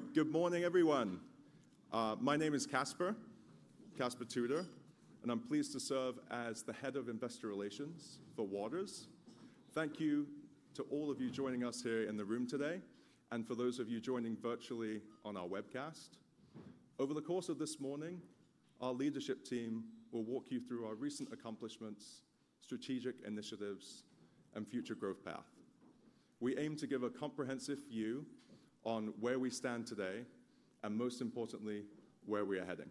All right, good morning, everyone. My name is Caspar, Caspar Tudor, and I'm pleased to serve as the Head of Investor Relations for Waters. Thank you to all of you joining us here in the room today, and for those of you joining virtually on our webcast. Over the course of this morning, our leadership team will walk you through our recent accomplishments, strategic initiatives, and future growth path. We aim to give a comprehensive view on where we stand today, and most importantly, where we are heading.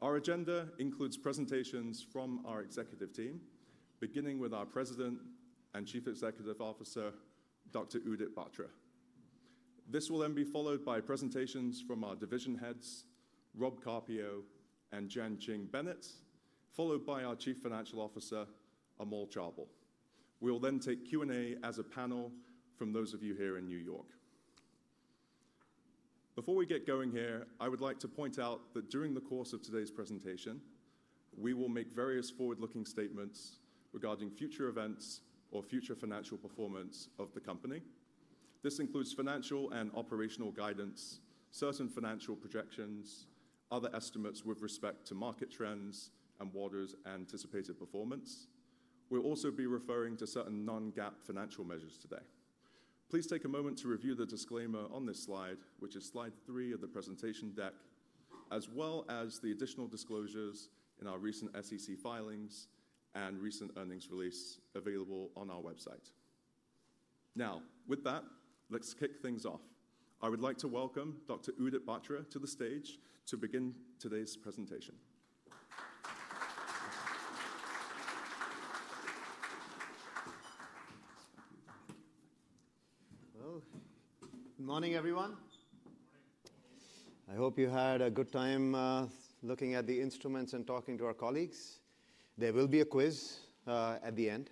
Our agenda includes presentations from our executive team, beginning with our President and Chief Executive Officer, Dr. Udit Batra. This will then be followed by presentations from our division heads, Rob Carpio and Jianqing Bennett, followed by our Chief Financial Officer, Amol Chaubal. We'll then take Q&A as a panel from those of you here in New York. Before we get going here, I would like to point out that during the course of today's presentation, we will make various forward-looking statements regarding future events or future financial performance of the company. This includes financial and operational guidance, certain financial projections, other estimates with respect to market trends, and Waters' anticipated performance. We'll also be referring to certain non-GAAP financial measures today. Please take a moment to review the disclaimer on this slide, which is slide three of the presentation deck, as well as the additional disclosures in our recent SEC filings and recent earnings release available on our website. Now, with that, let's kick things off. I would like to welcome Dr. Udit Batra to the stage to begin today's presentation. Good morning, everyone. I hope you had a good time, looking at the instruments and talking to our colleagues. There will be a quiz, at the end,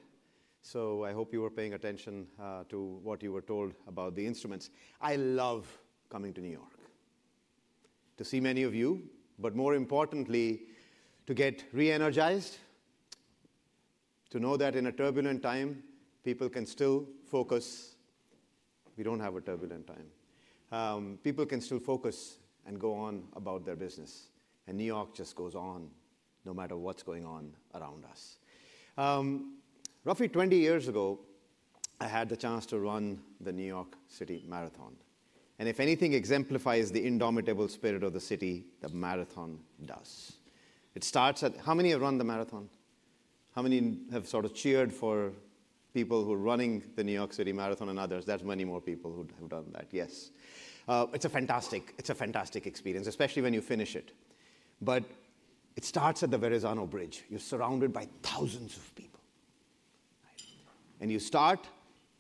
so I hope you were paying attention, to what you were told about the instruments. I love coming to New York to see many of you, but more importantly, to get re-energized, to know that in a turbulent time, people can still focus. We don't have a turbulent time. People can still focus and go on about their business, and New York just goes on no matter what's going on around us. Roughly 20 years ago, I had the chance to run the New York City Marathon, and if anything exemplifies the indomitable spirit of the city, the marathon does. It starts at, how many have run the marathon? How many have sort of cheered for people who are running the New York City Marathon and others? There's many more people who have done that, yes. It's a fantastic experience, especially when you finish it. But it starts at the Verrazzano-Narrows Bridge. You're surrounded by thousands of people, and you start,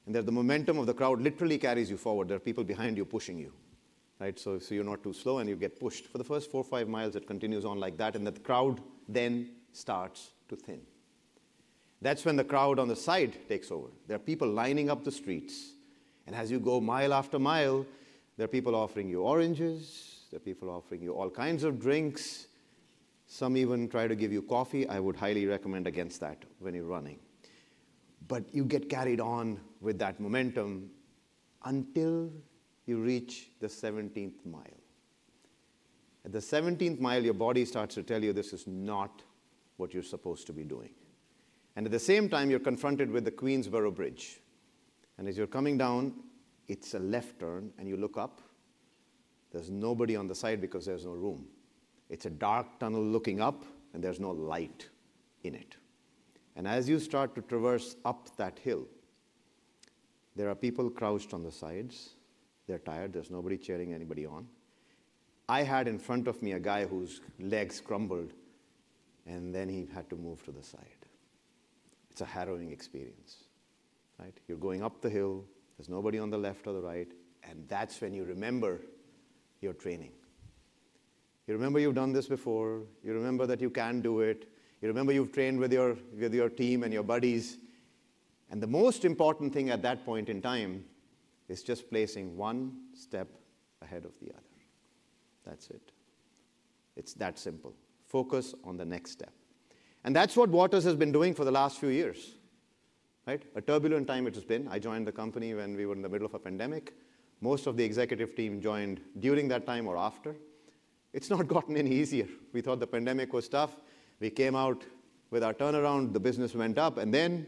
and there's the momentum of the crowd literally carries you forward. There are people behind you pushing you, right? So you're not too slow, and you get pushed. For the first four or five miles, it continues on like that, and the crowd then starts to thin. That's when the crowd on the side takes over. There are people lining the streets, and as you go mile after mile, there are people offering you oranges. There are people offering you all kinds of drinks. Some even try to give you coffee. I would highly recommend against that when you're running. But you get carried on with that momentum until you reach the 17th mile. At the 17th mile, your body starts to tell you this is not what you're supposed to be doing. And at the same time, you're confronted with the Queensboro Bridge, and as you're coming down, it's a left turn, and you look up. There's nobody on the side because there's no room. It's a dark tunnel looking up, and there's no light in it. And as you start to traverse up that hill, there are people crouched on the sides. They're tired. There's nobody cheering anybody on. I had in front of me a guy whose legs crumbled, and then he had to move to the side. It's a harrowing experience, right? You're going up the hill. There's nobody on the left or the right, and that's when you remember your training. You remember you've done this before. You remember that you can do it. You remember you've trained with your team and your buddies. And the most important thing at that point in time is just placing one step ahead of the other. That's it. It's that simple. Focus on the next step. And that's what Waters has been doing for the last few years, right? A turbulent time it has been. I joined the company when we were in the middle of a pandemic. Most of the executive team joined during that time or after. It's not gotten any easier. We thought the pandemic was tough. We came out with our turnaround. The business went up, and then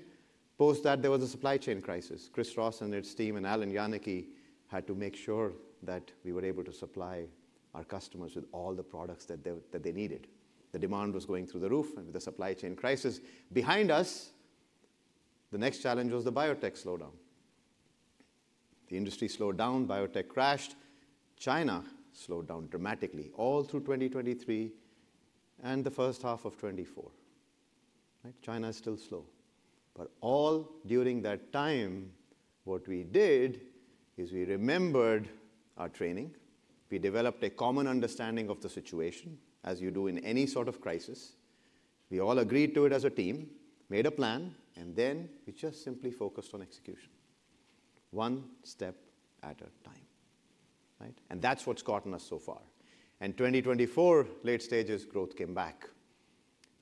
post that, there was a supply chain crisis. Chris Ross and his team and Allan Jaenicke had to make sure that we were able to supply our customers with all the products that they needed. The demand was going through the roof, and with the supply chain crisis behind us, the next challenge was the biotech slowdown. The industry slowed down. Biotech crashed. China slowed down dramatically all through 2023 and the first half of 2024. Right? China is still slow. But all during that time, what we did is we remembered our training. We developed a common understanding of the situation, as you do in any sort of crisis. We all agreed to it as a team, made a plan, and then we just simply focused on execution, one step at a time, right? And that's what's gotten us so far, and 2024, late stages, growth came back.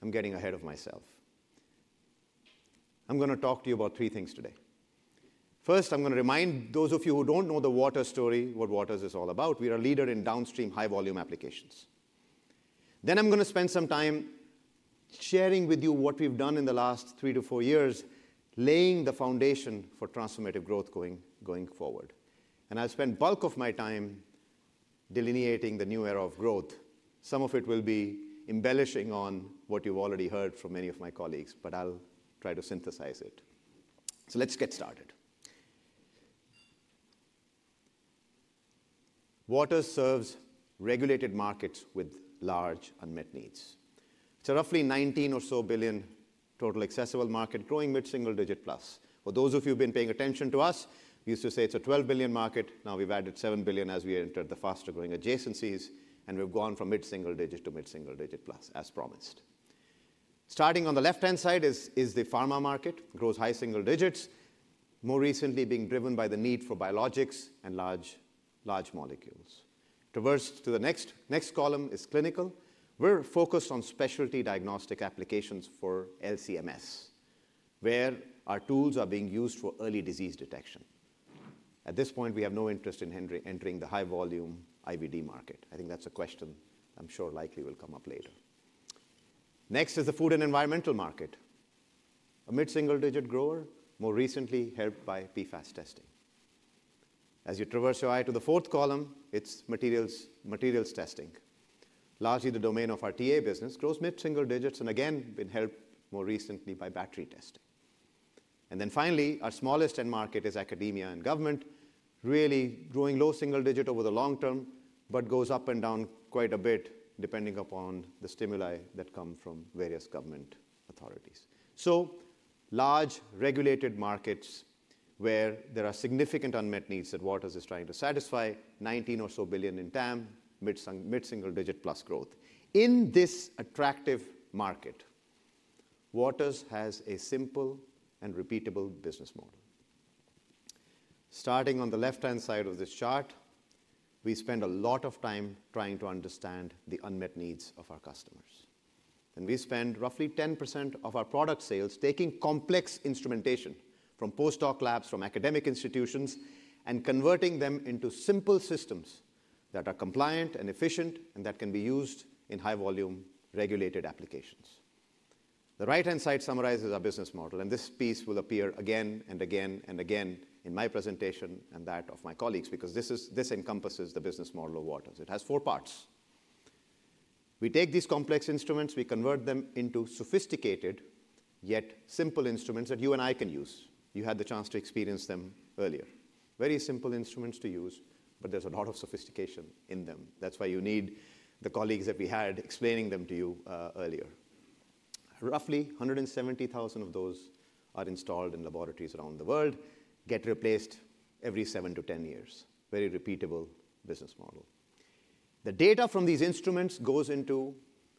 I'm getting ahead of myself. I'm going to talk to you about three things today. First, I'm going to remind those of you who don't know the Waters story, what Waters is all about. We are a leader in downstream high-volume applications. Then I'm going to spend some time sharing with you what we've done in the last three to four years, laying the foundation for transformative growth going forward, and I'll spend bulk of my time delineating the new era of growth. Some of it will be embellishing on what you've already heard from many of my colleagues, but I'll try to synthesize it, so let's get started. Waters serves regulated markets with large unmet needs. It's a roughly $19 billion or so total accessible market, growing mid-single-digit plus. For those of you who've been paying attention to us, we used to say it's a $12 billion market. Now we've added $7 billion as we entered the faster growing adjacencies, and we've gone from mid-single-digit to mid-single-digit plus, as promised. Starting on the left-hand side is the pharma market. Grows high single-digits, more recently being driven by the need for biologics and large, large molecules. Traverse to the next. Next column is clinical. We're focused on specialty diagnostic applications for LC-MS, where our tools are being used for early disease detection. At this point, we have no interest in entering the high-volume IVD market. I think that's a question I'm sure likely will come up later. Next is the food and environmental market. A mid-single-digit grower, more recently helped by PFAS testing. As you traverse your way to the fourth column, it's materials, materials testing. Largely the domain of our TA business. Grows mid-single-digits and again been helped more recently by battery testing. And then finally, our smallest end market is academia and government, really growing low single-digit over the long term, but goes up and down quite a bit depending upon the stimuli that come from various government authorities. So large regulated markets where there are significant unmet needs that Waters is trying to satisfy, $19 billion or so in TAM, mid-single-digit plus growth. In this attractive market, Waters has a simple and repeatable business model. Starting on the left-hand side of this chart, we spend a lot of time trying to understand the unmet needs of our customers. And we spend roughly 10% of our product sales taking complex instrumentation from postdoc labs, from academic institutions, and converting them into simple systems that are compliant and efficient and that can be used in high-volume regulated applications. The right-hand side summarizes our business model, and this piece will appear again and again and again in my presentation and that of my colleagues because this is, this encompasses the business model of Waters. It has four parts. We take these complex instruments, we convert them into sophisticated yet simple instruments that you and I can use. You had the chance to experience them earlier. Very simple instruments to use, but there's a lot of sophistication in them. That's why you need the colleagues that we had explaining them to you earlier. Roughly 170,000 of those are installed in laboratories around the world, get replaced every seven to ten years. Very repeatable business model. The data from these instruments goes into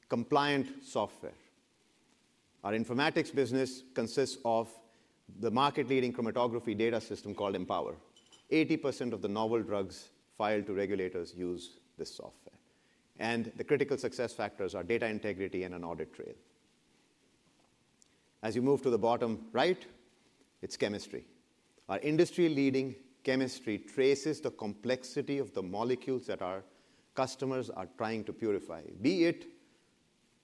compliant software. Our informatics business consists of the market-leading chromatography data system called Empower. 80% of the novel drugs filed to regulators use this software. The critical success factors are data integrity and an audit trail. As you move to the bottom right, it's chemistry. Our industry-leading chemistry traces the complexity of the molecules that our customers are trying to purify, be it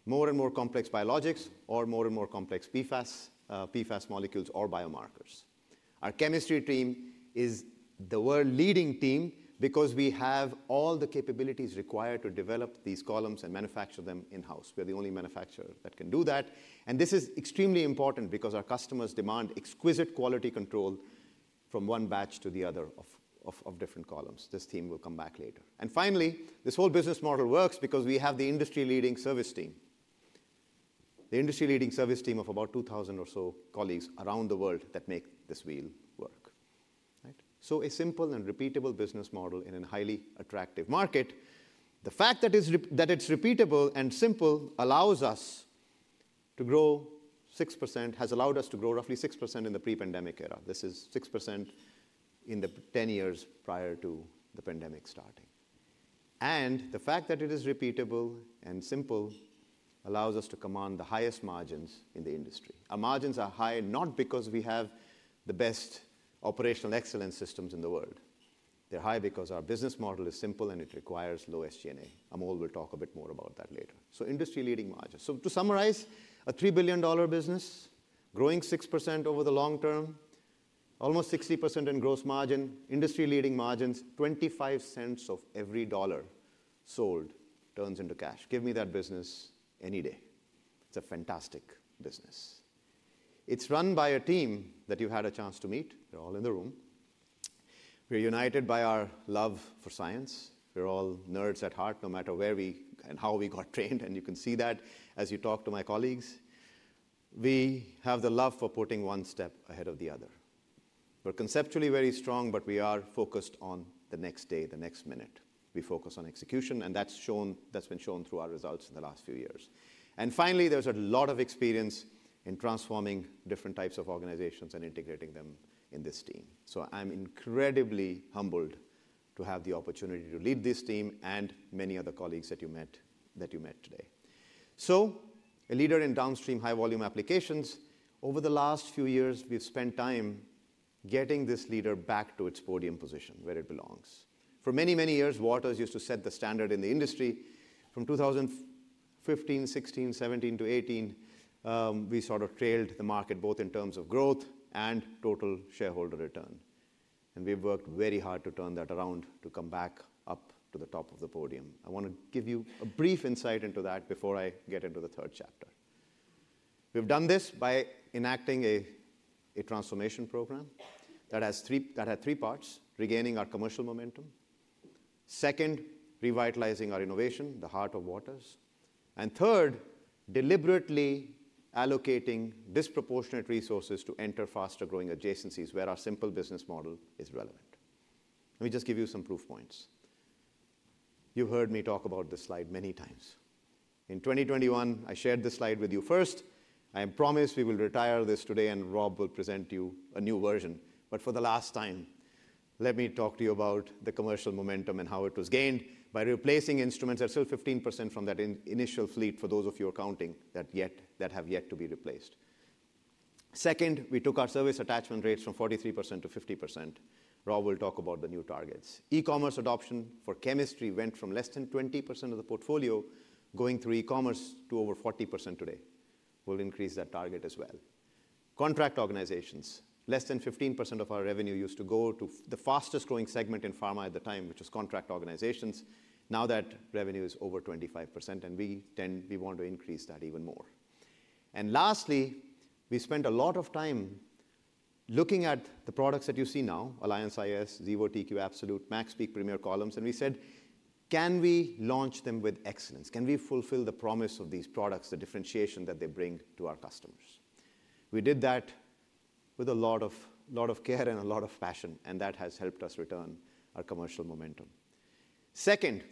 more and more complex biologics or more and more complex PFAS, PFAS molecules or biomarkers. Our chemistry team is the world-leading team because we have all the capabilities required to develop these Columns and manufacture them in-house. We're the only manufacturer that can do that. And this is extremely important because our customers demand exquisite quality control from one batch to the other of different Columns. This theme will come back later. And finally, this whole business model works because we have the industry-leading service team, the industry-leading service team of about 2,000 or so colleagues around the world that make this wheel work, right? So a simple and repeatable business model in a highly attractive market. The fact that it's repeatable and simple allows us to grow 6%, has allowed us to grow roughly 6% in the pre-pandemic era. This is 6% in the 10 years prior to the pandemic starting. And the fact that it is repeatable and simple allows us to command the highest margins in the industry. Our margins are high not because we have the best operational excellence systems in the world. They're high because our business model is simple and it requires low SG&A. Amol will talk a bit more about that later. So industry-leading margins. So to summarize, a $3 billion business growing 6% over the long term, almost 60% in gross margin, industry-leading margins, 25 cents of every dollar sold turns into cash. Give me that business any day. It's a fantastic business. It's run by a team that you had a chance to meet. They're all in the room. We're united by our love for science. We're all nerds at heart, no matter where we and how we got trained. And you can see that as you talk to my colleagues. We have the love for putting one step ahead of the other. We're conceptually very strong, but we are focused on the next day, the next minute. We focus on execution, and that's shown, that's been shown through our results in the last few years. And finally, there's a lot of experience in transforming different types of organizations and integrating them in this team. So I'm incredibly humbled to have the opportunity to lead this team and many other colleagues that you met, that you met today. So a leader in downstream high-volume applications. Over the last few years, we've spent time getting this leader back to its podium position where it belongs. For many, many years, Waters used to set the standard in the industry. From 2015, 2016, 2017 to 2018, we sort of trailed the market both in terms of growth and total shareholder return, and we've worked very hard to turn that around to come back up to the top of the podium. I want to give you a brief insight into that before I get into the third chapter. We've done this by enacting a transformation program that had three parts: regaining our commercial momentum, second, revitalizing our innovation, the heart of Waters, and third, deliberately allocating disproportionate resources to enter faster growing adjacencies where our simple business model is relevant. Let me just give you some proof points. You've heard me talk about this slide many times. In 2021, I shared this slide with you first. I promised we will retire this today, and Rob will present you a new version. But for the last time, let me talk to you about the commercial momentum and how it was gained by replacing instruments at still 15% from that initial fleet for those of you accounting that yet, that have yet to be replaced. Second, we took our service attachment rates from 43% to 50%. Rob will talk about the new targets. E-commerce adoption for chemistry went from less than 20% of the portfolio going through e-commerce to over 40% today. We'll increase that target as well. Contract organizations, less than 15% of our revenue used to go to the fastest growing segment in Pharma at the time, which was contract organizations. Now that revenue is over 25%, and we tend, we want to increase that even more. And lastly, we spent a lot of time looking at the products that you see now: Alliance iS, Xevo TQ Absolute, MaxPeak Premier Columns. And we said, can we launch them with excellence? Can we fulfill the promise of these products, the differentiation that they bring to our customers? We did that with a lot of, a lot of care and a lot of passion, and that has helped us return our commercial momentum. Second,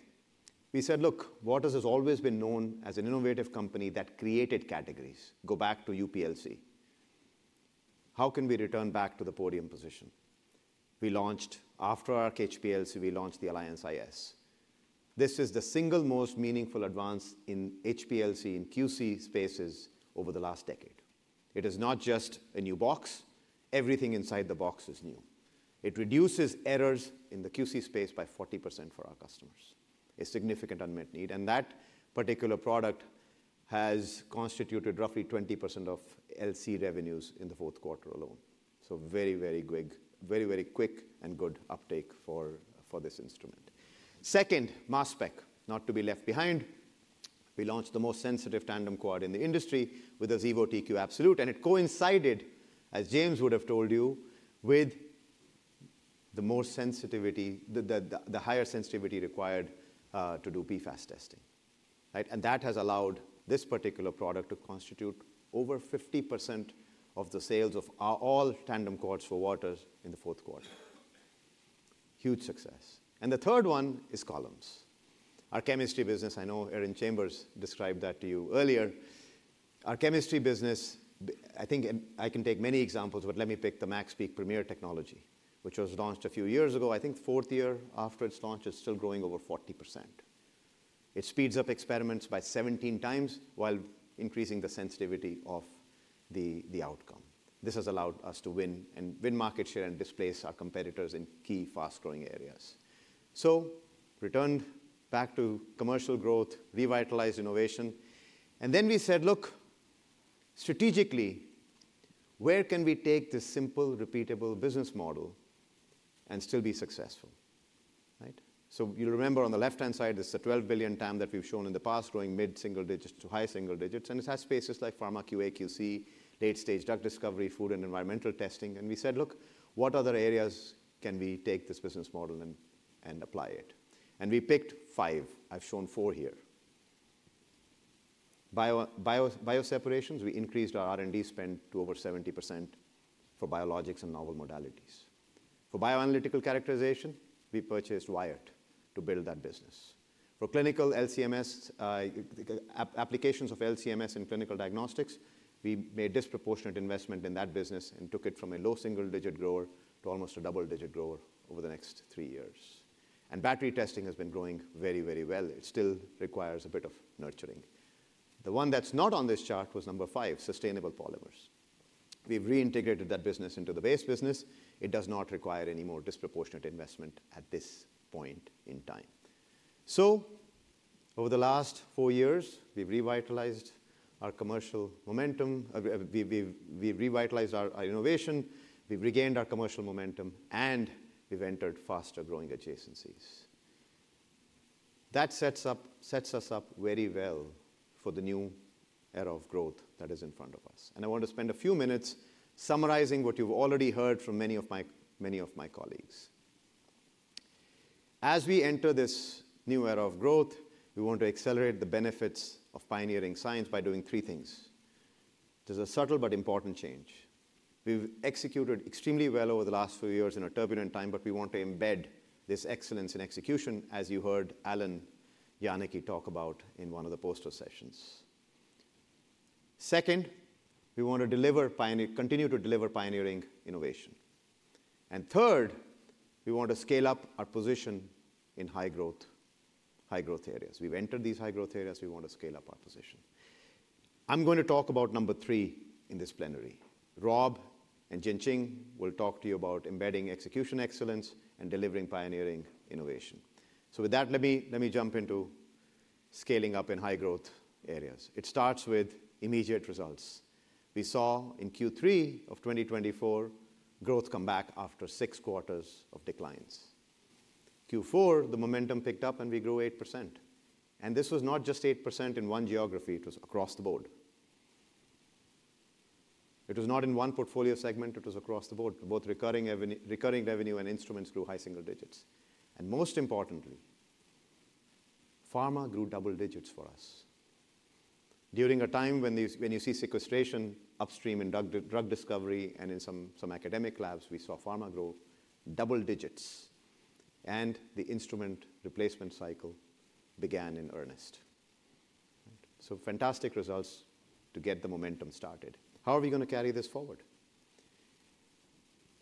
we said, look, Waters has always been known as an innovative company that created categories. Go back to UPLC. How can we return back to the podium position? We launched after our HPLC, we launched the Alliance iS. This is the single most meaningful advance in HPLC in QC spaces over the last decade. It is not just a new box. Everything inside the box is new. It reduces errors in the QC space by 40% for our customers. A significant unmet need, and that particular product has constituted roughly 20% of LC revenues in the fourth quarter alone, so very, very quick, very, very quick and good uptake for this instrument. Second, Mass Spec, not to be left behind. We launched the most sensitive tandem quad in the industry with a Xevo TQ Absolute, and it coincided, as James would have told you, with the more sensitivity, the higher sensitivity required, to do PFAS testing, right, and that has allowed this particular product to constitute over 50% of the sales of all tandem quads for Waters in the fourth quarter. Huge success, and the third one is Columns. Our chemistry business, I know Erin Chambers described that to you earlier. Our chemistry business, I think, and I can take many examples, but let me pick the MaxPeak Premier technology, which was launched a few years ago. I think fourth year after its launch is still growing over 40%. It speeds up experiments by 17x while increasing the sensitivity of the outcome. This has allowed us to win and win market share and displace our competitors in key fast growing areas. So returned back to commercial growth, revitalized innovation. And then we said, look, strategically, where can we take this simple, repeatable business model and still be successful, right? So you'll remember on the left-hand side, there's a $12 billion TAM that we've shown in the past, growing mid-single-digits to high single-digits. And it has spaces like Pharma QA/QC, late-stage drug discovery, food and environmental testing. We said, look, what other areas can we take this business model and apply it? We picked five. I've shown four here. Biopharma separations, we increased our R&D spend to over 70% for biologics and novel modalities. For bioanalytical characterization, we purchased Wyatt to build that business. For clinical LC-MS, applications of LC-MS in clinical diagnostics, we made disproportionate investment in that business and took it from a low single-digit grower to almost a double-digit grower over the next three years. Battery testing has been growing very, very well. It still requires a bit of nurturing. The one that's not on this chart was number five, sustainable polymers. We've reintegrated that business into the base business. It does not require any more disproportionate investment at this point in time. So over the last four years, we've revitalized our commercial momentum. We've revitalized our innovation. We've regained our commercial momentum, and we've entered faster growing adjacencies. That sets us up very well for the new era of growth that is in front of us, and I want to spend a few minutes summarizing what you've already heard from many of my colleagues. As we enter this new era of growth, we want to accelerate the benefits of pioneering science by doing three things. There's a subtle but important change. We've executed extremely well over the last few years in a turbulent time, but we want to embed this excellence in execution, as you heard Allan Jaenicke talk about in one of the poster sessions. Second, we want to continue to deliver pioneering innovation, and third, we want to scale up our position in high growth areas. We've entered these high growth areas. We want to scale up our position. I'm going to talk about number three in this plenary. Rob and Jianqing will talk to you about embedding execution excellence and delivering pioneering innovation. With that, let me, let me jump into scaling up in high growth areas. It starts with immediate results. We saw in Q3 of 2024, growth come back after six quarters of declines. Q4, the momentum picked up and we grew 8%. This was not just 8% in one geography. It was across the board. It was not in one portfolio segment. It was across the board. Both recurring revenue and Instruments grew high single-digits, and most importantly, Pharma grew double-digits for us. During a time when these, when you see sequestration upstream in drug discovery and in some, some academic labs, we saw Pharma grow double-digits. And the instrument replacement cycle began in earnest. So fantastic results to get the momentum started. How are we going to carry this forward?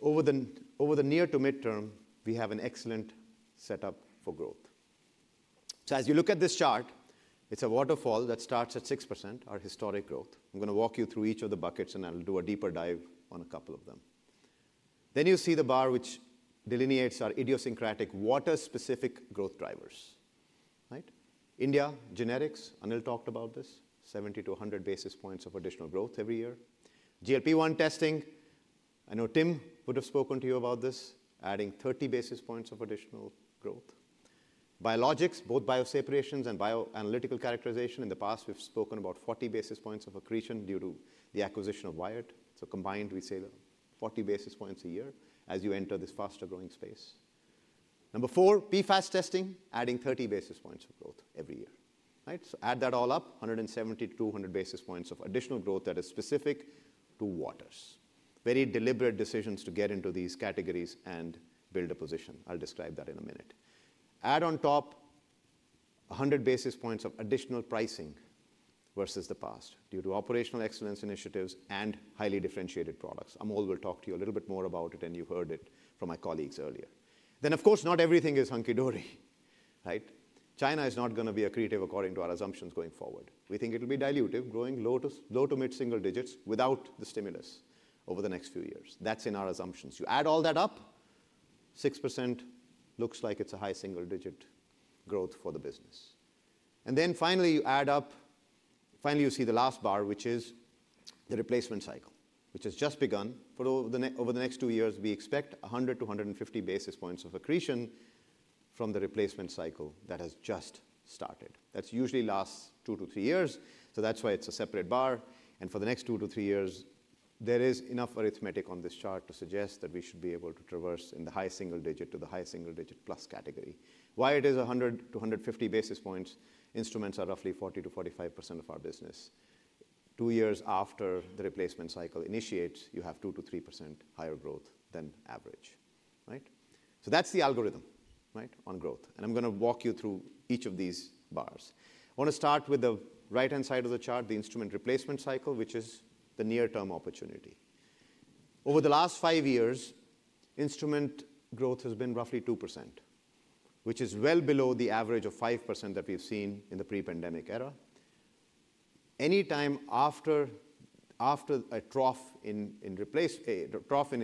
Over the, over the near to midterm, we have an excellent setup for growth. So as you look at this chart, it's a waterfall that starts at 6%, our historic growth. I'm going to walk you through each of the buckets and I'll do a deeper dive on a couple of them. Then you see the bar which delineates our idiosyncratic Waters-specific growth drivers, right? India, generics, Anil talked about this, 70-100 basis points of additional growth every year. GLP-1 testing, I know Tim would have spoken to you about this, adding 30 basis points of additional growth. Biologics, both bioseparations and bioanalytical characterization. In the past, we've spoken about 40 basis points of accretion due to the acquisition of Wyatt. So combined, we say the 40 basis points a year as you enter this faster growing space. Number four, PFAS testing, adding 30 basis points of growth every year, right? So add that all up, 170-200 basis points of additional growth that is specific to Waters. Very deliberate decisions to get into these categories and build a position. I'll describe that in a minute. Add on top, 100 basis points of additional pricing vs the past due to operational excellence initiatives and highly differentiated products. Amol will talk to you a little bit more about it, and you've heard it from my colleagues earlier. Then, of course, not everything is hunky dory, right? China is not going to be accretive according to our assumptions going forward. We think it'll be dilutive, growing low to, low to mid-single-digits without the stimulus over the next few years. That's in our assumptions. You add all that up, 6% looks like it's a high single-digit growth for the business. And then finally you add up, finally you see the last bar, which is the replacement cycle, which has just begun. Over the next two years, we expect 100-150 basis points of accretion from the replacement cycle that has just started. That's usually lasts 2-3 years. So that's why it's a separate bar. And for the next 2-3 years, there is enough arithmetic on this chart to suggest that we should be able to traverse in the high single-digit to the high single-digit plus category. Wyatt is 100-150 basis points. Instruments are roughly 40%-45% of our business. Two years after the replacement cycle initiates, you have 2%-3% higher growth than average, right? So that's the algorithm, right, on growth. I'm going to walk you through each of these bars. I want to start with the right-hand side of the chart, the instrument replacement cycle, which is the near-term opportunity. Over the last five years, Instrument growth has been roughly 2%, which is well below the average of 5% that we've seen in the pre-pandemic era. Anytime after a trough in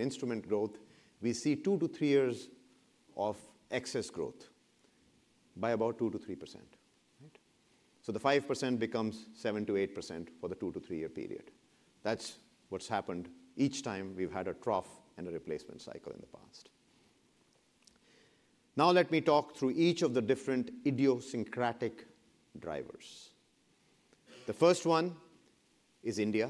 Instrument growth, we see 2-3 years of excess growth by about 2%-3%. So the 5% becomes 7%-8% for the 2-3 year period. That's what's happened each time we've had a trough and a replacement cycle in the past. Now let me talk through each of the different idiosyncratic drivers. The first one is India,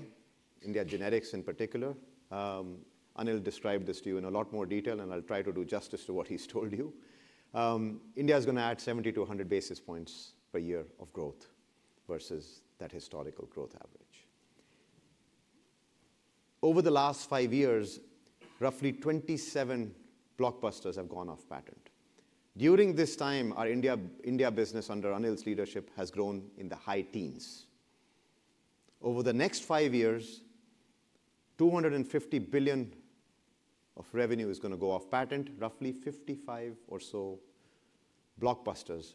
India generics in particular. Anil described this to you in a lot more detail, and I'll try to do justice to what he's told you. India is going to add 70-100 basis points per year of growth vs that historical growth average. Over the last five years, roughly 27 blockbusters have gone off patent. During this time, our India, India business under Anil's leadership has grown in the high teens. Over the next five years, $250 billion of revenue is going to go off patent. Roughly 55 or so blockbusters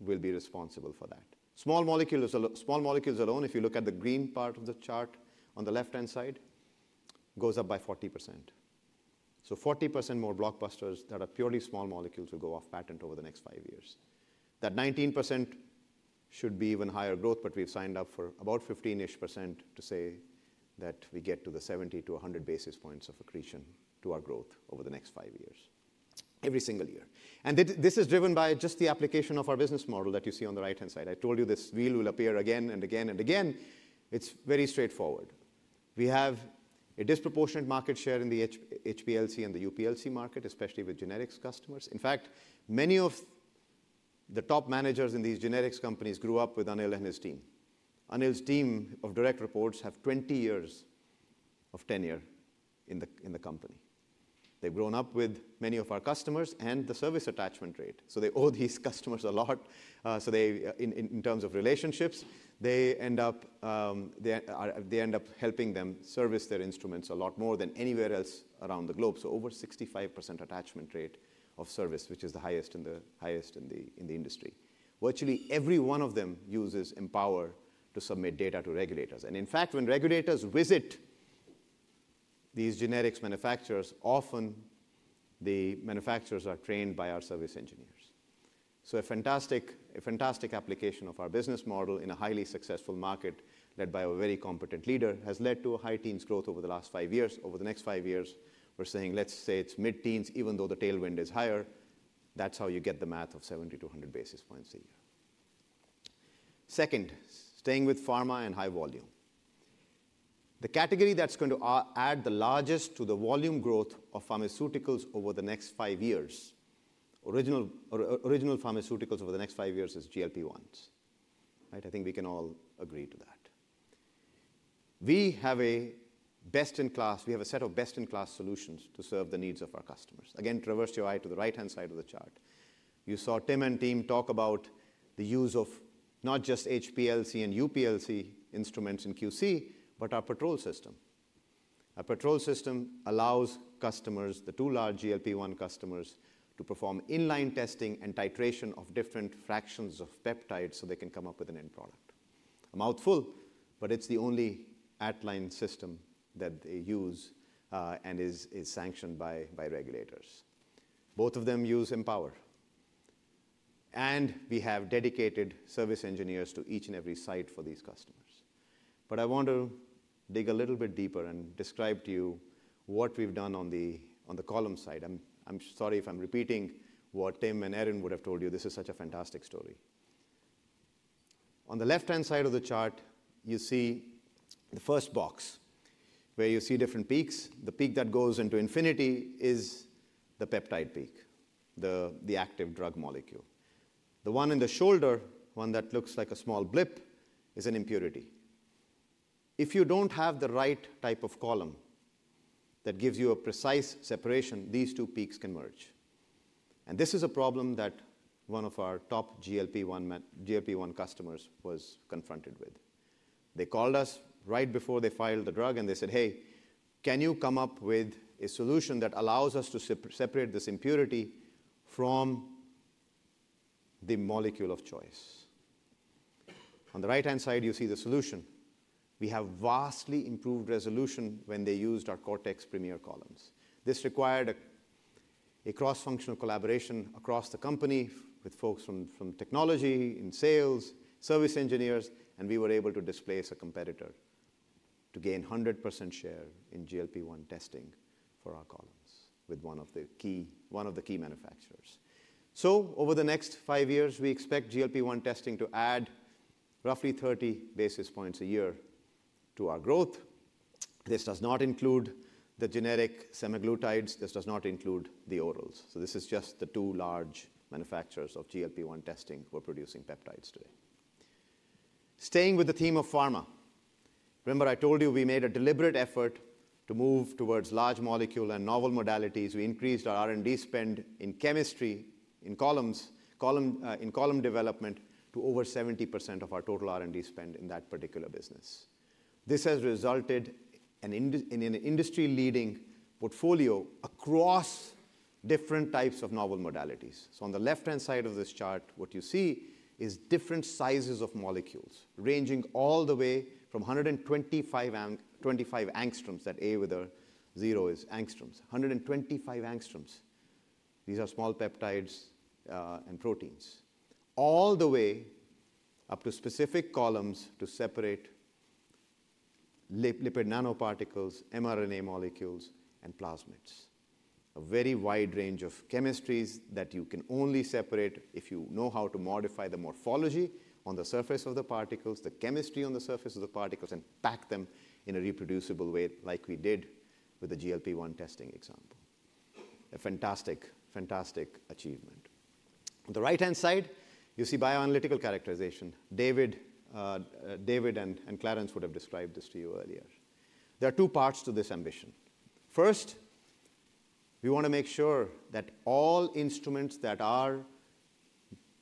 will be responsible for that. Small molecules, small molecules alone, if you look at the green part of the chart on the left-hand side, goes up by 40%. So 40% more blockbusters that are purely small molecules will go off patent over the next five years. That 19% should be even higher growth, but we've signed up for about 15-ish% to say that we get to the 70-100 basis points of accretion to our growth over the next five years, every single year. And this is driven by just the application of our business model that you see on the right-hand side. I told you this wheel will appear again and again and again. It's very straightforward. We have a disproportionate market share in the HPLC and the UPLC market, especially with generics customers. In fact, many of the top managers in these generics companies grew up with Anil and his team. Anil's team of direct reports have 20 years of tenure in the company. They've grown up with many of our customers and the service attachment rate. They owe these customers a lot. In terms of relationships, they end up helping them service their instruments a lot more than anywhere else around the globe. Over 65% attachment rate of service, which is the highest in the industry. Virtually every one of them uses Empower to submit data to regulators. In fact, when regulators visit these generics manufacturers, often the manufacturers are trained by our service engineers. A fantastic application of our business model in a highly successful market led by a very competent leader has led to a high teens growth over the last five years. Over the next five years, we're saying, let's say it's mid-teens, even though the tailwind is higher. That's how you get the math of 70-100 basis points a year. Second, staying with Pharma and high volume, the category that's going to add the largest to the volume growth of pharmaceuticals over the next five years, original pharmaceuticals over the next five years is GLP-1s, right? I think we can all agree to that. We have a best-in-class. We have a set of best-in-class solutions to serve the needs of our customers. Again, traverse your eye to the right-hand side of the chart. You saw Tim and team talk about the use of not just HPLC and UPLC instruments in QC, but our PATROL System. Our PATROL System allows customers, the two large GLP-1 customers, to perform inline testing and titration of different fractions of peptides so they can come up with an end product. A mouthful, but it's the only Alliance iS system that they use, and is sanctioned by regulators. Both of them use Empower. We have dedicated service engineers to each and every site for these customers. I want to dig a little bit deeper and describe to you what we've done on the column side. I'm sorry if I'm repeating what Tim and Erin would have told you. This is such a fantastic story. On the left-hand side of the chart, you see the first box where you see different peaks. The peak that goes into infinity is the peptide peak, the active drug molecule. The one in the shoulder, one that looks like a small blip, is an impurity. If you don't have the right type of column that gives you a precise separation, these two peaks can merge. This is a problem that one of our top GLP-1, GLP-1 customers was confronted with. They called us right before they filed the drug and they said, "Hey, can you come up with a solution that allows us to separate this impurity from the molecule of choice?" On the right-hand side, you see the solution. We have vastly improved resolution when they used our CORTECS Premier Columns. This required a cross-functional collaboration across the company with folks from technology in sales, service engineers, and we were able to displace a competitor to gain 100% share in GLP-1 testing for our Columns with one of the key manufacturers. So over the next five years, we expect GLP-1 testing to add roughly 30 basis points a year to our growth. This does not include the generic semaglutides. This does not include the orals. So this is just the two large manufacturers of GLP-1 testing who are producing peptides today. Staying with the theme of Pharma, remember I told you we made a deliberate effort to move towards large molecule and novel modalities. We increased our R&D spend in chemistry in Columns, Column, in Column development to over 70% of our total R&D spend in that particular business. This has resulted in an industry-leading portfolio across different types of novel modalities. So on the left-hand side of this chart, what you see is different sizes of molecules ranging all the way from 125 angstroms, that A with a zero is angstroms, 125 angstroms. These are small peptides, and proteins all the way up to specific Columns to separate lipid nanoparticles, mRNA molecules, and plasmids. A very wide range of chemistries that you can only separate if you know how to modify the morphology on the surface of the particles, the chemistry on the surface of the particles, and pack them in a reproducible way like we did with the GLP-1 testing example. A fantastic, fantastic achievement. On the right-hand side, you see bioanalytical characterization. David and Clarence would have described this to you earlier. There are two parts to this ambition. First, we want to make sure that all instruments that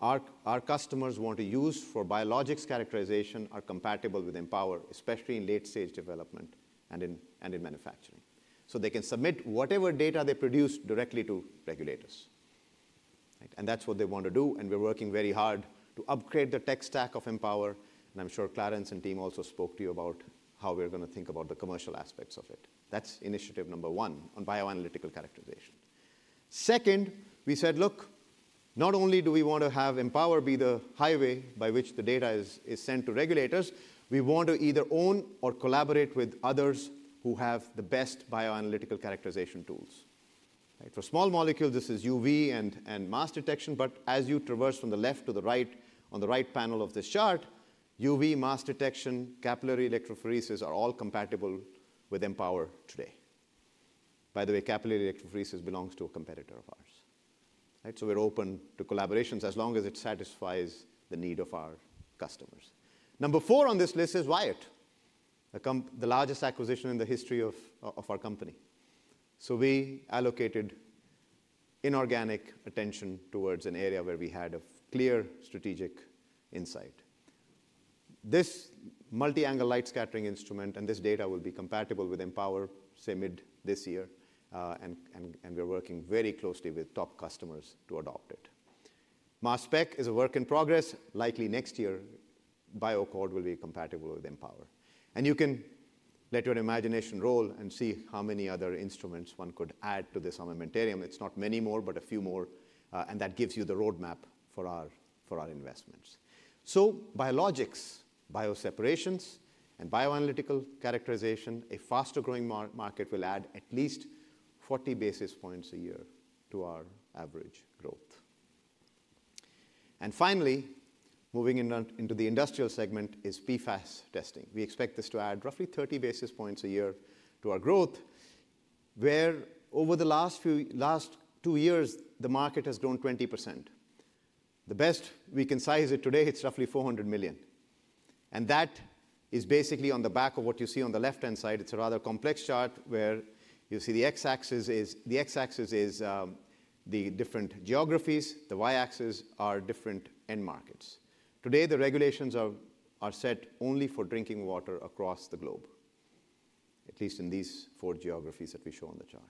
our customers want to use for biologics characterization are compatible with Empower, especially in late-stage development and in manufacturing. So they can submit whatever data they produce directly to regulators, right? That's what they want to do. We're working very hard to upgrade the tech stack of Empower. I'm sure Clarence and team also spoke to you about how we're going to think about the commercial aspects of it. That's initiative number one on bioanalytical characterization. Second, we said, look, not only do we want to have Empower be the highway by which the data is sent to regulators, we want to either own or collaborate with others who have the best bioanalytical characterization tools, right? For small molecules, this is UV and mass detection. But as you traverse from the left to the right, on the right panel of this chart, UV, mass detection, capillary electrophoresis are all compatible with Empower today. By the way, capillary electrophoresis belongs to a competitor of ours, right? So we're open to collaborations as long as it satisfies the need of our customers. Number four on this list is Wyatt, the largest acquisition in the history of our company. So we allocated inorganic attention towards an area where we had a clear strategic insight. This Multi-Angle Light Scattering instrument and this data will be compatible with Empower CDS this year. And we're working very closely with top customers to adopt it. Mass Spec is a work in progress. Likely next year, BioAccord will be compatible with Empower. And you can let your imagination roll and see how many other instruments one could add to this armamentarium. It's not many more, but a few more. And that gives you the roadmap for our investments. So biologics, bio separations, and bioanalytical characterization, a faster growing market, will add at least 40 basis points a year to our average growth. And finally, moving into the industrial segment is PFAS testing. We expect this to add roughly 30 basis points a year to our growth, where over the last two years, the market has grown 20%. The best we can size it today, it's roughly $400 million. And that is basically on the back of what you see on the left-hand side. It's a rather complex chart where you see the X-axis is the different geographies. The Y-axis are different end markets. Today, the regulations are set only for drinking water across the globe, at least in these four geographies that we show on the chart.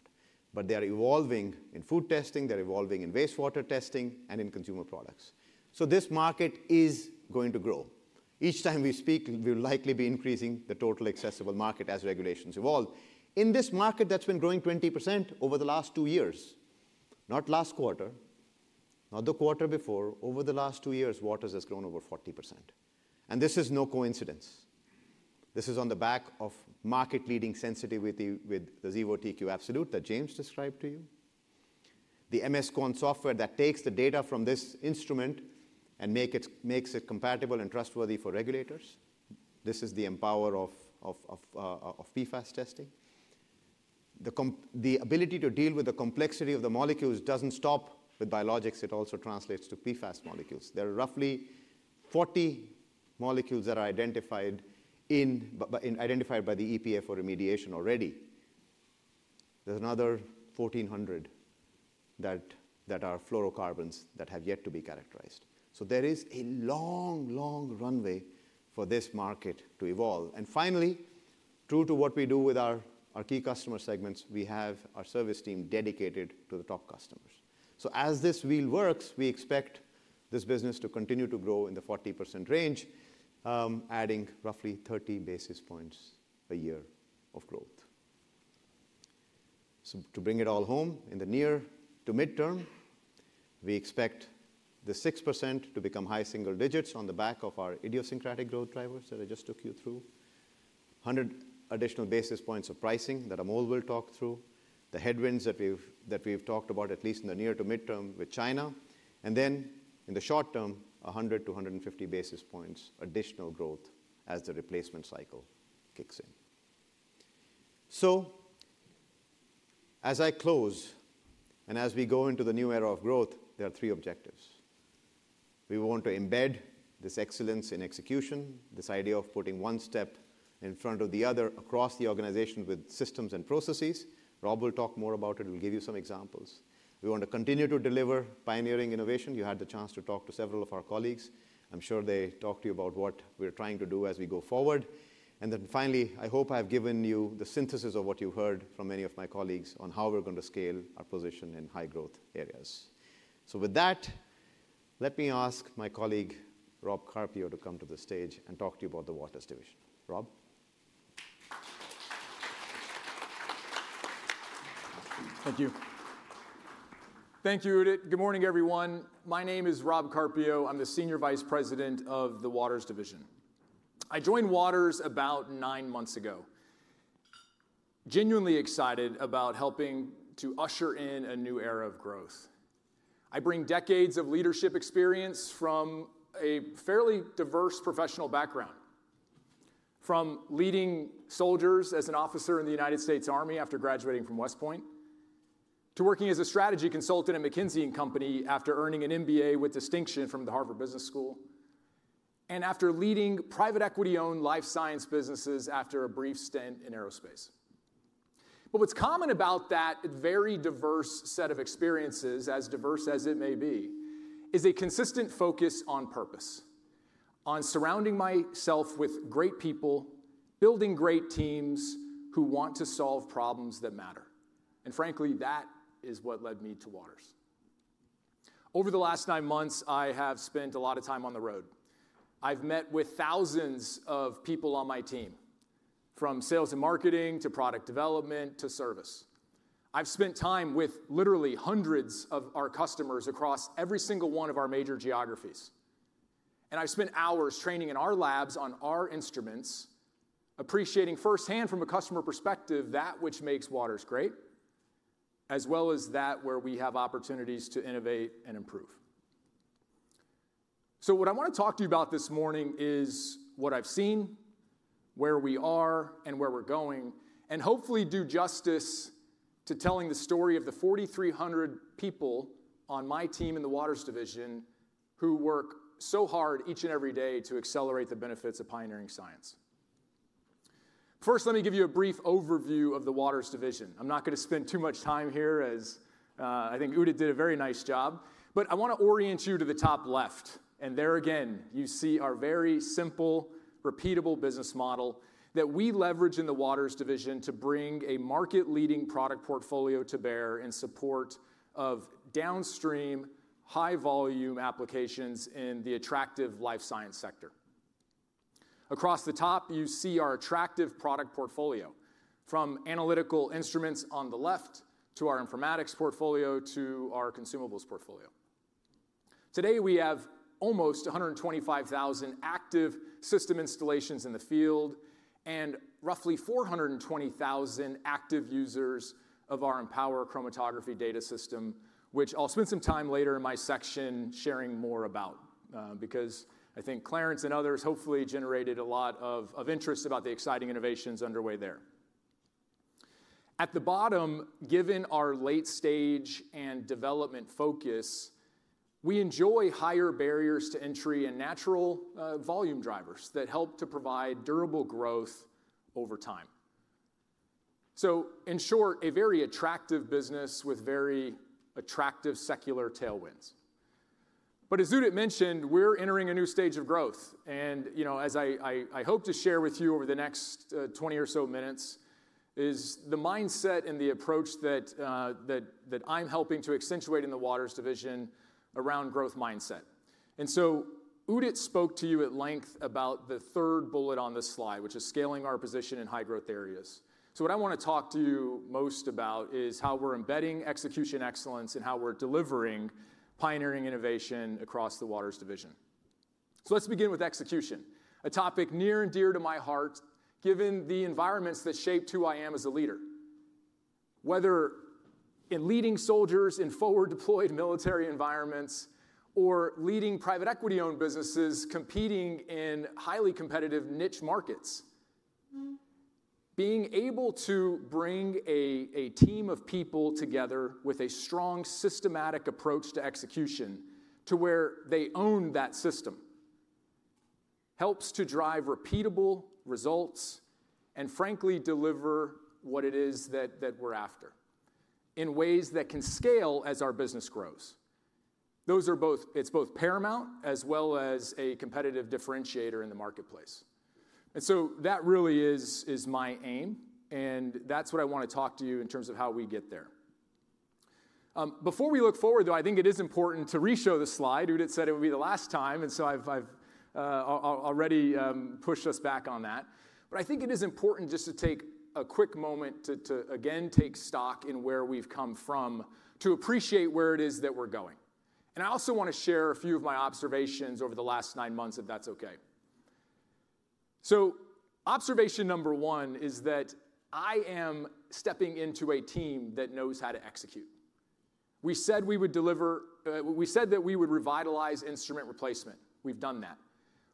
But they are evolving in food testing. They're evolving in wastewater testing and in consumer products. This market is going to grow. Each time we speak, we'll likely be increasing the total accessible market as regulations evolve. In this market that's been growing 20% over the last two years, not last quarter, not the quarter before, over the last two years, Waters has grown over 40%. This is no coincidence. This is on the back of market-leading sensitivity with the Xevo TQ Absolute that James described to you. The MS QUAN software that takes the data from this instrument and makes it compatible and trustworthy for regulators. This is the Empower of PFAS testing. The ability to deal with the complexity of the molecules doesn't stop with biologics. It also translates to PFAS molecules. There are roughly 40 molecules that are identified in, but identified by the EPA for remediation already. There's another 1,400 that are fluorocarbons that have yet to be characterized, so there is a long, long runway for this market to evolve, and finally, true to what we do with our key customer segments, we have our service team dedicated to the top customers, so as this wheel works, we expect this business to continue to grow in the 40% range, adding roughly 30 basis points a year of growth. To bring it all home in the near to midterm, we expect the 6% to become high single-digits on the back of our idiosyncratic growth drivers that I just took you through, 100 additional basis points of pricing that Amol will talk through, the headwinds that we've talked about at least in the near to midterm with China, and then in the short term, 100-150 basis points additional growth as the replacement cycle kicks in. As I close and as we go into the new era of growth, there are three objectives. We want to embed this excellence in execution, this idea of putting one step in front of the other across the organization with systems and processes. Rob will talk more about it. We'll give you some examples. We want to continue to deliver pioneering innovation. You had the chance to talk to several of our colleagues. I'm sure they talked to you about what we're trying to do as we go forward, and then finally, I hope I've given you the synthesis of what you heard from many of my colleagues on how we're going to scale our position in high growth areas. So with that, let me ask my colleague Rob Carpio to come to the stage and talk to you about the Waters Division. Rob. Thank you. Thank you, Udit. Good morning, everyone. My name is Rob Carpio. I'm the Senior Vice President of the Waters Division. I joined Waters about nine months ago, genuinely excited about helping to usher in a new era of growth. I bring decades of leadership experience from a fairly diverse professional background, from leading soldiers as an officer in the United States Army after graduating from West Point, to working as a strategy consultant at McKinsey & Company after earning an MBA with distinction from the Harvard Business School, and after leading private equity-owned life science businesses after a brief stint in aerospace. But what's common about that is, it's a very diverse set of experiences, as diverse as it may be, a consistent focus on purpose, on surrounding myself with great people, building great teams who want to solve problems that matter, and frankly, that is what led me to Waters. Over the last nine months, I have spent a lot of time on the road. I've met with thousands of people on my team, from sales and marketing to product development to service. I've spent time with literally hundreds of our customers across every single one of our major geographies, and I've spent hours training in our labs on our instruments, appreciating firsthand from a customer perspective that which makes Waters great, as well as that where we have opportunities to innovate and improve, so what I want to talk to you about this morning is what I've seen, where we are and where we're going, and hopefully do justice to telling the story of the 4,300 people on my team in the Waters Division who work so hard each and every day to accelerate the benefits of pioneering science. First, let me give you a brief overview of the Waters Division. I'm not going to spend too much time here as, I think Udit did a very nice job, but I want to orient you to the top left. There again, you see our very simple, repeatable business model that we leverage in the Waters Division to bring a market-leading product portfolio to bear in support of downstream high-volume applications in the attractive life science sector. Across the top, you see our attractive product portfolio from analytical instruments on the left to our informatics portfolio to our consumables portfolio. Today, we have almost 125,000 active system installations in the field and roughly 420,000 active users of our Empower Chromatography Data System, which I'll spend some time later in my section sharing more about, because I think Clarence and others hopefully generated a lot of interest about the exciting innovations underway there. At the bottom, given our late-stage and development focus, we enjoy higher barriers to entry and natural, volume drivers that help to provide durable growth over time. So in short, a very attractive business with very attractive secular tailwinds. But as Udit mentioned, we're entering a new stage of growth. And, you know, as I hope to share with you over the next 20 or so minutes is the mindset and the approach that I'm helping to accentuate in the Waters Division around growth mindset. And so Udit spoke to you at length about the third bullet on this slide, which is scaling our position in high-growth areas. So what I want to talk to you most about is how we're embedding execution excellence and how we're delivering pioneering innovation across the Waters Division. So let's begin with execution, a topic near and dear to my heart, given the environments that shape who I am as a leader, whether in leading soldiers in forward-deployed military environments or leading private equity-owned businesses competing in highly competitive niche markets. Being able to bring a team of people together with a strong systematic approach to execution to where they own that system helps to drive repeatable results and frankly deliver what it is that we're after in ways that can scale as our business grows. Those are both, it's both paramount as well as a competitive differentiator in the marketplace. And so that really is my aim. And that's what I want to talk to you in terms of how we get there. Before we look forward, though, I think it is important to re-show the slide. Udit said it would be the last time, and so I've already pushed us back on that, but I think it is important just to take a quick moment to again take stock in where we've come from to appreciate where it is that we're going. I also want to share a few of my observations over the last nine months, if that's okay. Observation number one is that I am stepping into a team that knows how to execute. We said we would deliver; we said that we would revitalize instrument replacement. We've done that.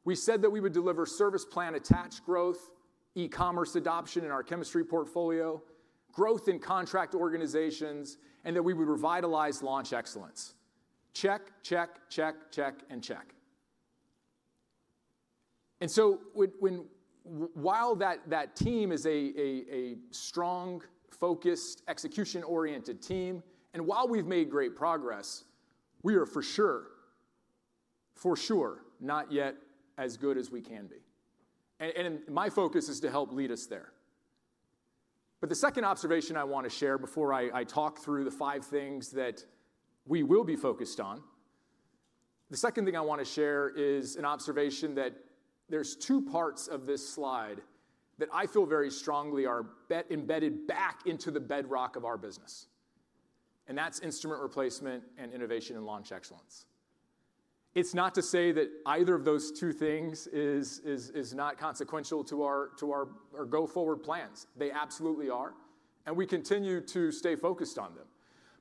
We said that we would deliver service plan attached growth, e-commerce adoption in our chemistry portfolio, growth in contract organizations, and that we would revitalize launch excellence. Check, check, check, check, and check. And so while that team is a strong focused execution-oriented team, and while we've made great progress, we are for sure not yet as good as we can be. And my focus is to help lead us there. But the second observation I want to share before I talk through the five things that we will be focused on, the second thing I want to share is an observation that there's two parts of this slide that I feel very strongly are embedded back into the bedrock of our business. And that's instrument replacement and innovation and launch excellence. It's not to say that either of those two things is not consequential to our go forward plans. They absolutely are. And we continue to stay focused on them.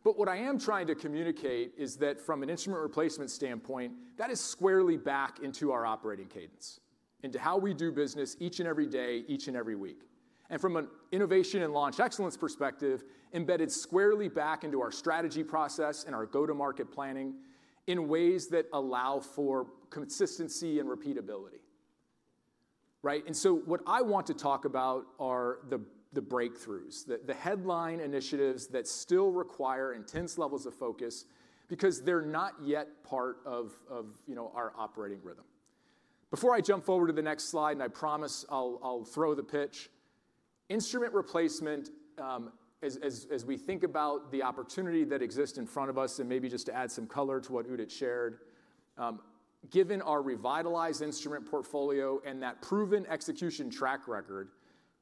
But what I am trying to communicate is that from an instrument replacement standpoint, that is squarely back into our operating cadence, into how we do business each and every day, each and every week. And from an innovation and launch excellence perspective, embedded squarely back into our strategy process and our go-to-market planning in ways that allow for consistency and repeatability. Right? And so what I want to talk about are the breakthroughs, the headline initiatives that still require intense levels of focus because they're not yet part of, you know, our operating rhythm. Before I jump forward to the next slide, and I promise I'll throw the pitch, instrument replacement, as we think about the opportunity that exists in front of us, and maybe just to add some color to what Udit shared, given our revitalized Instrument portfolio and that proven execution track record,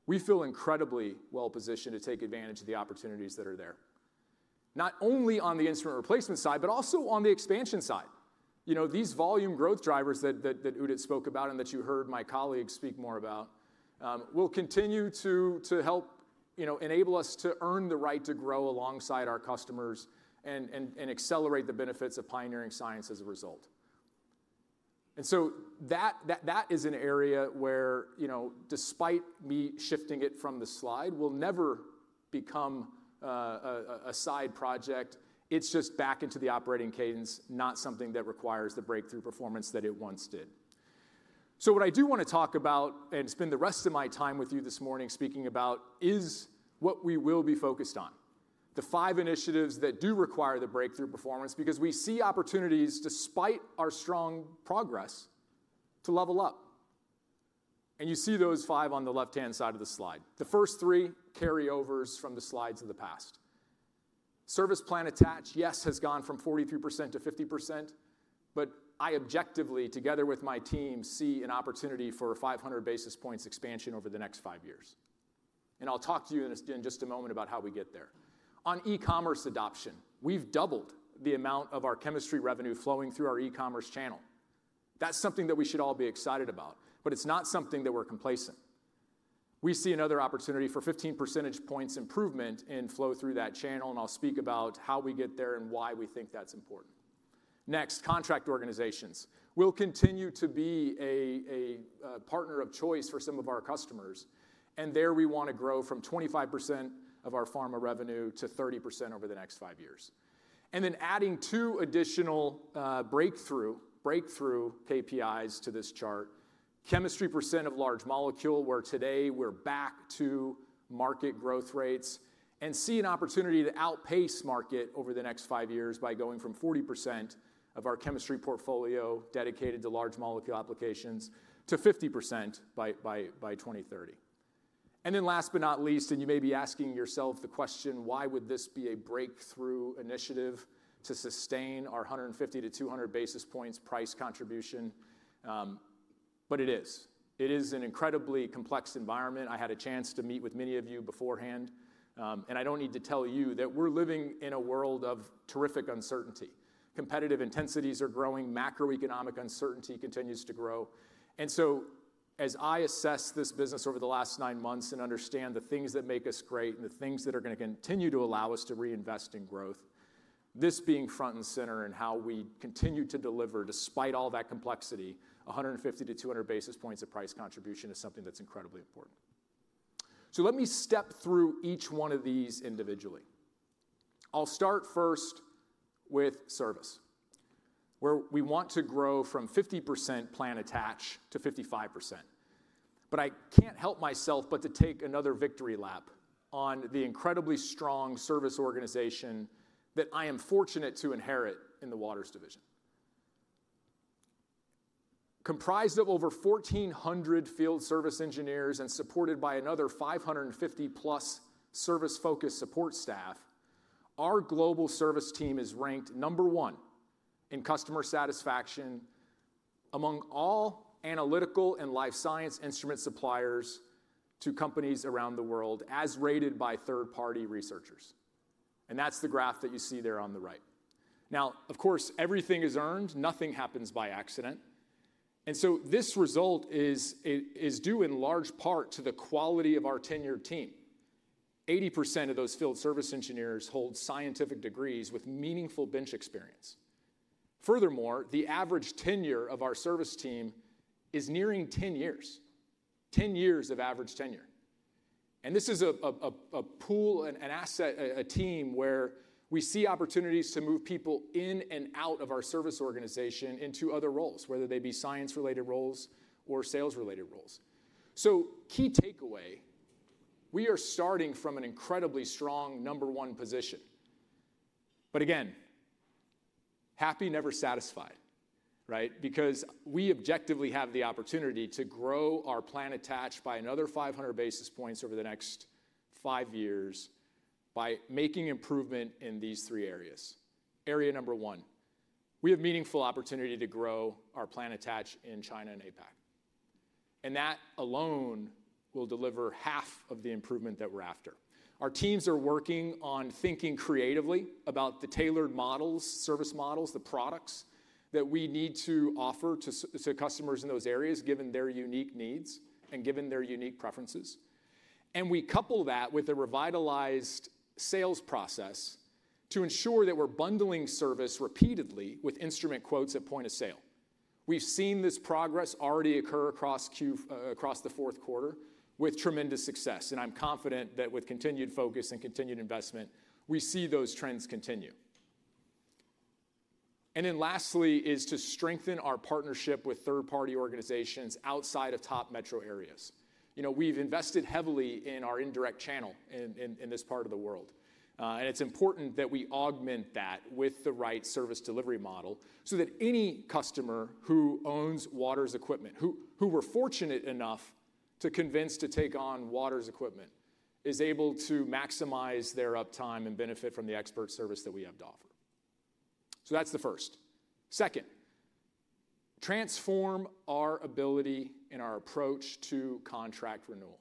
we feel incredibly well positioned to take advantage of the opportunities that are there, not only on the instrument replacement side, but also on the expansion side. You know, these volume growth drivers that Udit spoke about and that you heard my colleagues speak more about, will continue to help, you know, enable us to earn the right to grow alongside our customers and accelerate the benefits of pioneering science as a result. And so that is an area where, you know, despite me shifting it from the slide, will never become a side project. It's just back into the operating cadence, not something that requires the breakthrough performance that it once did. So what I do want to talk about and spend the rest of my time with you this morning speaking about is what we will be focused on, the five initiatives that do require the breakthrough performance because we see opportunities despite our strong progress to level up. And you see those five on the left-hand side of the slide. The first three carryovers from the slides in the past. Service plan attachment, yes, has gone from 43%-50%, but I objectively, together with my team, see an opportunity for 500 basis points expansion over the next five years. I'll talk to you in just a moment about how we get there. On e-commerce adoption, we've doubled the amount of our chemistry revenue flowing through our e-commerce channel. That's something that we should all be excited about, but it's not something that we're complacent. We see another opportunity for 15 percentage points improvement in flow through that channel, and I'll speak about how we get there and why we think that's important. Next, contract organizations will continue to be a partner of choice for some of our customers, and there we want to grow from 25% of our Pharma revenue to 30% over the next five years. And then adding two additional, breakthrough KPIs to this chart, chemistry percent of large molecule, where today we're back to market growth rates and see an opportunity to outpace market over the next five years by going from 40% of our chemistry portfolio dedicated to large molecule applications to 50% by 2030. Then last but not least, and you may be asking yourself the question, why would this be a breakthrough initiative to sustain our 150 to 200 basis points price contribution? But it is. It is an incredibly complex environment. I had a chance to meet with many of you beforehand. And I don't need to tell you that we're living in a world of terrific uncertainty. Competitive intensities are growing. Macroeconomic uncertainty continues to grow. And so as I assess this business over the last nine months and understand the things that make us great and the things that are going to continue to allow us to reinvest in growth, this being front and center in how we continue to deliver despite all that complexity, 150-200 basis points of price contribution is something that's incredibly important, so let me step through each one of these individually. I'll start first with service, where we want to grow from 50% plan attached to 55%, but I can't help myself but to take another victory lap on the incredibly strong service organization that I am fortunate to inherit in the Waters Division. Comprised of over 1,400 field service engineers and supported by another 550+ service-focused support staff, our global service team is ranked number one in customer satisfaction among all analytical and life science instrument suppliers to companies around the world, as rated by third-party researchers. And that's the graph that you see there on the right. Now, of course, everything is earned. Nothing happens by accident. And so this result is due in large part to the quality of our tenured team. 80% of those field service engineers hold scientific degrees with meaningful bench experience. Furthermore, the average tenure of our service team is nearing 10 years, 10 years of average tenure. And this is a pool, an asset, a team where we see opportunities to move people in and out of our service organization into other roles, whether they be science-related roles or sales-related roles. So key takeaway, we are starting from an incredibly strong number one position. But again, happy, never satisfied, right? Because we objectively have the opportunity to grow our market share by another 500 basis points over the next five years by making improvements in these three areas. Area number one, we have meaningful opportunity to grow our market share in China and APAC. And that alone will deliver half of the improvement that we're after. Our teams are working on thinking creatively about the tailored models, service models, the products that we need to offer to customers in those areas, given their unique needs and given their unique preferences. And we couple that with a revitalized sales process to ensure that we're bundling service repeatedly with instrument quotes at point of sale. We've seen this progress already occur across Q4, across the fourth quarter with tremendous success. I'm confident that with continued focus and continued investment, we see those trends continue. Then lastly is to strengthen our partnership with third-party organizations outside of top metro areas. You know, we've invested heavily in our indirect channel in this part of the world. And it's important that we augment that with the right service delivery model so that any customer who owns Waters equipment, who were fortunate enough to convince to take on Waters equipment is able to maximize their uptime and benefit from the expert service that we have to offer. So that's the first. Second, transform our ability in our approach to contract renewal.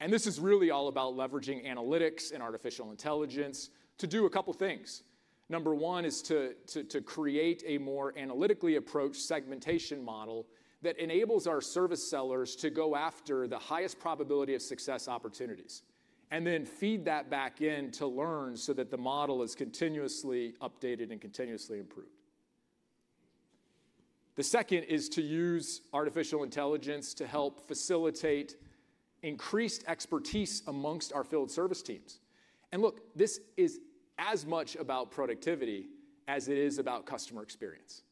And this is really all about leveraging analytics and artificial intelligence to do a couple of things. Number one is to create a more analytically approached segmentation model that enables our service sellers to go after the highest probability of success opportunities and then feed that back in to learn so that the model is continuously updated and continuously improved. The second is to use artificial intelligence to help facilitate increased expertise amongst our field service teams. And look, this is as much about productivity as it is about customer experience.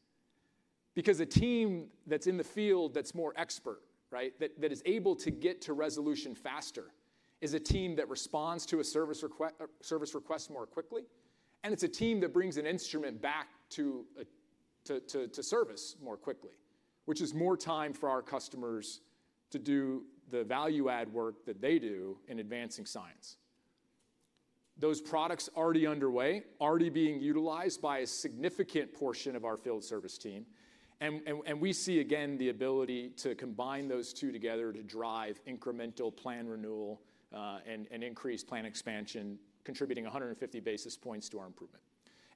Because a team that's in the field that's more expert, right, that is able to get to resolution faster is a team that responds to a service request more quickly. And it's a team that brings an instrument back to service more quickly, which is more time for our customers to do the value-add work that they do in advancing science. Those products already underway, already being utilized by a significant portion of our field service team. We see again the ability to combine those two together to drive incremental plan renewal and increased plan expansion, contributing 150 basis points to our improvement.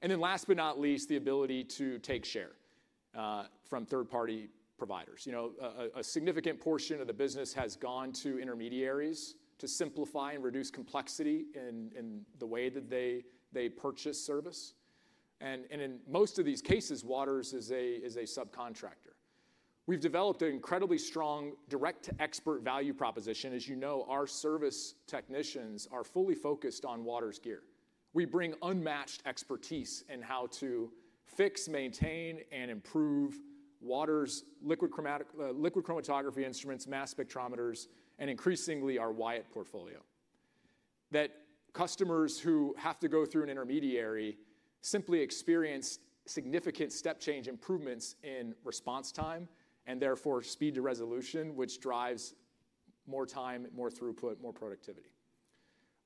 Then last but not least, the ability to take share from third-party providers. You know, a significant portion of the business has gone to intermediaries to simplify and reduce complexity in the way that they purchase service. And in most of these cases, Waters is a subcontractor. We've developed an incredibly strong direct-to-expert value proposition. As you know, our service technicians are fully focused on Waters gear. We bring unmatched expertise in how to fix, maintain, and improve Waters Liquid Chromatography Instruments, Mass Spectrometers, and increasingly our Wyatt portfolio. That customers who have to go through an intermediary simply experience significant step change improvements in response time and therefore speed to resolution, which drives more time, more throughput, more productivity.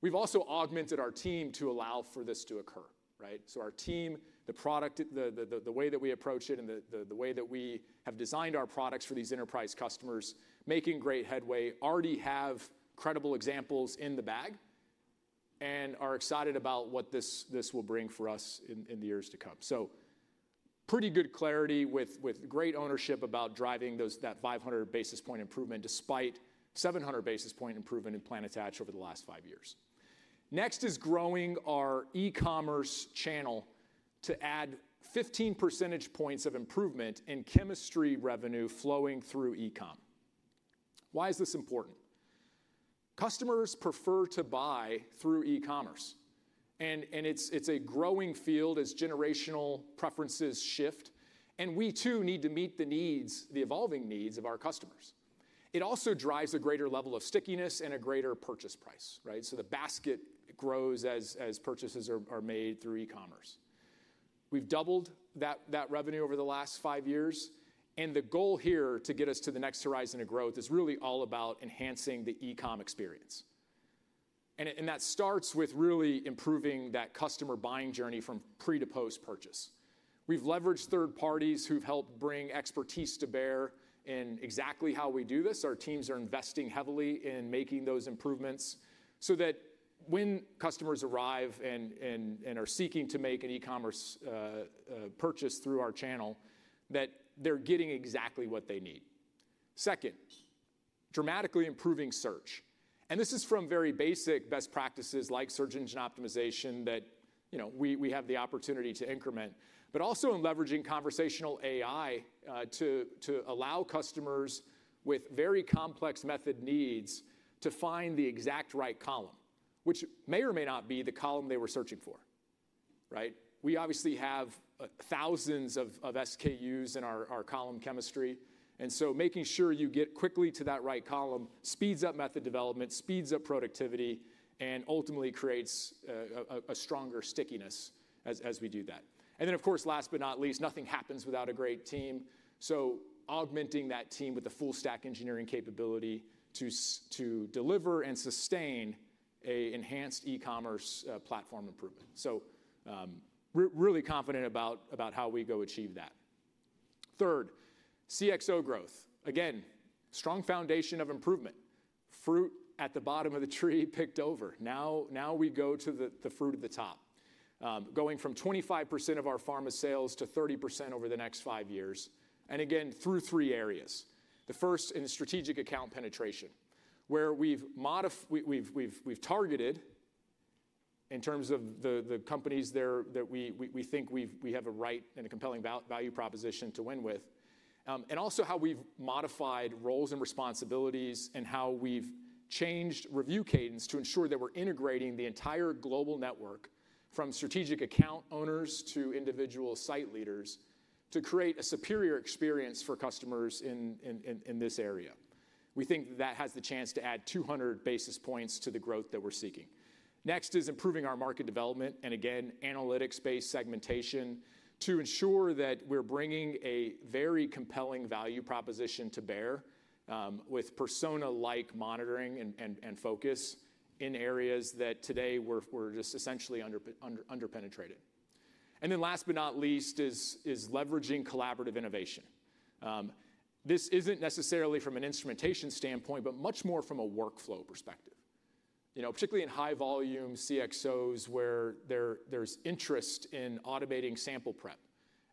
We've also augmented our team to allow for this to occur, right? So our team, the product, the way that we approach it and the way that we have designed our products for these enterprise customers, making great headway, already have credible examples in the bag and are excited about what this will bring for us in the years to come. So pretty good clarity with great ownership about driving that 500 basis point improvement despite 700 basis point improvement in plan attached over the last five years. Next is growing our e-commerce channel to add 15 percentage points of improvement in chemistry revenue flowing through e-com. Why is this important? Customers prefer to buy through e-commerce. And it's a growing field as generational preferences shift. And we too need to meet the needs, the evolving needs of our customers. It also drives a greater level of stickiness and a greater purchase price, right? So the basket grows as purchases are made through e-commerce. We've doubled that revenue over the last five years. And the goal here to get us to the next horizon of growth is really all about enhancing the e-com experience. And that starts with really improving that customer buying journey from pre to post purchase. We've leveraged third parties who've helped bring expertise to bear in exactly how we do this. Our teams are investing heavily in making those improvements so that when customers arrive and are seeking to make an e-commerce purchase through our channel, that they're getting exactly what they need. Second, dramatically improving search. And this is from very basic best practices like search engine optimization that, you know, we have the opportunity to increment, but also in leveraging conversational AI to allow customers with very complex method needs to find the exact right column, which may or may not be the column they were searching for, right? We obviously have thousands of SKUs in our column chemistry. And so making sure you get quickly to that right column speeds up method development, speeds up productivity, and ultimately creates a stronger stickiness as we do that. Then, of course, last but not least, nothing happens without a great team. So augmenting that team with a full-stack engineering capability to deliver and sustain an enhanced e-commerce platform improvement. So really confident about how we go achieve that. Third, CXO growth. Again, strong foundation of improvement. Fruit at the bottom of the tree picked over. Now we go to the fruit of the top, going from 25% of our Pharma sales to 30% over the next five years. And again, through three areas. The first in strategic account penetration, where we've modified. We've targeted in terms of the companies there, that we think we have a right and a compelling value proposition to win with. And also how we've modified roles and responsibilities and how we've changed review cadence to ensure that we're integrating the entire global network from strategic account owners to individual site leaders to create a superior experience for customers in this area. We think that has the chance to add 200 basis points to the growth that we're seeking. Next is improving our market development and again, analytics-based segmentation to ensure that we're bringing a very compelling value proposition to bear, with persona-like monitoring and focus in areas that today we're just essentially underpenetrated. Then last but not least is leveraging collaborative innovation. This isn't necessarily from an instrumentation standpoint, but much more from a workflow perspective. You know, particularly in high-volume CXOs where there's interest in automating sample prep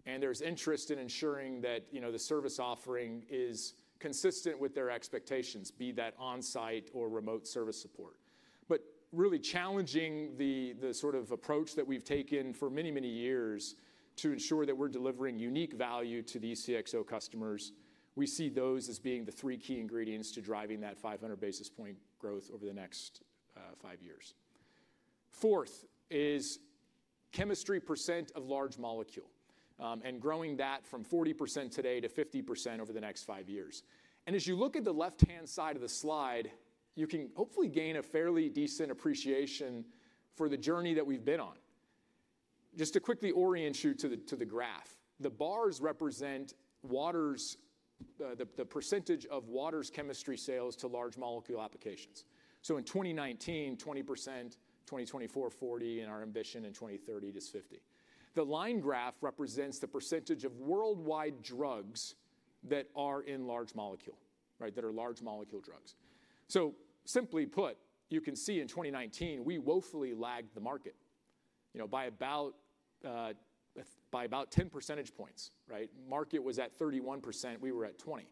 and there's interest in ensuring that, you know, the service offering is consistent with their expectations, be that onsite or remote service support. But really challenging the sort of approach that we've taken for many, many years to ensure that we're delivering unique value to these CXO customers, we see those as being the three key ingredients to driving that 500 basis point growth over the next five years. Fourth is chemistry percent of large molecule, and growing that from 40% today to 50% over the next five years. And as you look at the left-hand side of the slide, you can hopefully gain a fairly decent appreciation for the journey that we've been on. Just to quickly orient you to the graph, the bars represent Waters, the percentage of Waters chemistry sales to large molecule applications. So in 2019, 20%, 2024, 40%, and our ambition in 2030 to 50%. The line graph represents the percentage of worldwide drugs that are in large molecule, right? That are large molecule drugs. So simply put, you can see in 2019, we woefully lagged the market, you know, by about 10 percentage points, right? Market was at 31%. We were at 20%.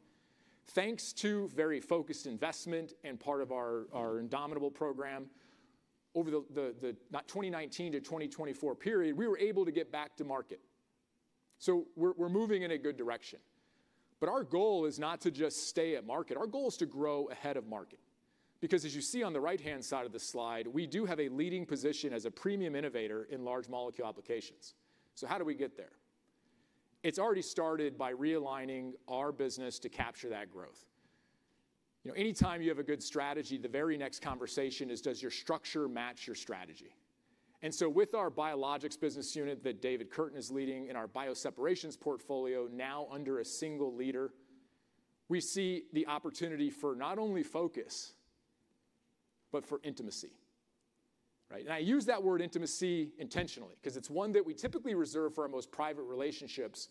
Thanks to very focused investment and part of our innovation program over the 2019-2024 period, we were able to get back to market. So we're moving in a good direction. But our goal is not to just stay at market. Our goal is to grow ahead of market. Because as you see on the right-hand side of the slide, we do have a leading position as a premium innovator in large molecule applications. So how do we get there? It's already started by realigning our business to capture that growth. You know, anytime you have a good strategy, the very next conversation is, does your structure match your strategy? And so with our biologics business unit that David Curtin is leading in our bio separations portfolio, now under a single leader, we see the opportunity for not only focus, but for intimacy, right? And I use that word intimacy intentionally because it's one that we typically reserve for our most private relationships.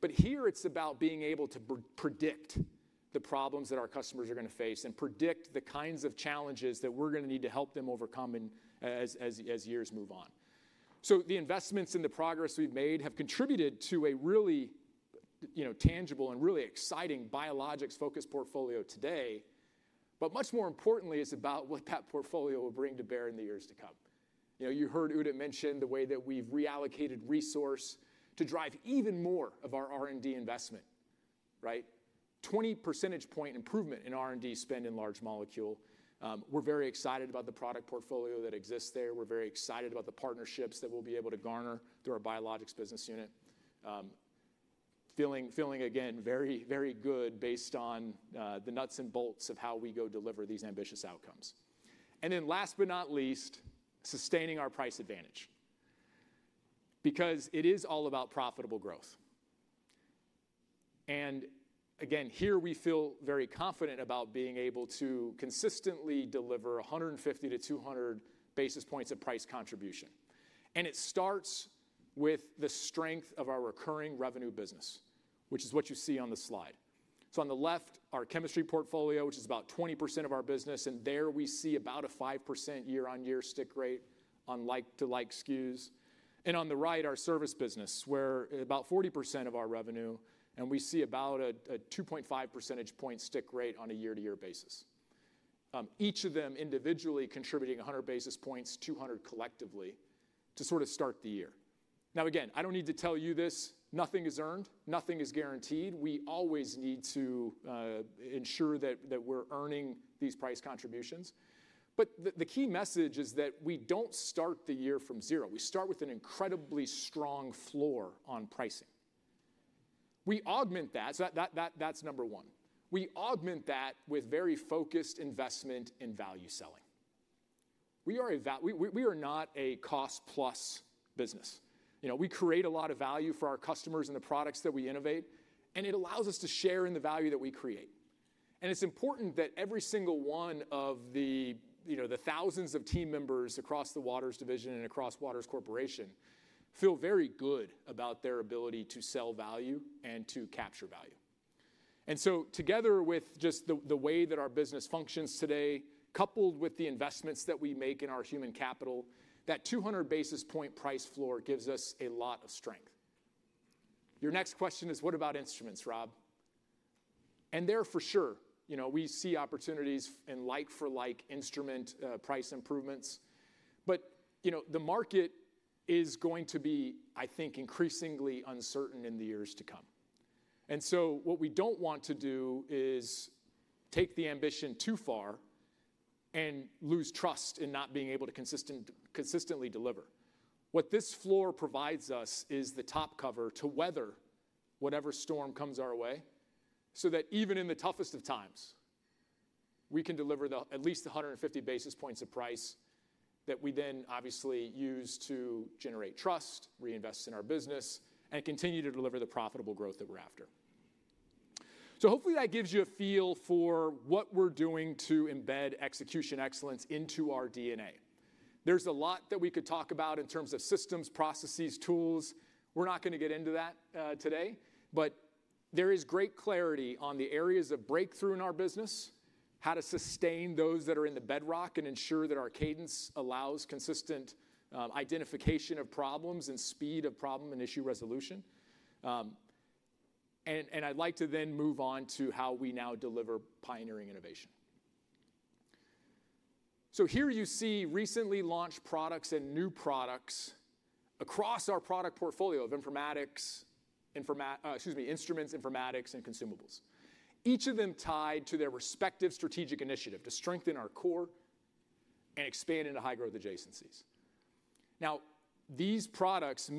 But here it's about being able to predict the problems that our customers are going to face and predict the kinds of challenges that we're going to need to help them overcome and as years move on. So the investments and the progress we've made have contributed to a really, you know, tangible and really exciting biologics focus portfolio today. But much more importantly, it's about what that portfolio will bring to bear in the years to come. You know, you heard Udit mention the way that we've reallocated resource to drive even more of our R&D investment, right? 20 percentage point improvement in R&D spend in large molecule. We're very excited about the product portfolio that exists there. We're very excited about the partnerships that we'll be able to garner through our biologics business unit. Feeling again very good based on the nuts and bolts of how we go deliver these ambitious outcomes, then last but not least, sustaining our price advantage. Because it is all about profitable growth. Here we feel very confident about being able to consistently deliver 150-200 basis points of price contribution. It starts with the strength of our recurring revenue business, which is what you see on the slide. So on the left, our chemistry portfolio, which is about 20% of our business. There we see about a 5% year-on-year stick rate on like-to-like SKUs. On the right, our service business, where about 40% of our revenue, and we see about a 2.5 percentage point stick rate on a year-to-year basis. Each of them individually contributing 100 basis points, 200 collectively to sort of start the year. Now again, I don't need to tell you this, nothing is earned, nothing is guaranteed. We always need to ensure that we're earning these price contributions. But the key message is that we don't start the year from zero. We start with an incredibly strong floor on pricing. We augment that. So that's number one. We augment that with very focused investment in value selling. We are not a cost-plus business. You know, we create a lot of value for our customers and the products that we innovate, and it allows us to share in the value that we create. And it's important that every single one of the, you know, the thousands of team members across the Waters division and across Waters Corporation feel very good about their ability to sell value and to capture value. And so together with just the way that our business functions today, coupled with the investments that we make in our human capital, that 200 basis points price floor gives us a lot of strength. Your next question is, what about Instruments, Rob? And there for sure, you know, we see opportunities in like-for-like instrument price improvements. But, you know, the market is going to be, I think, increasingly uncertain in the years to come. And so what we don't want to do is take the ambition too far and lose trust in not being able to consistently deliver. What this floor provides us is the top cover to weather whatever storm comes our way so that even in the toughest of times, we can deliver at least 150 basis points of price that we then obviously use to generate trust, reinvest in our business, and continue to deliver the profitable growth that we're after. So hopefully that gives you a feel for what we're doing to embed execution excellence into our DNA. There's a lot that we could talk about in terms of systems, processes, tools. We're not going to get into that today, but there is great clarity on the areas of breakthrough in our business, how to sustain those that are in the bedrock and ensure that our cadence allows consistent identification of problems and speed of problem and issue resolution. And I'd like to then move on to how we now deliver pioneering innovation. So here you see recently launched products and new products across our product portfolio of Instruments, Informatics, and Consumables. Each of them tied to their respective strategic initiative to strengthen our core and expand into high-growth adjacencies. Now, these products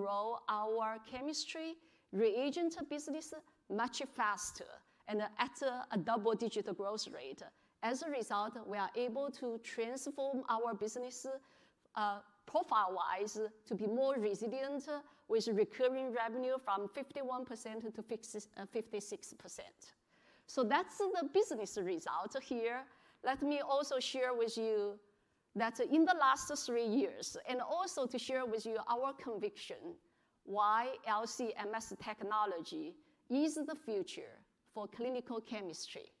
grow- Our chemistry reagent business much faster and at a double-digit growth rate. As a result, we are able to transform our business, profile-wise, to be more resilient, with recurring revenue from 51%-56%. So that's the business result here. Let me also share with you that in the last three years, and also to share with you our conviction, why LC-MS technology is the future for clinical chemistry.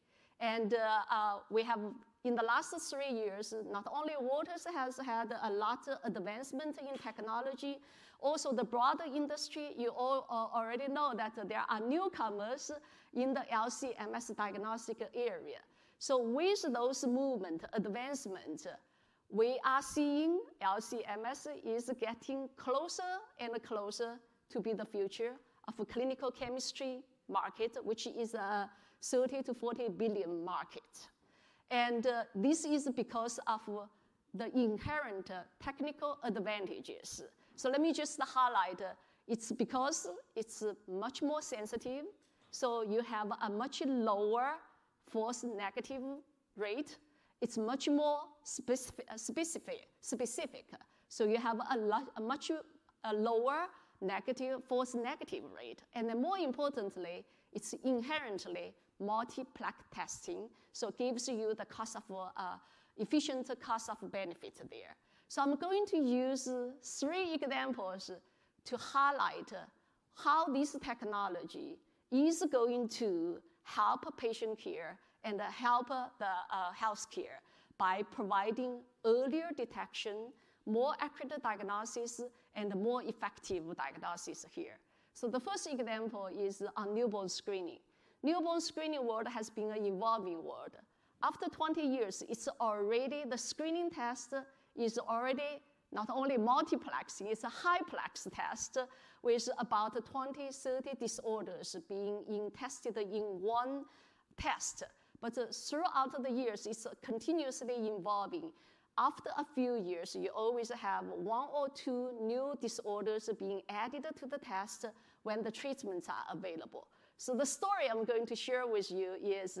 We have in the last three years, not only Waters has had a lot of advancement in technology, also the broader industry. You all already know that there are newcomers in the LC-MS diagnostic area. With those momentum advancements, we are seeing LC-MS is getting closer and closer to be the future of a clinical chemistry market, which is a $30 billion-$40 billion market. This is because of the inherent technical advantages. Let me just highlight it's because it's much more sensitive. You have a much lower false negative rate. It's much more specific. You have a much lower false negative rate. More importantly, it's inherently multiplex. It gives you a cost-efficient benefit there. So I'm going to use three examples to highlight how this technology is going to help patient care and help the healthcare by providing earlier detection, more accurate diagnosis, and more effective diagnosis here. So the first example is on newborn screening. Newborn screening world has been an evolving world. After 20 years, it's already the screening test is already not only multiplex, it's a high-plex test with about 20-30 disorders being tested in one test. But throughout the years, it's continuously evolving. After a few years, you always have one or two new disorders being added to the test when the treatments are available. So the story I'm going to share with you is,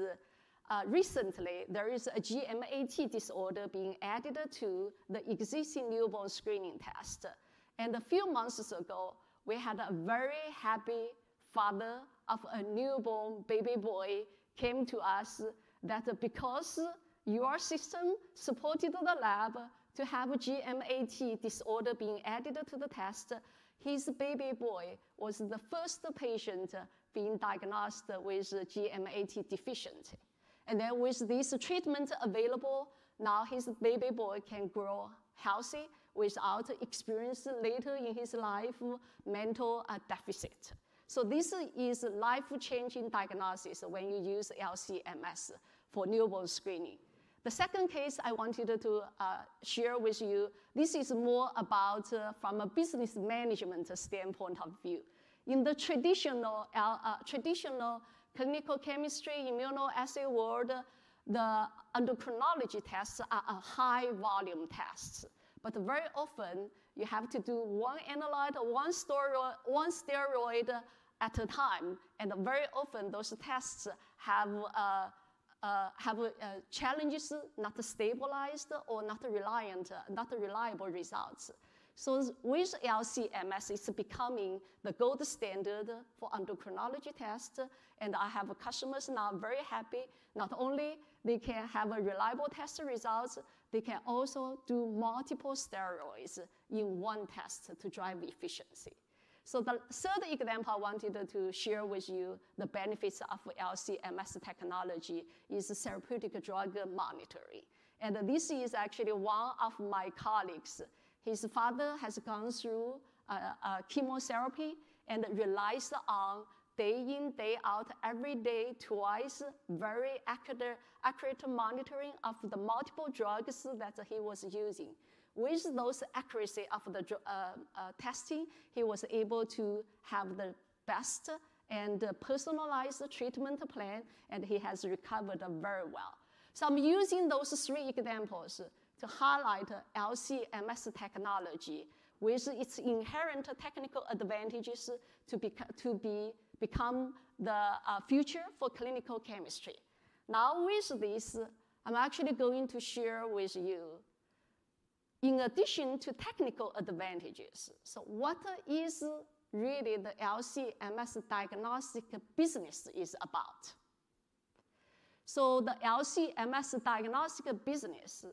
recently there is a GAMT disorder being added to the existing newborn screening test. A few months ago, we had a very happy father of a newborn baby boy came to us that because your system supported the lab to have a GAMT disorder being added to the test, his baby boy was the first patient being diagnosed with GAMT deficient. Then with these treatments available, now his baby boy can grow healthy without experiencing later in his life mental deficit. This is a life-changing diagnosis when you use LC-MS for newborn screening. The second case I wanted to share with you, this is more about from a business management standpoint of view. In the traditional clinical chemistry immunoassay world, the endocrinology tests are high-volume tests. But very often, you have to do one analyte, one steroid at a time. Very often, those tests have challenges, not stabilized or not reliable results. With LC-MS, it's becoming the gold standard for endocrinology tests. And I have customers now very happy. Not only they can have a reliable test result, they can also do multiple steroids in one test to drive efficiency. The third example I wanted to share with you, the benefits of LC-MS technology is therapeutic drug monitoring. And this is actually one of my colleagues. His father has gone through chemotherapy and relies on day in, day out, every day, twice, very accurate, accurate monitoring of the multiple drugs that he was using. With those accuracy of the testing, he was able to have the best and personalized treatment plan, and he has recovered very well. I'm using those three examples to highlight LC-MS technology with its inherent technical advantages to become the future for clinical chemistry. Now with this, I'm actually going to share with you, in addition to technical advantages, so what is really the LC-MS diagnostic business is about. So the LC-MS diagnostic business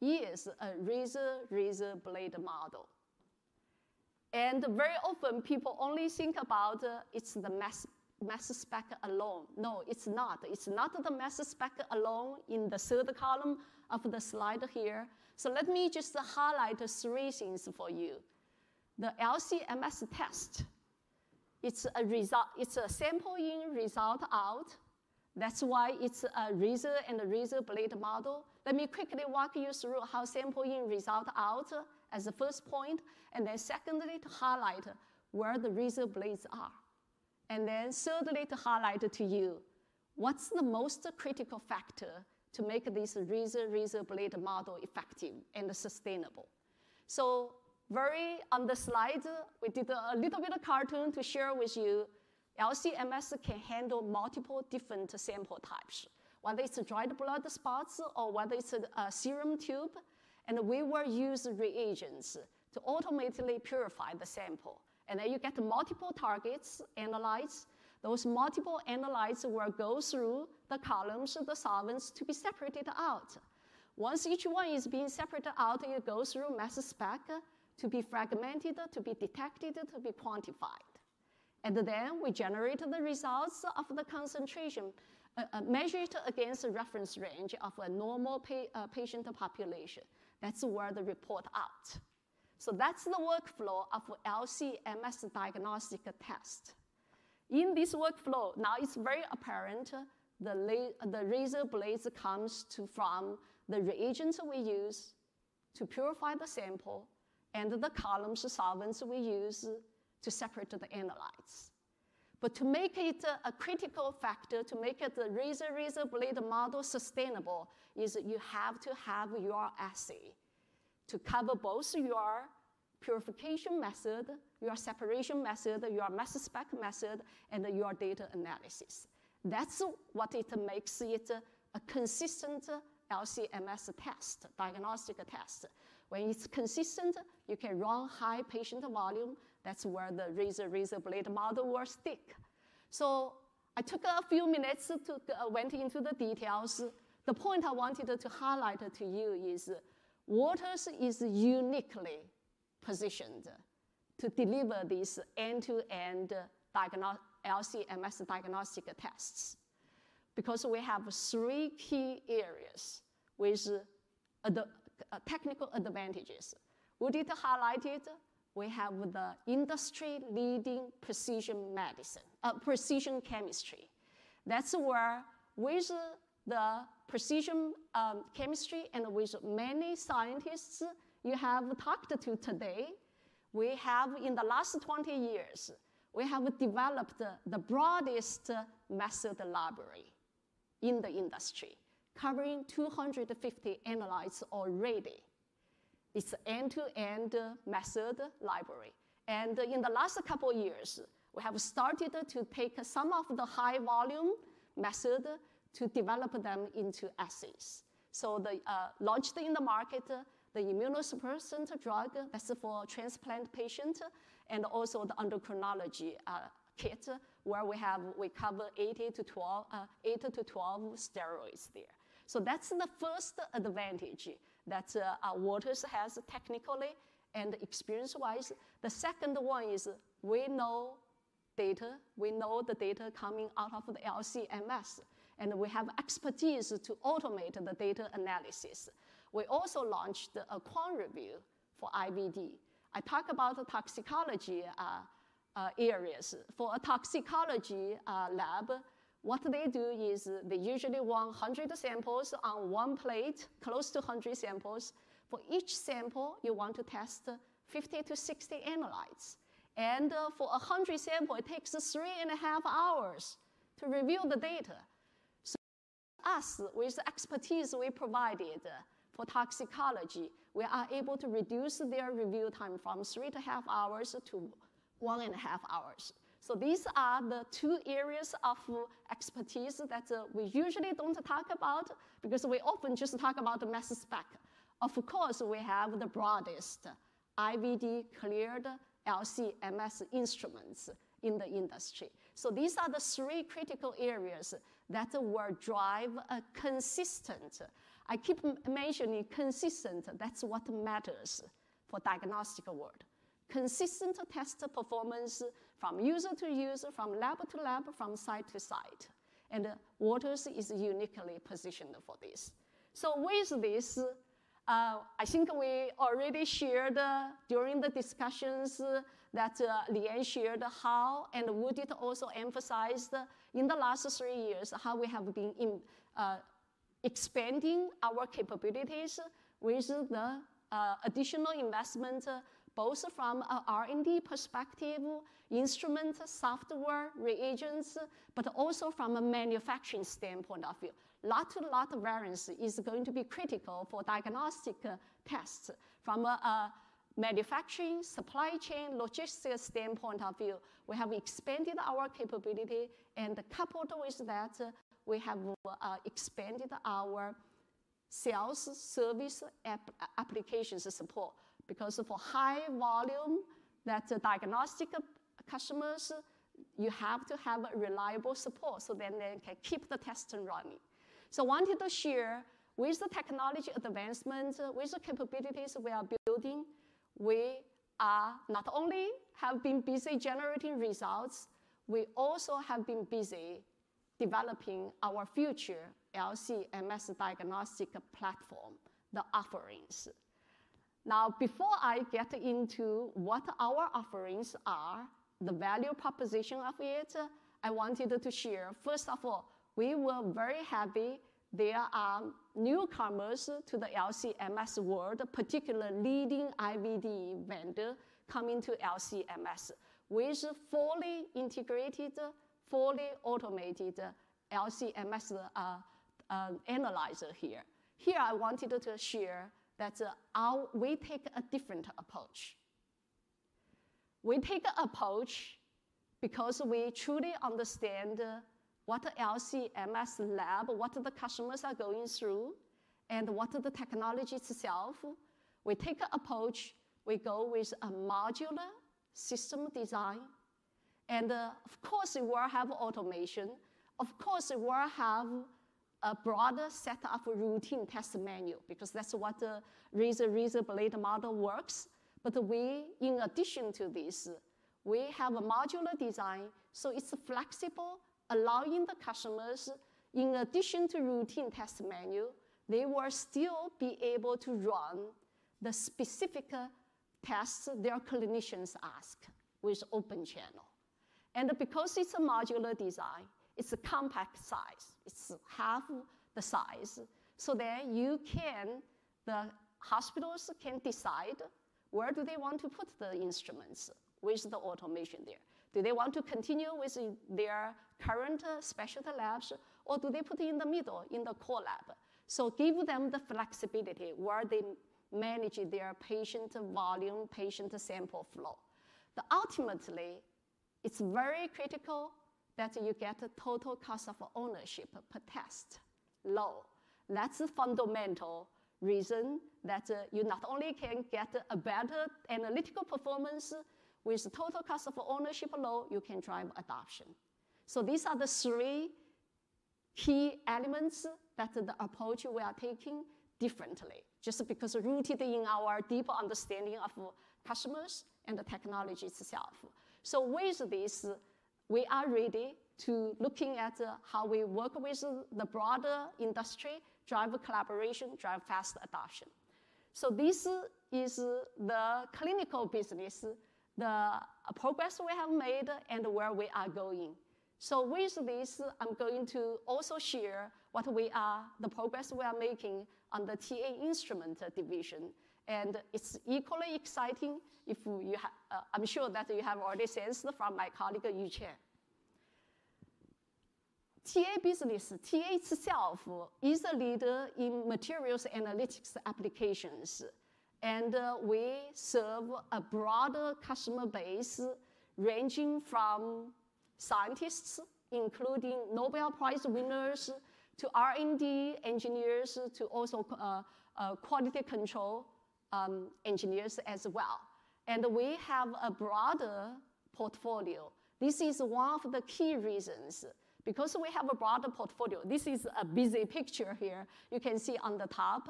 is a razor-blade model. And very often, people only think about it's the Mass Spec alone. No, it's not. It's not the Mass Spec alone in the third column of the slide here. So let me just highlight three things for you. The LC-MS test, it's a result, it's a sample-in-result-out. That's why it's a razor and a razor-blade model. Let me quickly walk you through how sample-in-result-out as the first point, and then secondly to highlight where the razor blades are. And then thirdly to highlight to you what's the most critical factor to make this razor-razor-blade model effective and sustainable. So very on the slide, we did a little bit of cartoon to share with you. LC-MS can handle multiple different sample types, whether it's dried blood spots or whether it's a serum tube. We will use reagents to automatically purify the sample. Then you get multiple targets, analytes. Those multiple analytes will go through the Columns, the solvents to be separated out. Once each one is being separated out, it goes through Mass Spec to be fragmented, to be detected, to be quantified. Then we generate the results of the concentration, measure it against the reference range of a normal patient population. That's where the report out. That's the workflow of LC-MS diagnostic test. In this workflow, now it's very apparent the razor blades come from the reagents we use to purify the sample and the Columns solvents we use to separate the analytes. But to make it a critical factor, to make the razor-razor-blade model sustainable, is you have to have your assay to cover both your purification method, your separation method, your Mass Spec method, and your data analysis. That's what makes it a consistent LC-MS test, diagnostic test. When it's consistent, you can run high patient volume. That's where the razor-razor-blade model will stick. So I took a few minutes to went into the details. The point I wanted to highlight to you is Waters is uniquely positioned to deliver these end-to-end LC-MS diagnostic tests because we have three key areas with technical advantages. We did highlight it. We have the industry-leading precision medicine, precision chemistry. That's where with the precision chemistry and with many scientists you have talked to today, we have in the last 20 years, we have developed the broadest method library in the industry, covering 250 analyses already. It's an end-to-end method library. And in the last couple of years, we have started to take some of the high-volume methods to develop them into assays. So the launched in the market, the immunosuppressant drug that's for transplant patients and also the endocrinology kit where we have we cover 8-12 steroids there. So that's the first advantage that Waters has technically and experience-wise. The second one is we know data. We know the data coming out of the LC-MS, and we have expertise to automate the data analysis. We also launched a QUAN Review for IVD. I talk about toxicology, areas. For a toxicology lab, what they do is they usually want 100 samples on one plate, close to 100 samples. For each sample, you want to test 50-60 analytes. And for a 100 sample, it takes three and a half hours to review the data. So us, with the expertise we provided for toxicology, we are able to reduce their review time from 3.5 hours to one and a half hours. So these are the two areas of expertise that we usually don't talk about because we often just talk about the Mass Spec. Of course, we have the broadest IVD cleared LC-MS instruments in the industry. So these are the three critical areas that will drive a consistent, I keep mentioning consistent, that's what matters for diagnostic world. Consistent test performance from user to user, from lab to lab, from site to site. And Waters is uniquely positioned for this. So with this, I think we already shared during the discussions that Liang shared how and Udit also emphasized in the last three years how we have been expanding our capabilities with the additional investment both from an R&D perspective, instruments, software, reagents, but also from a manufacturing standpoint of view. Lot-to-lot variance is going to be critical for diagnostic tests from a manufacturing, supply chain, logistics standpoint of view. We have expanded our capability and coupled with that, we have expanded our sales service applications support because for high volume diagnostic customers, you have to have a reliable support so then they can keep the test running. So, I wanted to share with the technology advancement, with the capabilities we are building. We are not only have been busy generating results. We also have been busy developing our future LC-MS diagnostic platform, the offerings. Now, before I get into what our offerings are, the value proposition of it, I wanted to share. First of all, we were very happy there are newcomers to the LC-MS world, particularly leading IVD vendor coming to LC-MS with fully integrated, fully automated LC-MS analyzer here. Here, I wanted to share that our we take a different approach. We take an approach because we truly understand what LC-MS lab, what the customers are going through, and what the technology itself. We take an approach. We go with a modular system design, and of course, we'll have automation. Of course, we'll have a broader set of routine test menu because that's what the razor-blade model works. But we, in addition to this, we have a modular design, so it's flexible, allowing the customers, in addition to routine test menu, they will still be able to run the specific tests their clinicians ask with open channel. And because it's a modular design, it's a compact size. It's half the size. So then you can, the hospitals can decide where do they want to put the instruments with the automation there. Do they want to continue with their current specialty labs, or do they put it in the middle, in the core lab? So give them the flexibility where they manage their patient volume, patient sample flow. But ultimately, it's very critical that you get a total cost of ownership per test low. That's a fundamental reason that you not only can get a better analytical performance with total cost of ownership low, you can drive adoption. So these are the three key elements of the approach we are taking differently, just because rooted in our deep understanding of customers and the technology itself. So with this, we are ready to look at how we work with the broader industry, drive collaboration, drive fast adoption. So this is the clinical business, the progress we have made and where we are going. So with this, I'm going to also share the progress we are making on the TA Instruments Division. And it's equally exciting if you have. I'm sure that you have already sensed from my colleague Yu Cheng. TA business, TA itself is a leader in materials analytics applications. We serve a broader customer base ranging from scientists, including Nobel Prize winners, to R&D engineers, to quality control engineers as well. We have a broader portfolio. This is one of the key reasons because we have a broader portfolio. This is a busy picture here. You can see on the top.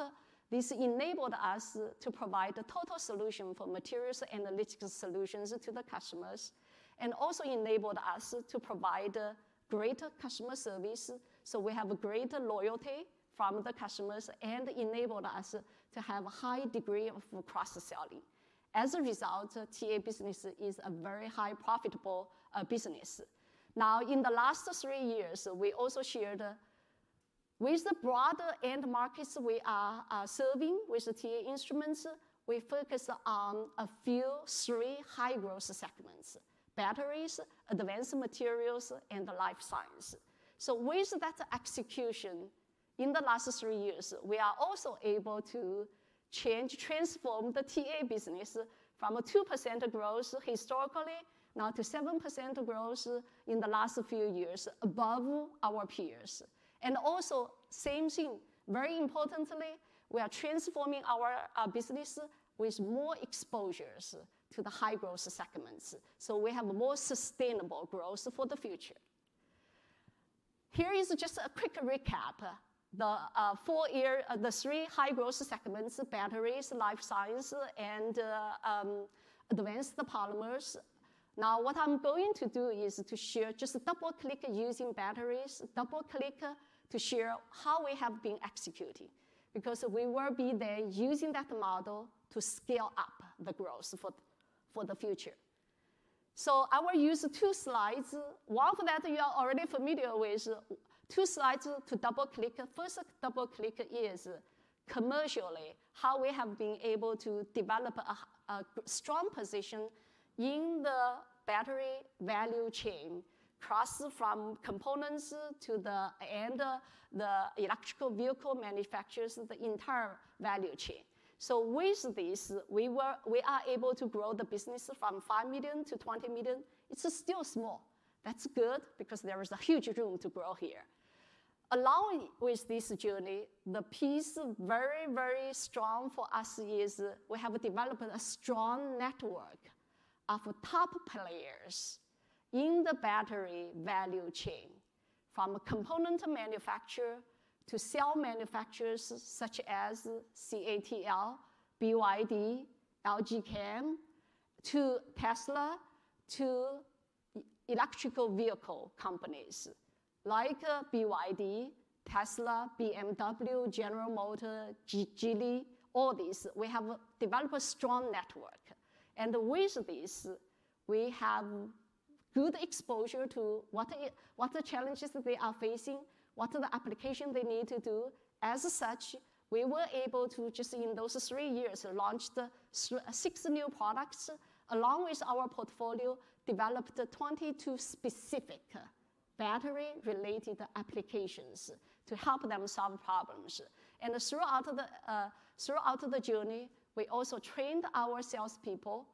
This enabled us to provide a total solution for materials analytics solutions to the customers and also enabled us to provide greater customer service. We have a greater loyalty from the customers and enabled us to have a high degree of cross-selling. As a result, TA business is a very high profitable business. Now, in the last three years, we also shared with the broader end markets we are serving with TA Instruments. We focus on a few three high growth segments: Batteries, Advanced Materials, and Life Science. So with that execution in the last three years, we are also able to change, transform the TA business from a 2% growth historically now to 7% growth in the last few years above our peers. And also same thing, very importantly, we are transforming our business with more exposures to the high growth segments. So we have a more sustainable growth for the future. Here is just a quick recap. The four year, the three high growth segments, Batteries, Life Science, and Advanced Polymers. Now, what I'm going to do is to share just a double click using batteries, double click to share how we have been executing because we will be then using that model to scale up the growth for the future. So I will use two slides. One of that you are already familiar with, two slides to double click. First double click is commercially how we have been able to develop a strong position in the battery value chain, across from components to the end, the electric vehicle manufacturers, the entire value chain. So with this, we are able to grow the business from $5 million to $20 million. It's still small. That's good because there is a huge room to grow here. Along with this journey, the key piece very, very strong for us is we have developed a strong network of top players in the battery value chain from component manufacturer to cell manufacturers such as CATL, BYD, LG Chem, to Tesla, to electric vehicle companies like BYD, Tesla, BMW, General Motors, Geely, all these. We have developed a strong network. With this, we have good exposure to what the challenges they are facing, what the applications they need to do. As such, we were able to just in those three years launched six new products along with our portfolio, developed 22 specific battery-related applications to help them solve problems. Throughout the journey, we also trained our salespeople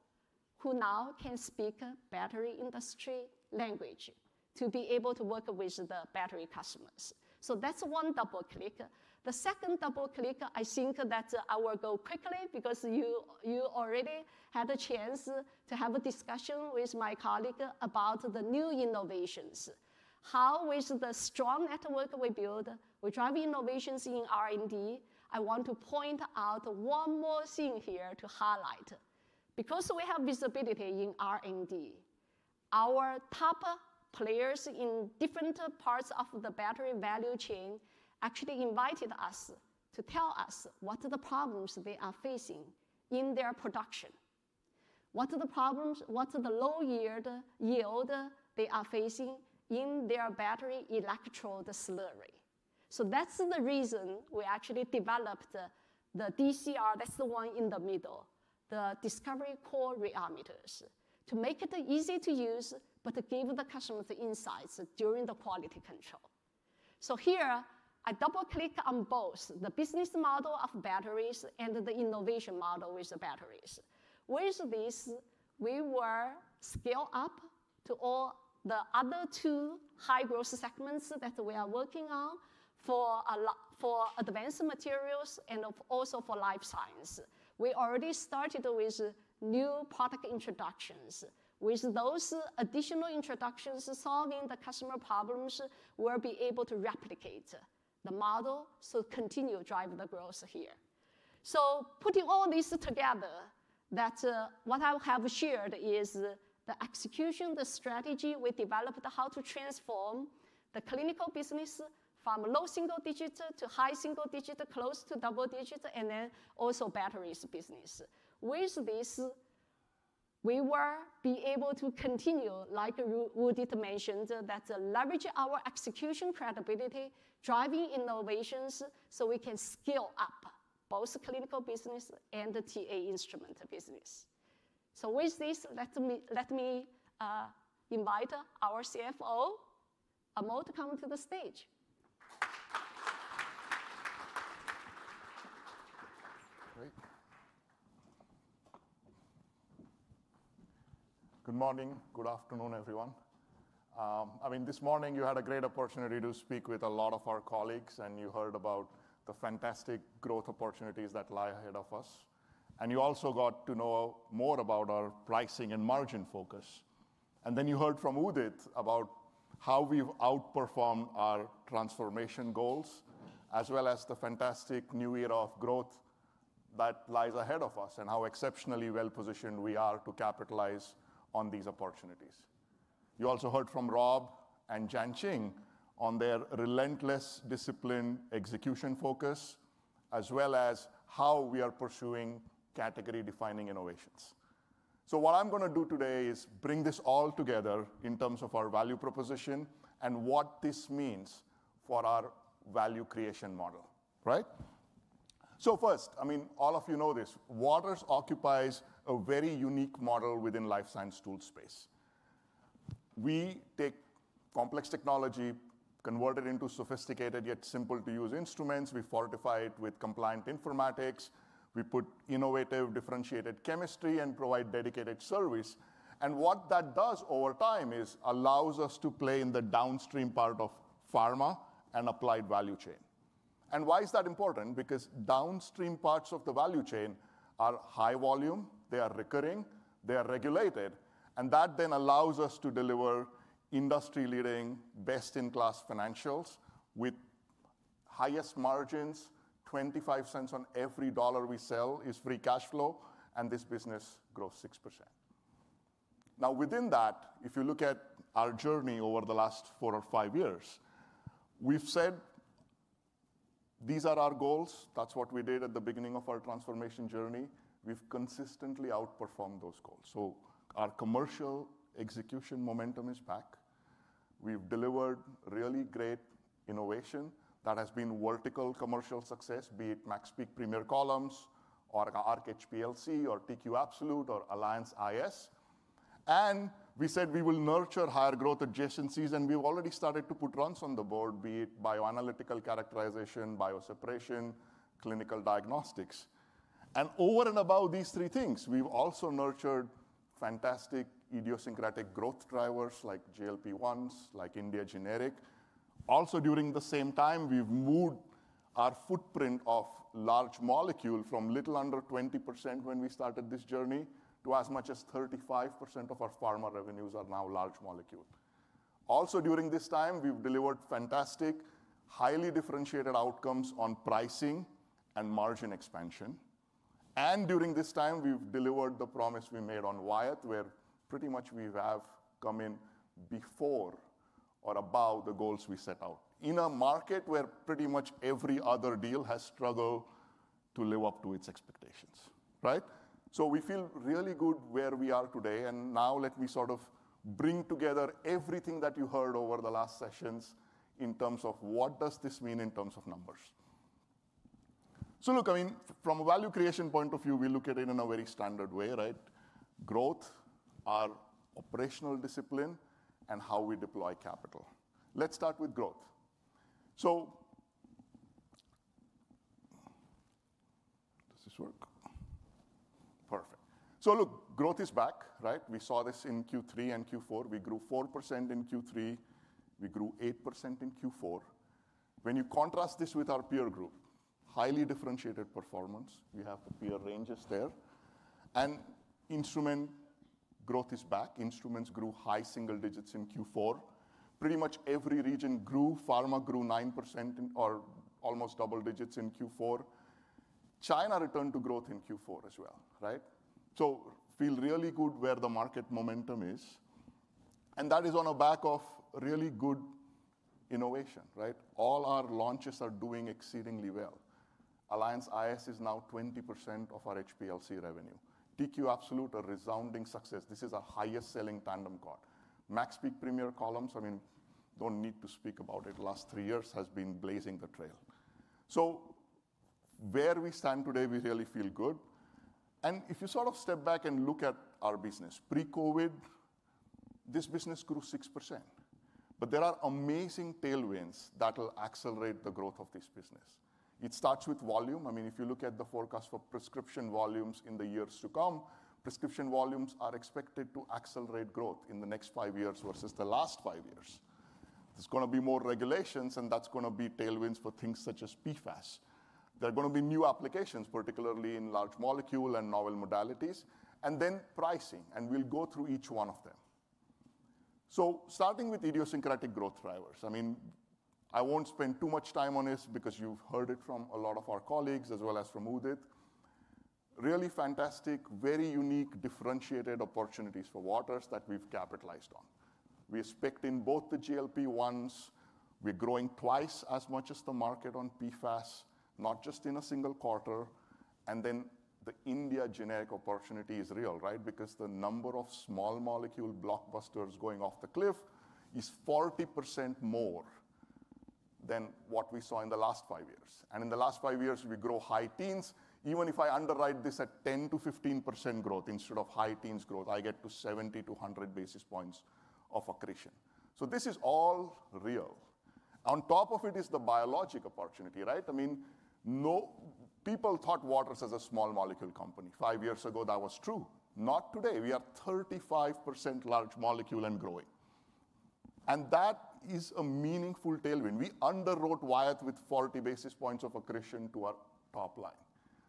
who now can speak battery industry language to be able to work with the battery customers. So that's one double click. The second double click, I think that I will go quickly because you already had a chance to have a discussion with my colleague about the new innovations. How, with the strong network we build, we drive innovations in R&D. I want to point out one more thing here to highlight because we have visibility in R&D. Our top players in different parts of the battery value chain actually invited us to tell us what are the problems they are facing in their production. What are the problems, what are the low yields they are facing in their battery electrode slurry? So that's the reason we actually developed the DCR, that's the one in the middle, the Discovery Core Rheometers, to make it easy to use but to give the customers insights during the quality control. So here, I double-click on both the business model of batteries and the innovation model with the batteries. With this, we were scale up to all the other two high growth segments that we are working on for a lot for advanced materials and also for life science. We already started with new product introductions. With those additional introductions, solving the customer problems, we'll be able to replicate the model to continue drive the growth here. So, putting all this together, that's what I have shared is the execution, the strategy we developed how to transform the clinical business from low single-digit to high single-digit, close to double-digit, and then also TA business. With this, we will be able to continue, like Udit mentioned, to leverage our execution credibility, driving innovations so we can scale up both clinical business and TA Instrument business. So with this, let me invite our CFO, Amol, to come to the stage. Great. Good morning, good afternoon everyone. I mean, this morning you had a great opportunity to speak with a lot of our colleagues and you heard about the fantastic growth opportunities that lie ahead of us. And you also got to know more about our pricing and margin focus. And then you heard from Udit about how we've outperformed our transformation goals as well as the fantastic new era of growth that lies ahead of us and how exceptionally well positioned we are to capitalize on these opportunities. You also heard from Rob and Jianqing on their relentless discipline execution focus as well as how we are pursuing category defining innovations. So what I'm going to do today is bring this all together in terms of our value proposition and what this means for our value creation model, right? So first, I mean, all of you know this, Waters occupies a very unique model within life science tool space. We take complex technology, convert it into sophisticated yet simple to use instruments. We fortify it with compliant informatics. We put innovative differentiated chemistry and provide dedicated service. And what that does over time is allows us to play in the downstream part of Pharma and applied value chain. And why is that important? Because downstream parts of the value chain are high volume, they are recurring, they are regulated, and that then allows us to deliver industry leading best in class financials with highest margins. $0.25 on every $1 we sell is free cash flow, and this business grows 6%. Now within that, if you look at our journey over the last four or five years, we've said these are our goals. That's what we did at the beginning of our transformation journey. We've consistently outperformed those goals. So our commercial execution momentum is back. We've delivered really great innovation that has been veritable commercial success, be it MaxPeak Premier Columns or Arc HPLC or TQ Absolute or Alliance iS. And we said we will nurture higher growth adjacencies, and we've already started to put runs on the board, be it bioanalytical characterization, bioseparation, clinical diagnostics. And over and above these three things, we've also nurtured fantastic idiosyncratic growth drivers like GLP-1s, like India generics. Also during the same time, we've moved our footprint of large molecule from a little under 20% when we started this journey to as much as 35% of our Pharma revenues are now large molecule. Also during this time, we've delivered fantastic, highly differentiated outcomes on pricing and margin expansion. And during this time, we've delivered the promise we made on Wyatt, where pretty much we have come in before or above the goals we set out in a market where pretty much every other deal has struggled to live up to its expectations, right? So we feel really good where we are today. And now let me sort of bring together everything that you heard over the last sessions in terms of what does this mean in terms of numbers. So look, I mean, from a value creation point of view, we look at it in a very standard way, right? Growth, our operational discipline, and how we deploy capital. Let's start with growth. So does this work? Perfect. So look, growth is back, right? We saw this in Q3 and Q4. We grew 4% in Q3. We grew 8% in Q4. When you contrast this with our peer group, highly differentiated performance, we have the peer ranges there. And Instrument growth is back. Instruments grew high single-digits in Q4. Pretty much every region grew. Pharma grew 9% or almost double-digits in Q4. China returned to growth in Q4 as well, right? So feel really good where the market momentum is. That is on the back of really good innovation, right? All our launches are doing exceedingly well. Alliance iS is now 20% of our HPLC revenue. TQ Absolute, a resounding success. This is our highest selling tandem quad. MaxPeak Premier Columns, I mean, don't need to speak about it. Last three years has been blazing the trail. So where we stand today, we really feel good. And if you sort of step back and look at our business, pre-COVID, this business grew 6%. But there are amazing tailwinds that will accelerate the growth of this business. It starts with volume. I mean, if you look at the forecast for prescription volumes in the years to come, prescription volumes are expected to accelerate growth in the next five years vs the last five years. There's going to be more regulations, and that's going to be tailwinds for things such as PFAS. There are going to be new applications, particularly in large molecule and novel modalities, and then pricing, and we'll go through each one of them. Starting with idiosyncratic growth drivers, I mean, I won't spend too much time on this because you've heard it from a lot of our colleagues as well as from Udit. Really fantastic, very unique, differentiated opportunities for Waters that we've capitalized on. We're spec'd in both the GLP-1s. We're growing twice as much as the market on PFAS, not just in a single quarter. And then the India generic opportunity is real, right? Because the number of small molecule blockbusters going off the cliff is 40% more than what we saw in the last five years. And in the last five years, we grow high teens. Even if I underwrite this at 10%-15% growth instead of high teens growth, I get to 70-100 basis points of accretion. So this is all real. On top of it is the biologic opportunity, right? I mean, no people thought Waters as a small molecule company. Five years ago, that was true. Not today. We are 35% large molecule and growing. And that is a meaningful tailwind. We underwrote Wyatt with 40 basis points of accretion to our top line.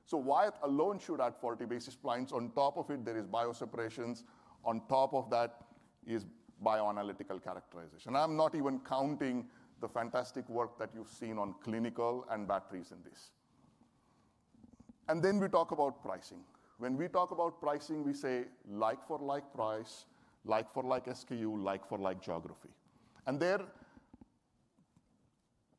So Wyatt alone should add 40 basis points. On top of it, there is bioseparations. On top of that is bioanalytical characterization. I'm not even counting the fantastic work that you've seen on clinical and batteries in this. And then we talk about pricing. When we talk about pricing, we say like-for-like price, like-for-like SKU, like-for-like geography. And there,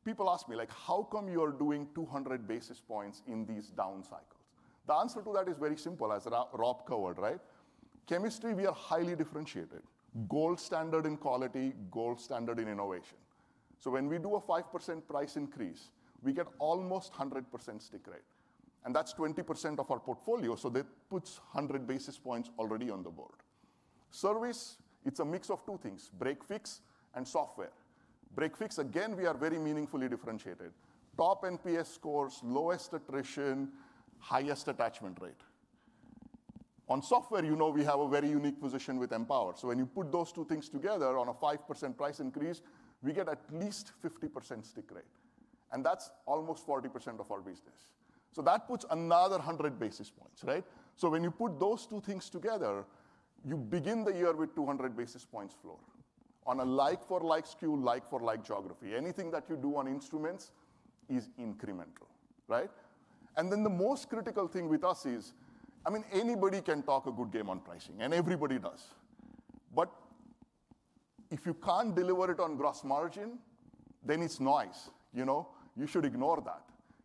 people ask me like, how come you are doing 200 basis points in these down cycles? The answer to that is very simple, as Rob covered, right? Chemistry, we are highly differentiated. Gold standard in quality, gold standard in innovation. So when we do a 5% price increase, we get almost 100% stick rate. And that's 20% of our portfolio. So that puts 100 basis points already on the board. Service, it's a mix of two things, break fix and software. Break fix, again, we are very meaningfully differentiated. Top NPS scores, lowest attrition, highest attachment rate. On software, you know we have a very unique position with Empower. So when you put those two things together on a 5% price increase, we get at least 50% stick rate. And that's almost 40% of our business. So that puts another 100 basis points, right? So when you put those two things together, you begin the year with 200 basis points floor on a like-for-like SCU, like-for-like geography. Anything that you do on Instruments is incremental, right? And then the most critical thing with us is, I mean, anybody can talk a good game on pricing, and everybody does. But if you can't deliver it on gross margin, then it's noise. You know, you should ignore that.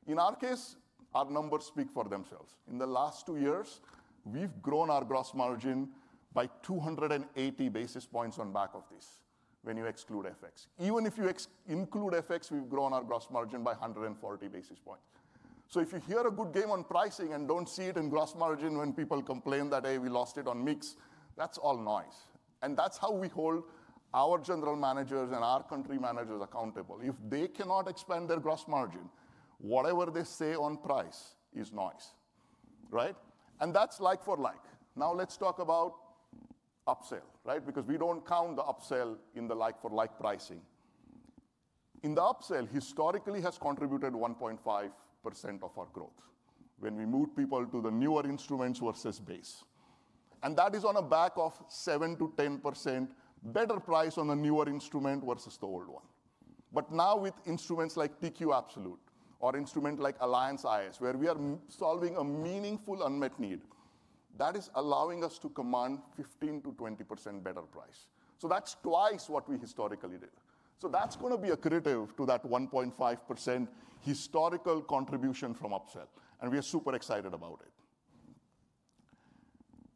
In our case, our numbers speak for themselves. In the last two years, we've grown our gross margin by 280 basis points on the back of this when you exclude FX. Even if you include FX, we've grown our gross margin by 140 basis points. So if you hear a good game on pricing and don't see it in gross margin when people complain that, hey, we lost it on mix, that's all noise. That's how we hold our general managers and our country managers accountable. If they cannot expand their gross margin, whatever they say on price is noise, right? That's like-for-like. Now let's talk about upsell, right? Because we don't count the upsell in the like-for-like pricing. In the upsell, historically has contributed 1.5% of our growth when we moved people to the newer instruments vs base. That is on the back of 7%-10% better price on the newer instrument vs the old one. But now with instruments like Xevo TQ Absolute or instrument like Alliance iS, where we are solving a meaningful unmet need, that is allowing us to command 15%-20% better price. That's twice what we historically did. That's going to be attributed to that 1.5% historical contribution from upsell. We are super excited about it.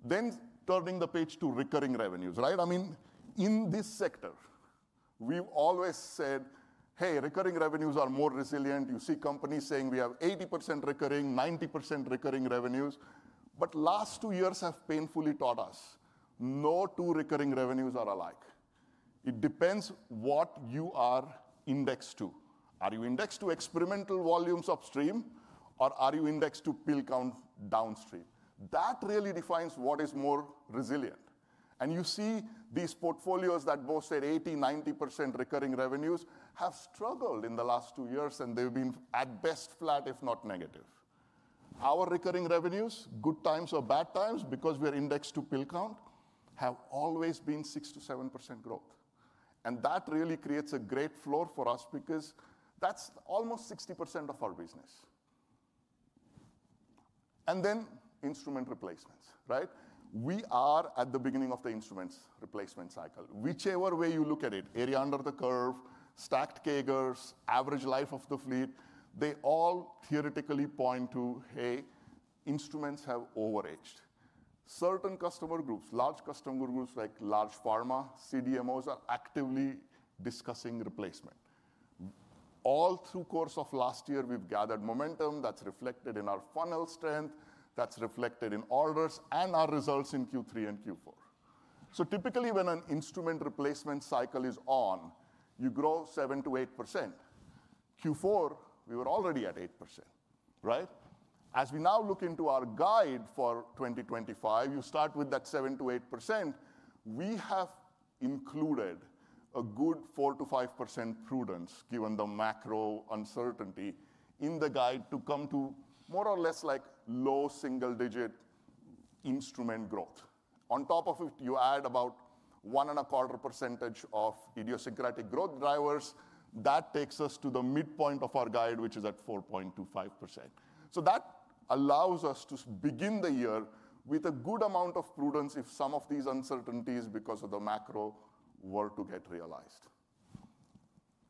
Then turning the page to recurring revenues, right? I mean, in this sector, we've always said, hey, recurring revenues are more resilient. You see companies saying we have 80% recurring, 90% recurring revenues. But last two years have painfully taught us no two recurring revenues are alike. It depends what you are indexed to. Are you indexed to experimental volumes upstream or are you indexed to pill count downstream? That really defines what is more resilient. And you see these portfolios that both said 80%, 90% recurring revenues have struggled in the last two years and they've been at best flat, if not negative. Our recurring revenues, good times or bad times, because we're indexed to pill count, have always been 6%-7% growth. And that really creates a great floor for us because that's almost 60% of our business. And then instrument replacements, right? We are at the beginning of the instruments replacement cycle. Whichever way you look at it, area under the curve, stacked CAGRs, average life of the fleet, they all theoretically point to, hey, Instruments have overaged. Certain customer groups, large customer groups like large Pharma, CDMOs are actively discussing replacement. All through the course of last year, we've gathered momentum that's reflected in our funnel strength, that's reflected in orders and our results in Q3 and Q4. So typically when an instrument replacement cycle is on, you grow 7%-8%. Q4, we were already at 8%, right? As we now look into our guide for 2025, you start with that 7%-8%. We have included a good 4%-5% prudence given the macro uncertainty in the guide to come to more or less like low single-digit Instrument growth. On top of it, you add about 1.25% of idiosyncratic growth drivers. That takes us to the midpoint of our guide, which is at 4.25%. So that allows us to begin the year with a good amount of prudence if some of these uncertainties because of the macro were to get realized.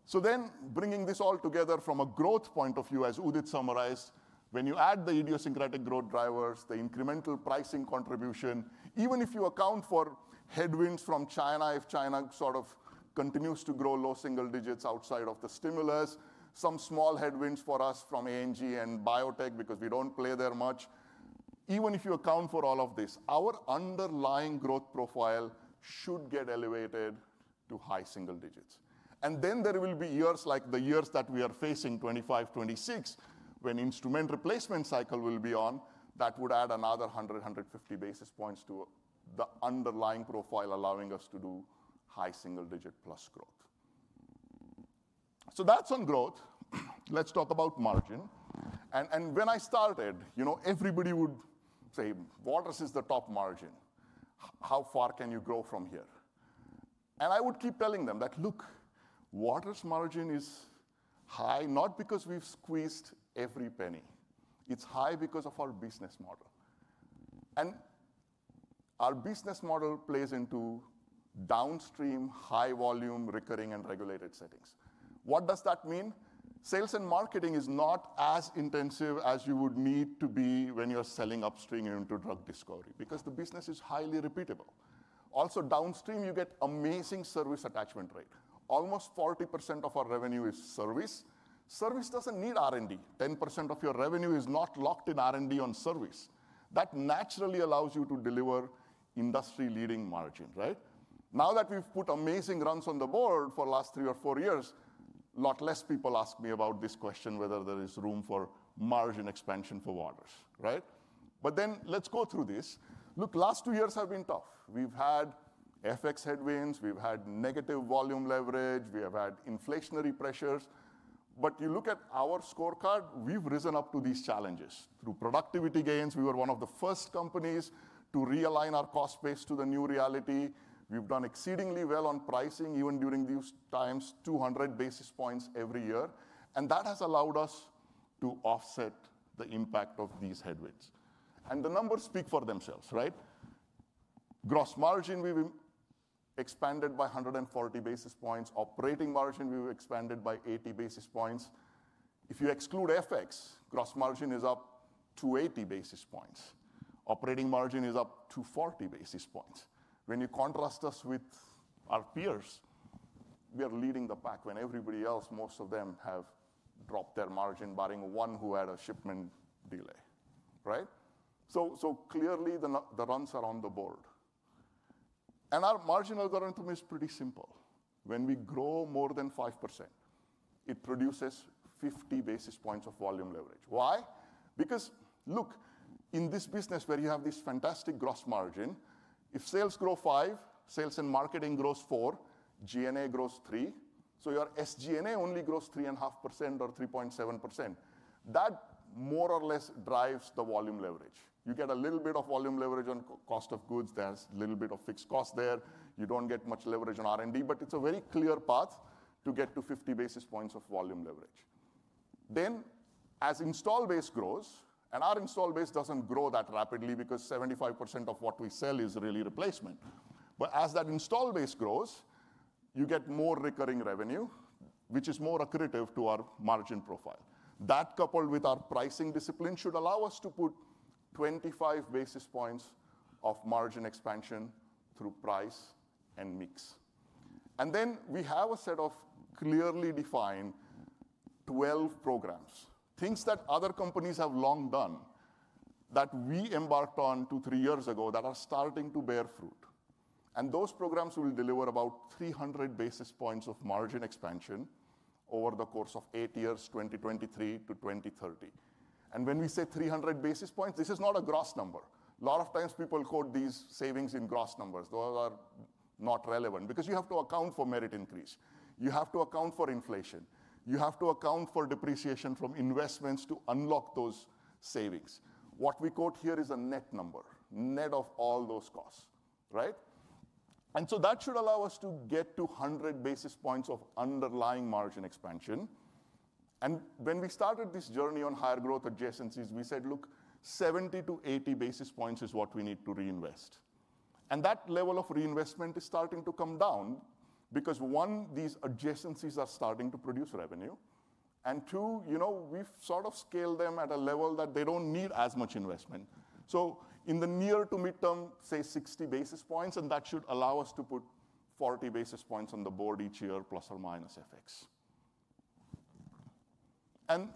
So then bringing this all together from a growth point of view, as Udit summarized, when you add the idiosyncratic growth drivers, the incremental pricing contribution, even if you account for headwinds from China, if China sort of continues to grow low single-digits outside of the stimulus, some small headwinds for us from ANDA and biotech because we don't play there much. Even if you account for all of this, our underlying growth profile should get elevated to high single-digits. Then there will be years like the years that we are facing, 2025, 2026, when instrument replacement cycle will be on, that would add another 100-150 basis points to the underlying profile, allowing us to do high single-digit plus growth. So that's on growth. Let's talk about margin. When I started, you know, everybody would say, Waters is the top margin. How far can you grow from here? I would keep telling them that, look, Waters' margin is high, not because we've squeezed every penny. It's high because of our business model. Our business model plays into downstream, high volume, recurring and regulated settings. What does that mean? Sales and marketing is not as intensive as you would need to be when you're selling upstream into drug discovery because the business is highly repeatable. Also, downstream, you get amazing service attachment rate. Almost 40% of our revenue is service. Service doesn't need R&D. 10% of your revenue is not locked in R&D on service. That naturally allows you to deliver industry-leading margin, right? Now that we've put amazing runs on the board for the last three or four years, a lot less people ask me about this question, whether there is room for margin expansion for Waters, right? But then let's go through this. Look, last two years have been tough. We've had FX headwinds. We've had negative volume leverage. We have had inflationary pressures. But you look at our scorecard, we've risen up to these challenges through productivity gains. We were one of the first companies to realign our cost base to the new reality. We've done exceedingly well on pricing even during these times, 200 basis points every year. That has allowed us to offset the impact of these headwinds. The numbers speak for themselves, right? Gross margin, we've expanded by 140 basis points. Operating margin, we've expanded by 80 basis points. If you exclude FX, gross margin is up 80 basis points. Operating margin is up 40 basis points. When you contrast us with our peers, we are leading the pack when everybody else, most of them have dropped their margin, barring one who had a shipment delay, right? Clearly, the runs are on the board. Our marginal growth is pretty simple. When we grow more than 5%, it produces 50 basis points of volume leverage. Why? Because look, in this business where you have this fantastic gross margin, if sales grow five, sales and marketing grows four, G&A grows three. Your SG&A only grows 3.5% or 3.7%. That more or less drives the volume leverage. You get a little bit of volume leverage on cost of goods. There's a little bit of fixed cost there. You don't get much leverage on R&D, but it's a very clear path to get to 50 basis points of volume leverage. Then as installed base grows, and our installed base doesn't grow that rapidly because 75% of what we sell is really replacement. But as that installed base grows, you get more recurring revenue, which is more accretive to our margin profile. That coupled with our pricing discipline should allow us to put 25 basis points of margin expansion through price and mix. And then we have a set of clearly defined 12 programs, things that other companies have long done that we embarked on two, three years ago that are starting to bear fruit. And those programs will deliver about 300 basis points of margin expansion over the course of eight years, 2023 to 2030. And when we say 300 basis points, this is not a gross number. A lot of times people quote these savings in gross numbers. Those are not relevant because you have to account for merit increase. You have to account for inflation. You have to account for depreciation from investments to unlock those savings. What we quote here is a net number, net of all those costs, right? And so that should allow us to get to 100 basis points of underlying margin expansion. And when we started this journey on higher growth adjacencies, we said, look, 70-80 basis points is what we need to reinvest. And that level of reinvestment is starting to come down because, one, these adjacencies are starting to produce revenue. And two, you know, we've sort of scaled them at a level that they don't need as much investment. So in the near to midterm, say 60 basis points, and that should allow us to put 40 basis points on the board each year plus or minus FX. And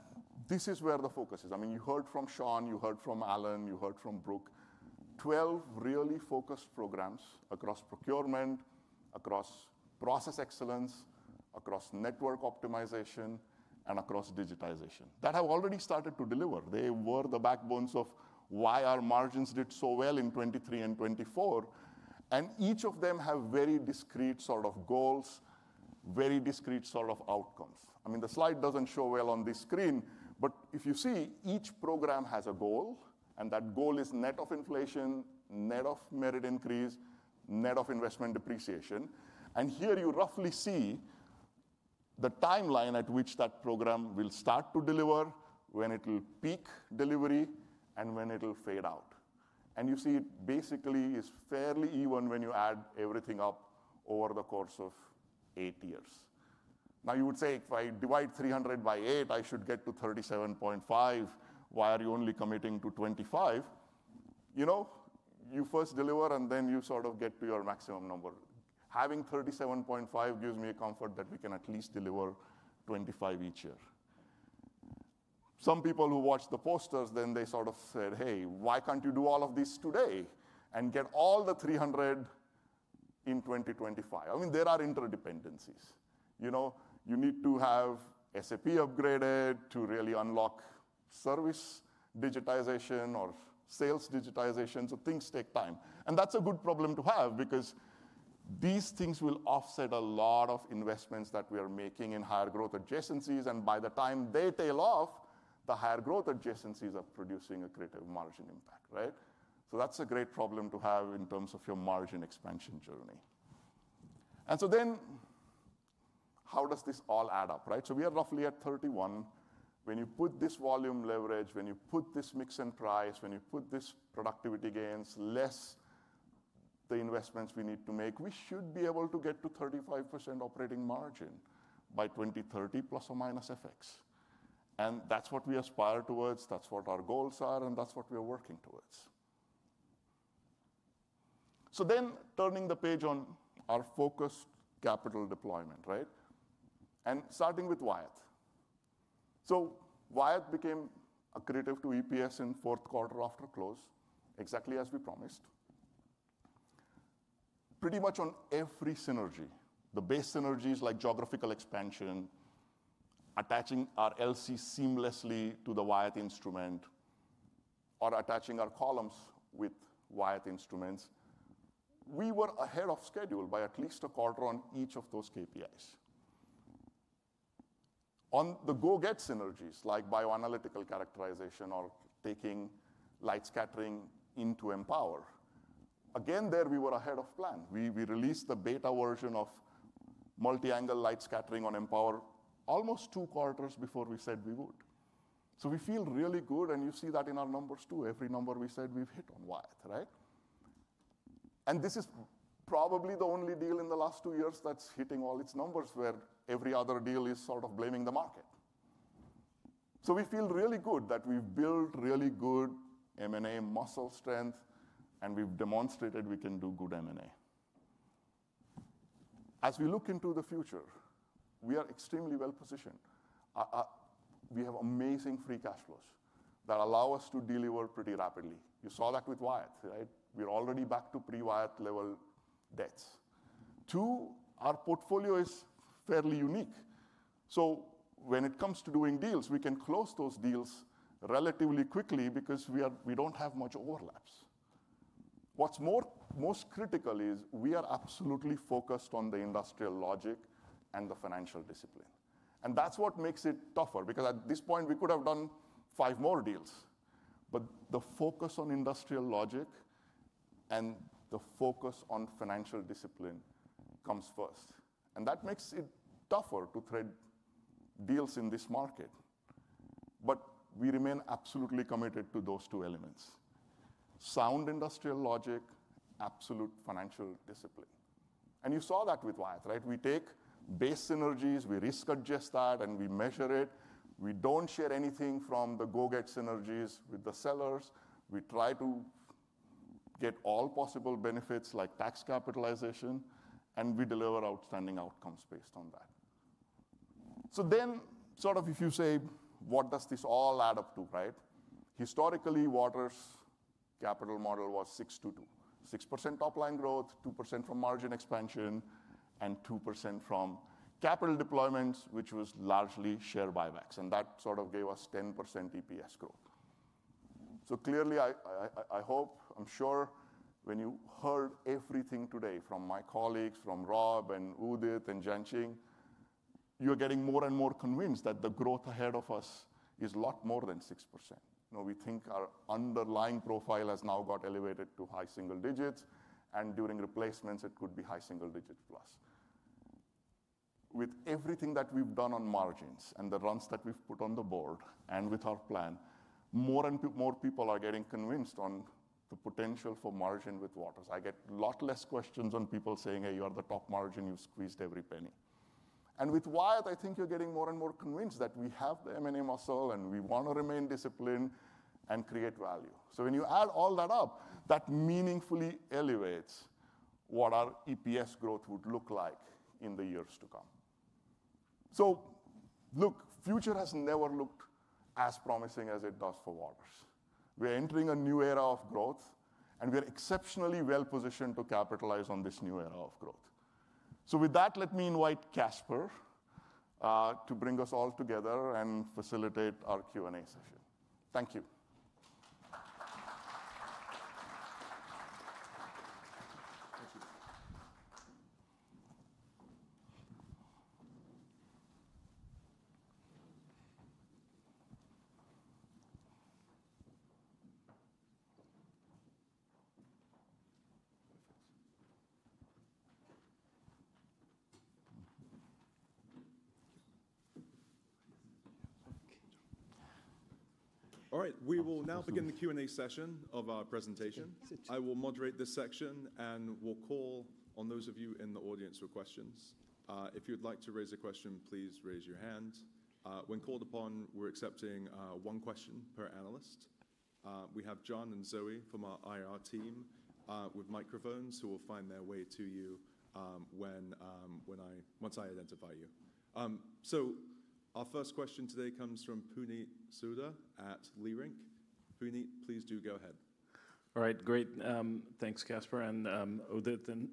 this is where the focus is. I mean, you heard from Shawn, you heard from Allan, you heard from Brooke, 12 really focused programs across procurement, across process excellence, across network optimization, and across digitization that have already started to deliver. They were the backbones of why our margins did so well in 2023 and 2024. And each of them have very discrete sort of goals, very discrete sort of outcomes. I mean, the slide doesn't show well on this screen, but if you see, each program has a goal, and that goal is net of inflation, net of merit increase, net of investment depreciation. And here you roughly see the timeline at which that program will start to deliver, when it will peak delivery, and when it will fade out. And you see it basically is fairly even when you add everything up over the course of eight years. Now you would say, if I divide 300 by eight, I should get to 37.5. Why are you only committing to 25? You know, you first deliver and then you sort of get to your maximum number. Having 37.5 gives me a comfort that we can at least deliver 25 each year. Some people who watch the posters, then they sort of said, hey, why can't you do all of this today and get all the 300 in 2025? I mean, there are interdependencies. You know, you need to have SAP upgraded to really unlock service digitization or sales digitization. So things take time. And that's a good problem to have because these things will offset a lot of investments that we are making in higher growth adjacencies. And by the time they tail off, the higher growth adjacencies are producing an accretive margin impact, right? So that's a great problem to have in terms of your margin expansion journey. And so then how does this all add up, right? So we are roughly at 31%. When you put this volume leverage, when you put this mix and price, when you put this productivity gains, less the investments we need to make, we should be able to get to 35% operating margin by 2030 plus or minus FX, and that's what we aspire towards. That's what our goals are, and that's what we are working towards, so then turning the page on our focused capital deployment, right? And starting with Wyatt. So Wyatt became accretive to EPS in fourth quarter after close, exactly as we promised. Pretty much on every synergy, the base synergies like geographical expansion, attaching our LC seamlessly to the Wyatt Instruments, or attaching our Columns with Wyatt Instruments, we were ahead of schedule by at least a quarter on each of those KPIs. On the go-get synergies like bioanalytical characterization or taking light scattering into Empower, again, there we were ahead of plan. We released the beta version of Multi-Angle Light Scattering on Empower almost two quarters before we said we would. So we feel really good, and you see that in our numbers too. Every number we said we've hit on Wyatt, right? And this is probably the only deal in the last two years that's hitting all its numbers where every other deal is sort of blaming the market. So we feel really good that we've built really good M&A muscle strength, and we've demonstrated we can do good M&A. As we look into the future, we are extremely well positioned. We have amazing free cash flows that allow us to deliver pretty rapidly. You saw that with Wyatt, right? We're already back to pre-Wyatt level debts. Two, our portfolio is fairly unique. So when it comes to doing deals, we can close those deals relatively quickly because we don't have much overlaps. What's most critical is we are absolutely focused on the industrial logic and the financial discipline. And that's what makes it tougher because at this point we could have done five more deals. But the focus on industrial logic and the focus on financial discipline comes first. And that makes it tougher to thread deals in this market. But we remain absolutely committed to those two elements: sound industrial logic, absolute financial discipline. And you saw that with Wyatt, right? We take base synergies, we risk adjust that, and we measure it. We don't share anything from the go-forward synergies with the sellers. We try to get all possible benefits like tax capitalization, and we deliver outstanding outcomes based on that. So then sort of if you say, what does this all add up to, right? Historically, Waters' capital model was 6 to 2: 6% top line growth, 2% from margin expansion, and 2% from capital deployments, which was largely share buybacks. And that sort of gave us 10% EPS growth. Clearly, I hope, I'm sure when you heard everything today from my colleagues, from Rob and Udit and Jianqing, you are getting more and more convinced that the growth ahead of us is a lot more than 6%. You know, we think our underlying profile has now got elevated to high single-digits. And during replacements, it could be high single-digit plus. With everything that we've done on margins and the runs that we've put on the board and with our plan, more and more people are getting convinced on the potential for margin with Waters. I get a lot less questions on people saying, hey, you are the top margin. You've squeezed every penny. And with Wyatt, I think you're getting more and more convinced that we have the M&A muscle and we want to remain disciplined and create value. So when you add all that up, that meaningfully elevates what our EPS growth would look like in the years to come. So look, the future has never looked as promising as it does for Waters. We're entering a new era of growth, and we're exceptionally well positioned to capitalize on this new era of growth. So with that, let me invite Caspar to bring us all together and facilitate our Q&A session. Thank you. Okay. All right. We will now begin the Q&A session of our presentation. I will moderate this section and will call on those of you in the audience for questions. If you'd like to raise a question, please raise your hand. When called upon, we're accepting one question per analyst. We have John and Zoe from our IR team with microphones, so we'll find their way to you once I identify you. So our first question today comes from Puneet Souda at Leerink. Puneet, please do go ahead. All right, great. Thanks, Caspar. And Udit and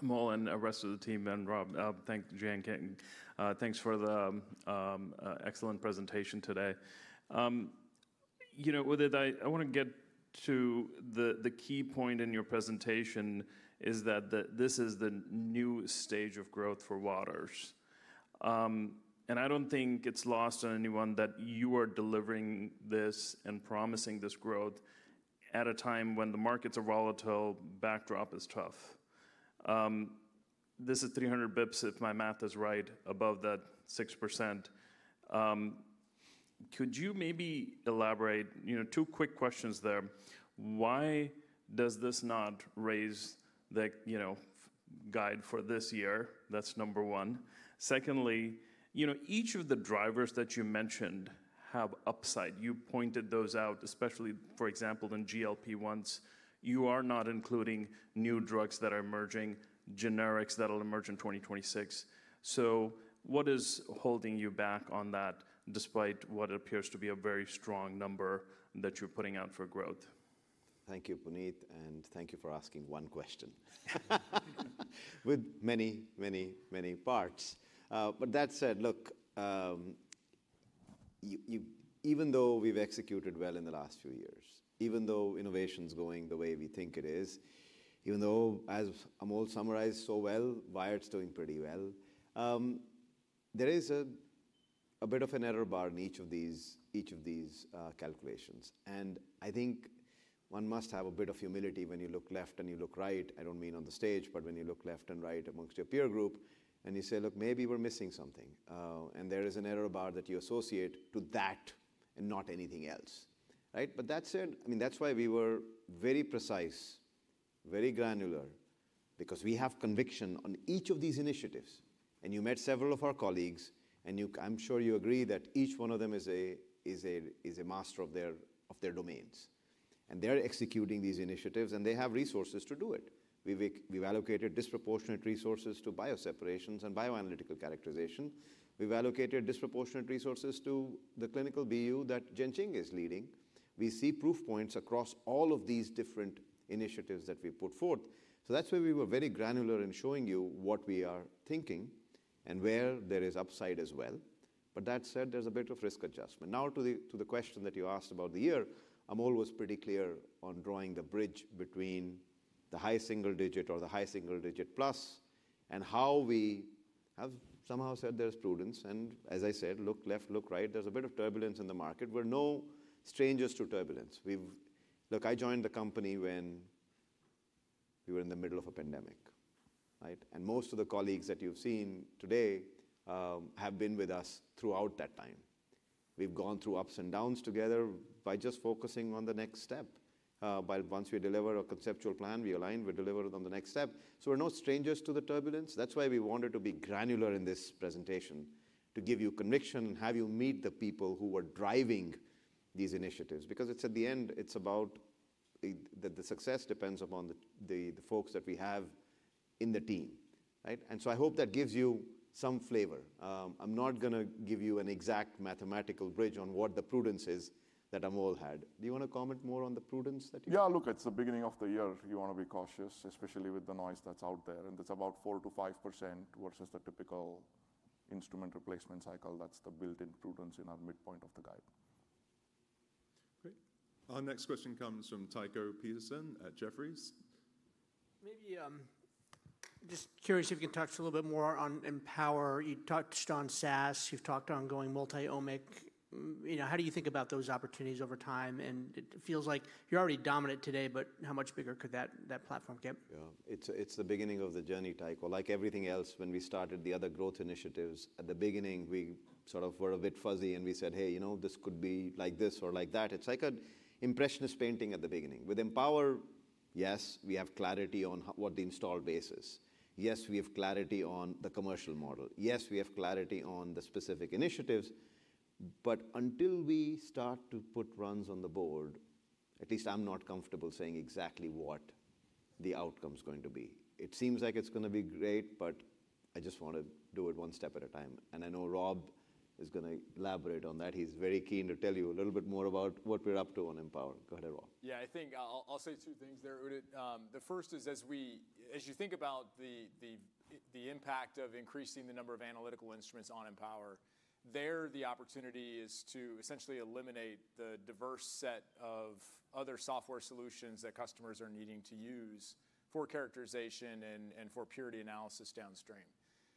Amol and the rest of the team, then Rob, I'll thank Jianqing. Thanks for the excellent presentation today. You know, Udit, I want to get to the key point in your presentation is that this is the new stage of growth for Waters. And I don't think it's lost on anyone that you are delivering this and promising this growth at a time when the markets are volatile, backdrop is tough. This is 300 basis points, if my math is right, above that 6%. Could you maybe elaborate? You know, two quick questions there. Why does this not raise the guide for this year? That's number one. Secondly, you know, each of the drivers that you mentioned have upside. You pointed those out, especially, for example, in GLP-1s. You are not including new drugs that are emerging, generics that will emerge in 2026. So what is holding you back on that despite what appears to be a very strong number that you're putting out for growth? Thank you, Puneet, and thank you for asking one question with many, many, many parts. But that said, look, even though we've executed well in the last few years, even though innovation is going the way we think it is, even though, as Amol summarized so well, Waters is doing pretty well. There is a bit of an error bar in each of these calculations. I think one must have a bit of humility when you look left and you look right. I don't mean on the stage, but when you look left and right among your peer group and you say, look, maybe we're missing something. There is an error bar that you associate to that and not anything else, right? That said, I mean, that's why we were very precise, very granular, because we have conviction on each of these initiatives. You met several of our colleagues, and I'm sure you agree that each one of them is a master of their domains. They're executing these initiatives, and they have resources to do it. We've allocated disproportionate resources to bioseparations and bioanalytical characterization. We've allocated disproportionate resources to the clinical BU that Jianqing is leading. We see proof points across all of these different initiatives that we put forth. So that's why we were very granular in showing you what we are thinking and where there is upside as well. But that said, there's a bit of risk adjustment. Now, to the question that you asked about the year, Amol was pretty clear on drawing the bridge between the high single-digit or the high single-digit plus and how we have somehow said there's prudence. And as I said, look left, look right, there's a bit of turbulence in the market. We're no strangers to turbulence. Look, I joined the company when we were in the middle of a pandemic, right? And most of the colleagues that you've seen today have been with us throughout that time. We've gone through ups and downs together by just focusing on the next step. By the time we deliver a conceptual plan, we align, we deliver it on the next step. So we're no strangers to the turbulence. That's why we wanted to be granular in this presentation to give you conviction and have you meet the people who were driving these initiatives. Because at the end, it's about the success depends upon the folks that we have in the team, right? And so I hope that gives you some flavor. I'm not going to give you an exact mathematical bridge on what the prudence is that Amol had. Do you want to comment more on the prudence that you? Yeah, look, it's the beginning of the year. You want to be cautious, especially with the noise that's out there. And it's about 4%-5% vs the typical instrument replacement cycle. That's the built-in prudence in our midpoint of the guide. Great. Our next question comes from Tycho Peterson at Jefferies. Maybe just curious if you can talk to us a little bit more on Empower. You touched on SaaS. You've talked on going multi-omic. You know, how do you think about those opportunities over time? And it feels like you're already dominant today, but how much bigger could that platform get? Yeah, it's the beginning of the journey, Tycho. Like everything else, when we started the other growth initiatives, at the beginning, we sort of were a bit fuzzy and we said, hey, you know, this could be like this or like that. It's like an impressionist painting at the beginning. With Empower, yes, we have clarity on what the installed base is. Yes, we have clarity on the commercial model. Yes, we have clarity on the specific initiatives. But until we start to put runs on the board, at least I'm not comfortable saying exactly what the outcome is going to be. It seems like it's going to be great, but I just want to do it one step at a time, and I know Rob is going to elaborate on that. He's very keen to tell you a little bit more about what we're up to on Empower. Go ahead, Rob. Yeah, I think I'll say two things there, Udit. The first is, as you think about the impact of increasing the number of analytical instruments on Empower, there, the opportunity is to essentially eliminate the diverse set of other software solutions that customers are needing to use for characterization and for purity analysis downstream.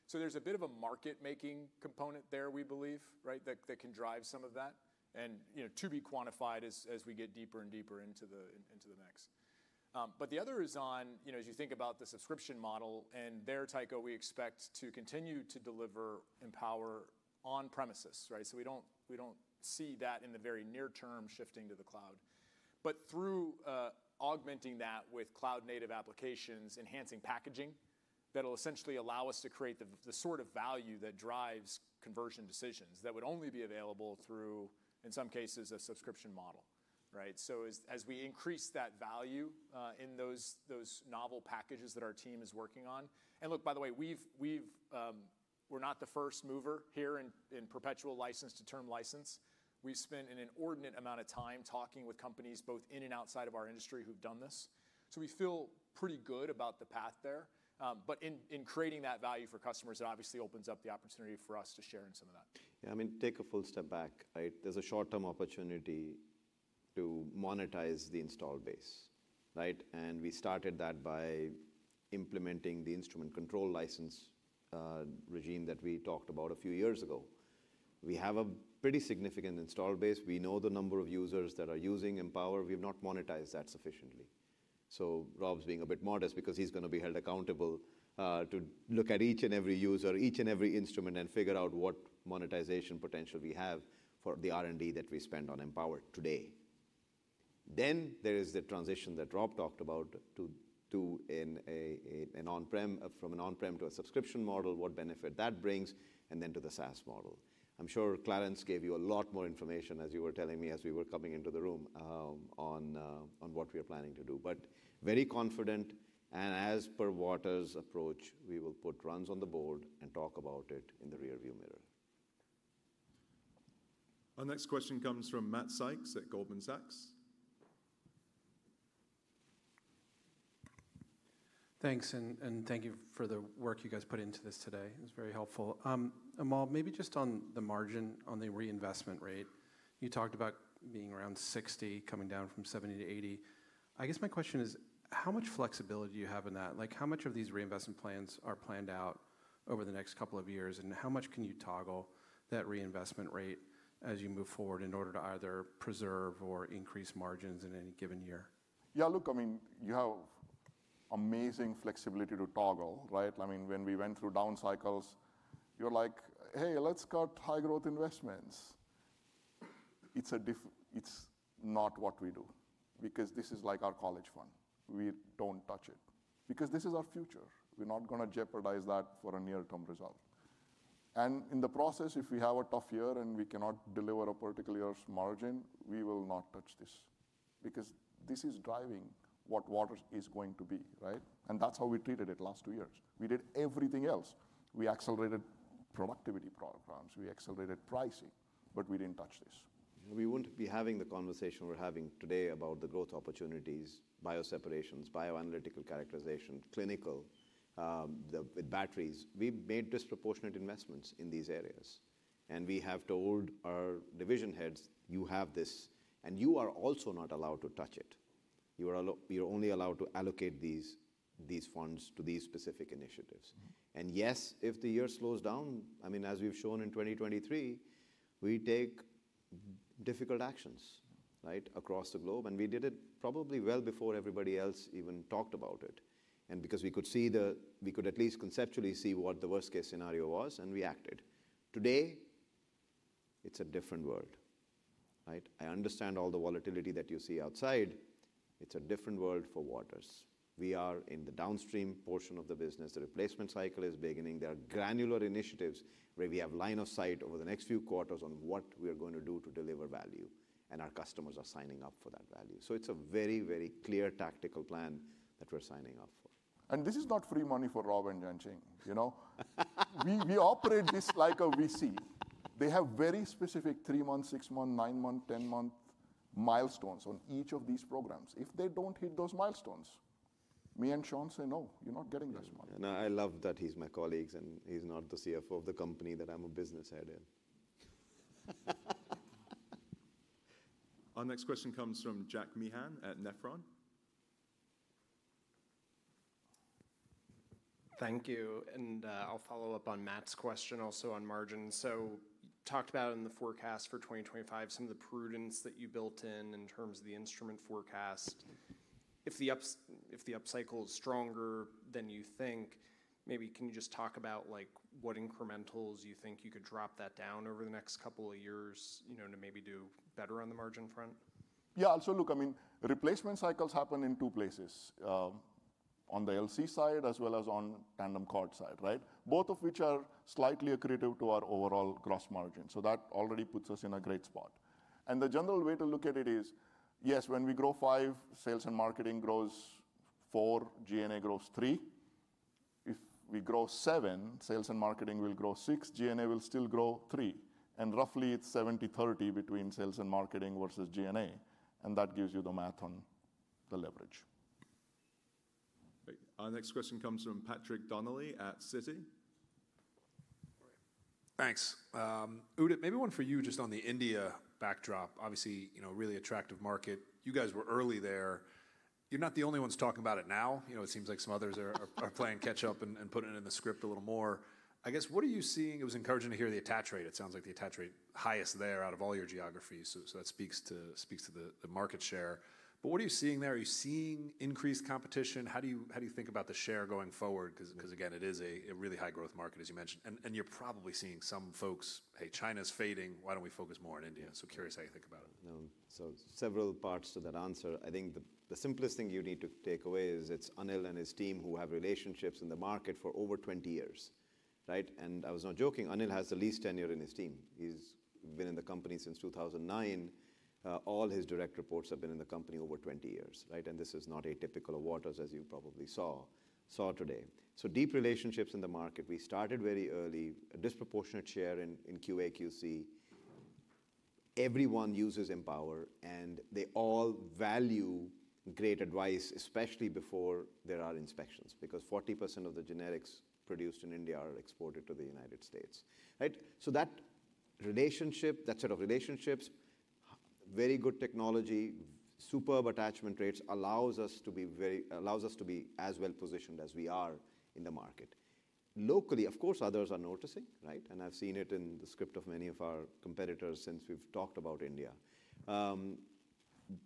So there's a bit of a market-making component there, we believe, right, that can drive some of that and, you know, to be quantified as we get deeper and deeper into the mix. But the other is on, you know, as you think about the subscription model and there, Tycho, we expect to continue to deliver Empower on-premises, right? So we don't see that in the very near term shifting to the cloud, but through augmenting that with cloud-native applications, enhancing packaging that will essentially allow us to create the sort of value that drives conversion decisions that would only be available through, in some cases, a subscription model, right? So as we increase that value in those novel packages that our team is working on, and look, by the way, we're not the first mover here in perpetual license to term license. We spend an inordinate amount of time talking with companies both in and outside of our industry who've done this. So we feel pretty good about the path there. But in creating that value for customers, it obviously opens up the opportunity for us to share in some of that. Yeah, I mean, take a full step back, right? There's a short-term opportunity to monetize the install base, right? And we started that by implementing the instrument control license regime that we talked about a few years ago. We have a pretty significant install base. We know the number of users that are using Empower. We have not monetized that sufficiently. So Rob's being a bit modest because he's going to be held accountable to look at each and every user, each and every instrument, and figure out what monetization potential we have for the R&D that we spend on Empower today. Then there is the transition that Rob talked about to an on-prem, from an on-prem to a subscription model, what benefit that brings, and then to the SaaS model. I'm sure Clarence gave you a lot more information as you were telling me as we were coming into the room on what we are planning to do. But very confident, and as per Waters' approach, we will put runs on the board and talk about it in the rearview mirror. Our next question comes from Matt Sykes at Goldman Sachs. Thanks, and thank you for the work you guys put into this today. It was very helpful. Amol, maybe just on the margin, on the reinvestment rate, you talked about being around 60%, coming down from 70%-80%. I guess my question is, how much flexibility do you have in that? Like, how much of these reinvestment plans are planned out over the next couple of years, and how much can you toggle that reinvestment rate as you move forward in order to either preserve or increase margins in any given year? Yeah, look, I mean, you have amazing flexibility to toggle, right? I mean, when we went through down cycles, you're like, hey, let's cut high-growth investments. It's not what we do because this is like our college fund. We don't touch it because this is our future. We're not going to jeopardize that for a near-term result. In the process, if we have a tough year and we cannot deliver a particular year's margin, we will not touch this because this is driving what Waters is going to be, right? That's how we treated it last two years. We did everything else. We accelerated productivity programs. We accelerated pricing, but we didn't touch this. We wouldn't be having the conversation we're having today about the growth opportunities, bioseparations, bioanalytical characterization, clinical, with batteries. We've made disproportionate investments in these areas, and we have told our division heads, you have this, and you are also not allowed to touch it. You're only allowed to allocate these funds to these specific initiatives. Yes, if the year slows down, I mean, as we've shown in 2023, we take difficult actions, right, across the globe, and we did it probably well before everybody else even talked about it. Because we could at least conceptually see what the worst-case scenario was, and we acted. Today, it's a different world, right? I understand all the volatility that you see outside. It's a different world for Waters. We are in the downstream portion of the business. The replacement cycle is beginning. There are granular initiatives where we have line of sight over the next few quarters on what we are going to do to deliver value, and our customers are signing up for that value. So it's a very, very clear tactical plan that we're signing up for. And this is not free money for Rob and Jianqing, you know? We operate this like a VC. They have very specific three-month, six-month, nine-month, ten-month milestones on each of these programs. If they don't hit those milestones, me and Sean say, no, you're not getting this money. No, I love that he's my colleagues, and he's not the CFO of the company that I'm a business head in. Our next question comes from Jack Meehan at Nephron. Thank you. And I'll follow up on Matt's question also on margins. So you talked about in the forecast for 2025, some of the prudence that you built in in terms of the instrument forecast. If the up cycle is stronger than you think, maybe can you just talk about like what incrementals you think you could drop that down over the next couple of years, you know, to maybe do better on the margin front? Yeah, so look, I mean, replacement cycles happen in two places, on the LC side as well as on tandem quad side, right? Both of which are slightly accretive to our overall gross margin. So that already puts us in a great spot. And the general way to look at it is, yes, when we grow five, sales and marketing grows four, G&A grows three. If we grow seven, sales and marketing will grow six, G&A will still grow three. And roughly it's 70-30 between sales and marketing vs G&A. And that gives you the math on the leverage. Great. Our next question comes from Patrick Donnelly at Citi. Thanks. Udit, maybe one for you just on the India backdrop. Obviously, you know, really attractive market. You guys were early there. You're not the only ones talking about it now. You know, it seems like some others are playing catch-up and putting it in the script a little more. I guess, what are you seeing? It was encouraging to hear the attach rate. It sounds like the attach rate is highest there out of all your geographies. So that speaks to the market share. But what are you seeing there? Are you seeing increased competition? How do you think about the share going forward? Because again, it is a really high-growth market, as you mentioned. And you're probably seeing some folks, hey, China's fading. Why don't we focus more on India? So curious how you think about it. So several parts to that answer. I think the simplest thing you need to take away is it's Anil and his team who have relationships in the market for over 20 years, right? And I was not joking. Anil has the least tenure in his team. He's been in the company since 2009. All his direct reports have been in the company over 20 years, right? And this is not atypical of Waters, as you probably saw today. So deep relationships in the market. We started very early, a disproportionate share in QA/QC. Everyone uses Empower, and they all value great advice, especially before there are inspections, because 40% of the generics produced in India are exported to the United States, right? So that relationship, that set of relationships, very good technology, superb attachment rates allows us to be very, allows us to be as well positioned as we are in the market. Locally, of course, others are noticing, right? And I've seen it in the script of many of our competitors since we've talked about India.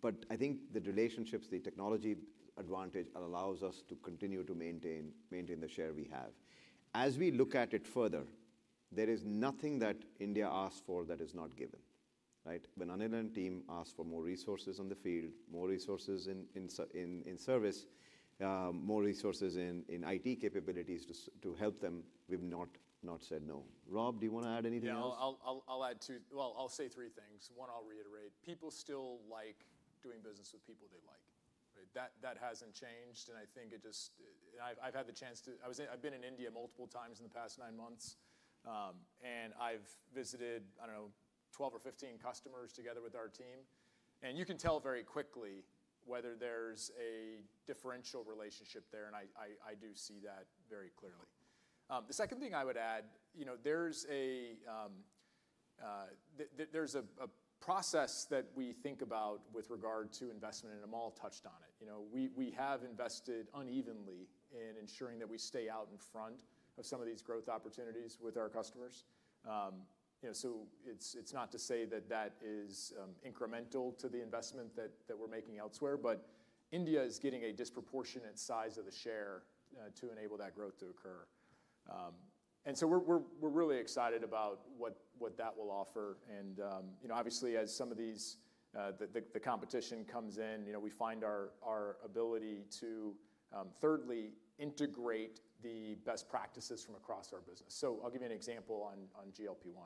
But I think the relationships, the technology advantage allows us to continue to maintain the share we have. As we look at it further, there is nothing that India asks for that is not given, right? When Anil and team ask for more resources in the field, more resources in service, more resources in IT capabilities to help them, we've not said no. Rob, do you want to add anything else? Yeah, I'll add two. Well, I'll say three things. One, I'll reiterate. People still like doing business with people they like, right? That hasn't changed. And I think it just, I've had the chance to, I've been in India multiple times in the past nine months, and I've visited, I don't know, 12 or 15 customers together with our team. And you can tell very quickly whether there's a differential relationship there. And I do see that very clearly. The second thing I would add, you know, there's a process that we think about with regard to investment, and Amol touched on it. You know, we have invested unevenly in ensuring that we stay out in front of some of these growth opportunities with our customers. You know, so it's not to say that that is incremental to the investment that we're making elsewhere, but India is getting a disproportionate size of the share to enable that growth to occur. And so we're really excited about what that will offer. And, you know, obviously, as some of these, the competition comes in, you know, we find our ability to, thirdly, integrate the best practices from across our business. So I'll give you an example on GLP-1.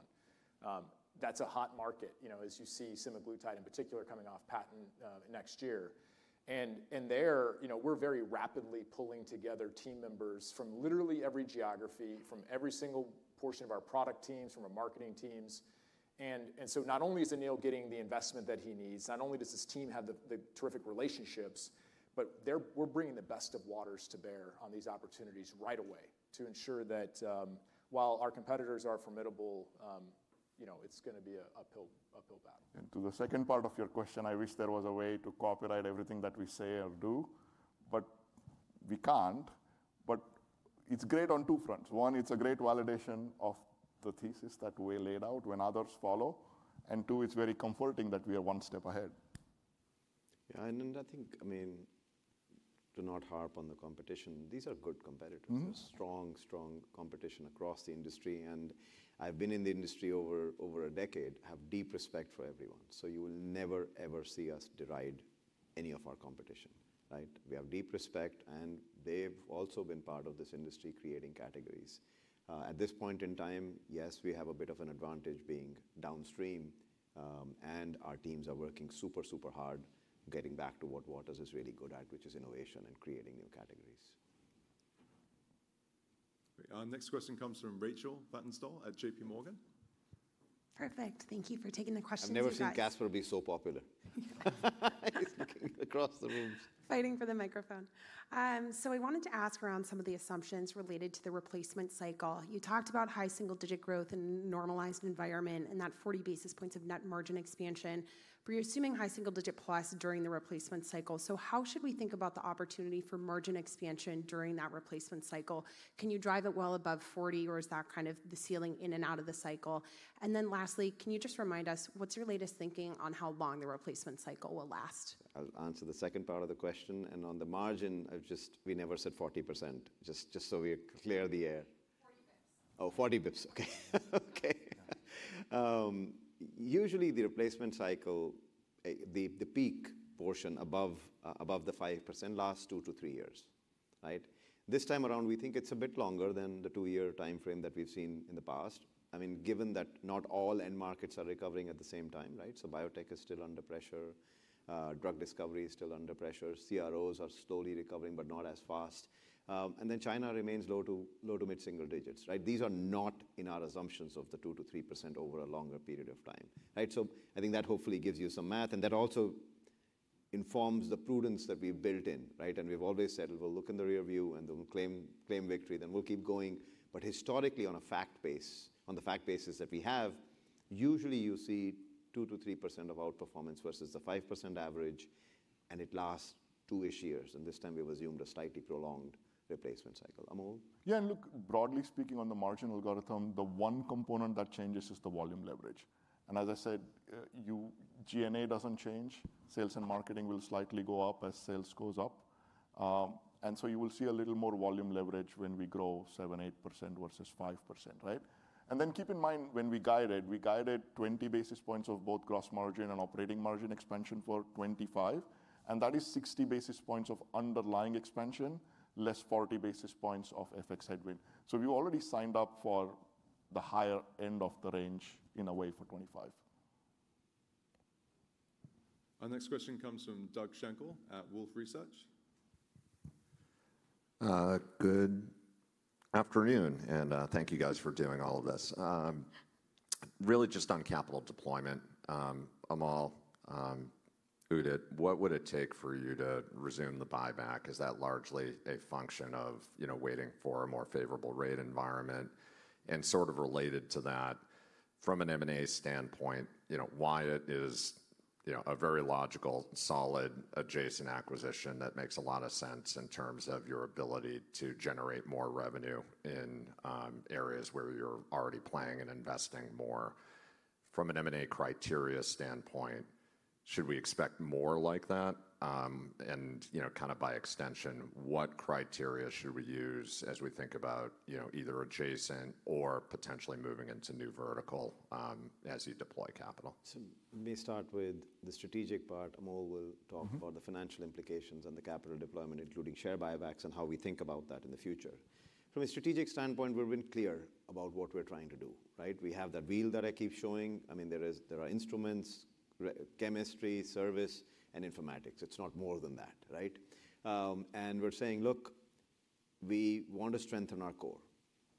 That's a hot market, you know, as you see semaglutide in particular coming off patent next year. And there, you know, we're very rapidly pulling together team members from literally every geography, from every single portion of our product teams, from our marketing teams. So not only is Anil getting the investment that he needs, not only does his team have the terrific relationships, but we're bringing the best of Waters to bear on these opportunities right away to ensure that while our competitors are formidable, you know, it's going to be an uphill battle. To the second part of your question, I wish there was a way to copyright everything that we say or do, but we can't. But it's great on two fronts. One, it's a great validation of the thesis that we laid out when others follow. And two, it's very comforting that we are one step ahead. Yeah, and I think, I mean, to not harp on the competition, these are good competitors, strong, strong competition across the industry. And I've been in the industry over a decade, have deep respect for everyone. So you will never, ever see us deride any of our competition, right? We have deep respect, and they've also been part of this industry creating categories. At this point in time, yes, we have a bit of an advantage being downstream, and our teams are working super, super hard getting back to what Waters is really good at, which is innovation and creating new categories. Our next question comes from Rachel Vatnsdal at JPMorgan. Perfect. Thank you for taking the question. I never thought gas would be so popular. It's looking across the room. Fighting for the microphone. So I wanted to ask around some of the assumptions related to the replacement cycle. You talked about high single-digit growth in a normalized environment and that 40 basis points of net margin expansion. We're assuming high single-digit plus during the replacement cycle. How should we think about the opportunity for margin expansion during that replacement cycle? Can you drive it well above 40%, or is that kind of the ceiling in and out of the cycle? And then lastly, can you just remind us what's your latest thinking on how long the replacement cycle will last? I'll answer the second part of the question. And on the margin, I've just, we never said 40%, just so we're clear the air. Oh, 40 basis points. Okay. Usually, the replacement cycle, the peak portion above the 5% lasts 2-3 years, right? This time around, we think it's a bit longer than the two-year timeframe that we've seen in the past. I mean, given that not all end markets are recovering at the same time, right? So biotech is still under pressure. Drug discovery is still under pressure. CROs are slowly recovering, but not as fast. And then China remains low to mid-single-digits, right? These are not in our assumptions of the 2-3% over a longer period of time, right? So I think that hopefully gives you some math, and that also informs the prudence that we've built in, right? And we've always said, we'll look in the rearview and then claim victory, then we'll keep going. But historically, on a fact base, on the fact basis that we have, usually you see 2-3% of outperformance vs the 5% average, and it lasts two-ish years. And this time we've assumed a slightly prolonged replacement cycle. Amol? Yeah, and look, broadly speaking, on the margin algorithm, the one component that changes is the volume leverage. And as I said, G&A doesn't change. Sales and marketing will slightly go up as sales goes up. And so you will see a little more volume leverage when we grow 7-8% vs 5%, right? And then keep in mind when we guide it, we guide it 20 basis points of both gross margin and operating margin expansion for 2025. And that is 60 basis points of underlying expansion, less 40 basis points of FX headwind. So we've already signed up for the higher end of the range in a way for 2025. Our next question comes from Doug Schenkel at Wolfe Research. Good afternoon, and thank you guys for doing all of this. Really just on capital deployment, Amol, Udit, what would it take for you to resume the buyback? Is that largely a function of, you know, waiting for a more favorable rate environment? Sort of related to that, from an M&A standpoint, you know, why it is, you know, a very logical, solid, adjacent acquisition that makes a lot of sense in terms of your ability to generate more revenue in areas where you're already playing and investing more? From an M&A criteria standpoint, should we expect more like that? And, you know, kind of by extension, what criteria should we use as we think about, you know, either adjacent or potentially moving into new vertical as you deploy capital? So, may start with the strategic part. Amol will talk about the financial implications and the capital deployment, including share buybacks and how we think about that in the future. From a strategic standpoint, we've been clear about what we're trying to do, right? We have that wheel that I keep showing. I mean, there are instruments, chemistry, service, and informatics. It's not more than that, right? And we're saying, look, we want to strengthen our core.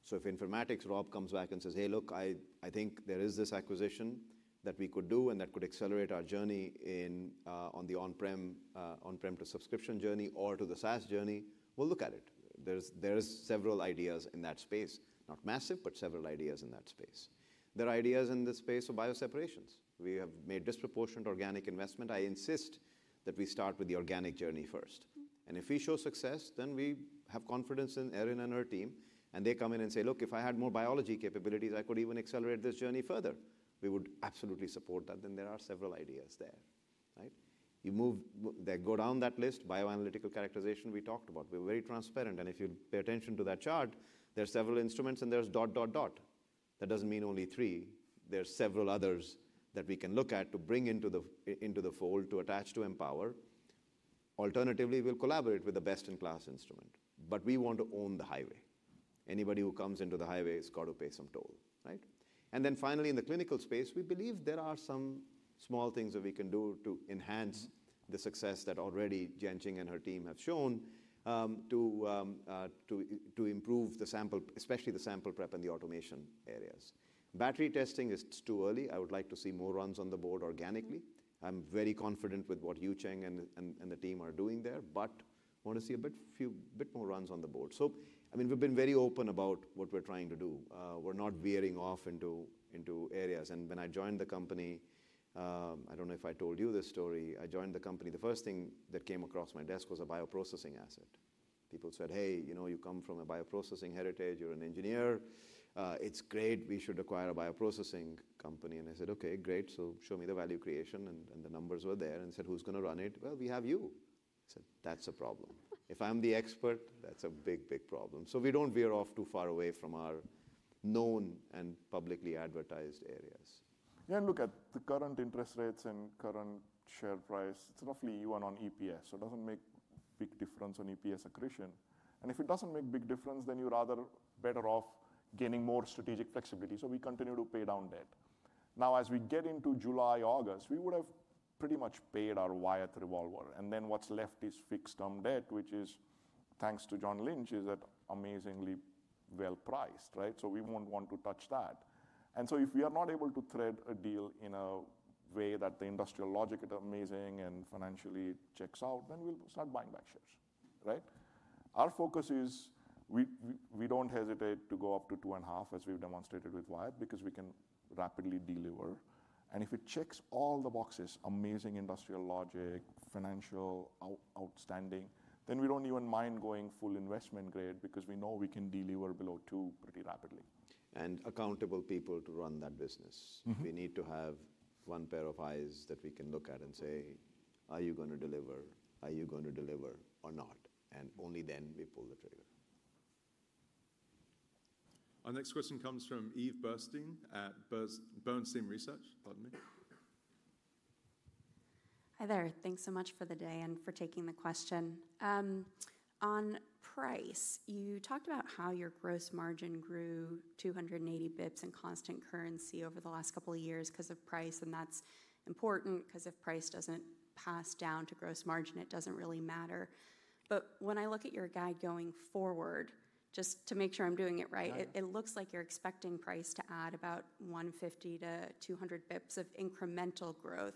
So if informatics, Rob comes back and says, hey, look, I think there is this acquisition that we could do and that could accelerate our journey on the on-prem to subscription journey or to the SaaS journey, we'll look at it. There's several ideas in that space, not massive, but several ideas in that space. There are ideas in this space of bioseparations. We have made disproportionate organic investment. I insist that we start with the organic journey first. And if we show success, then we have confidence in Erin and her team. And they come in and say, look, if I had more biology capabilities, I could even accelerate this journey further. We would absolutely support that. Then there are several ideas there, right? You move, go down that list, bioanalytical characterization we talked about. We're very transparent. And if you pay attention to that chart, there's several instruments and there's dot, dot, dot. That doesn't mean only three. There's several others that we can look at to bring into the fold to attach to Empower. Alternatively, we'll collaborate with the best-in-class instrument. But we want to own the highway. Anybody who comes into the highway has got to pay some toll, right? And then finally, in the clinical space, we believe there are some small things that we can do to enhance the success that already Jianqing and her team have shown to improve the sample, especially the sample prep and the automation areas. Battery testing is too early. I would like to see more runs on the board organically. I'm very confident with what Yu Cheng and the team are doing there, but I want to see a bit more runs on the board. So, I mean, we've been very open about what we're trying to do. We're not veering off into areas. When I joined the company, I don't know if I told you this story. I joined the company. The first thing that came across my desk was a bioprocessing asset. People said, hey, you know, you come from a bioprocessing heritage. You're an engineer. It's great. We should acquire a bioprocessing company. I said, okay, great. So show me the value creation. The numbers were there and said, who's going to run it? Well, we have you. I said, that's a problem. If I'm the expert, that's a big, big problem. We don't veer off too far away from our known and publicly advertised areas. Yeah, look at the current interest rates and current share price. It's roughly 1x on EPS. So it doesn't make a big difference on EPS accretion. And if it doesn't make a big difference, then you're rather better off gaining more strategic flexibility. So we continue to pay down debt. Now, as we get into July, August, we would have pretty much paid our revolver. And then what's left is fixed term debt, which is, thanks to John Lynch, at amazingly well priced, right? So we won't want to touch that. And so if we are not able to thread a deal in a way that the industrial logic and margin and financially checks out, then we'll start buying back shares, right? Our focus is we don't hesitate to go up to 2.5x as we've demonstrated with Wyatt because we can rapidly deliver. And if it checks all the boxes, amazing industrial logic, financial outstanding, then we don't even mind going full investment grade because we know we can deliver below two pretty rapidly. And accountable people to run that business. We need to have one pair of eyes that we can look at and say, are you going to deliver? Are you going to deliver or not? And only then we pull the trigger. Our next question comes from Eve Burstein at Bernstein Research. Pardon me. Hi there. Thanks so much for the day and for taking the question. On price, you talked about how your gross margin grew 280 basis points in constant currency over the last couple of years because of price. That's important because if price doesn't pass down to gross margin, it doesn't really matter. But when I look at your guide going forward, just to make sure I'm doing it right, it looks like you're expecting price to add about 150-200 basis points of incremental growth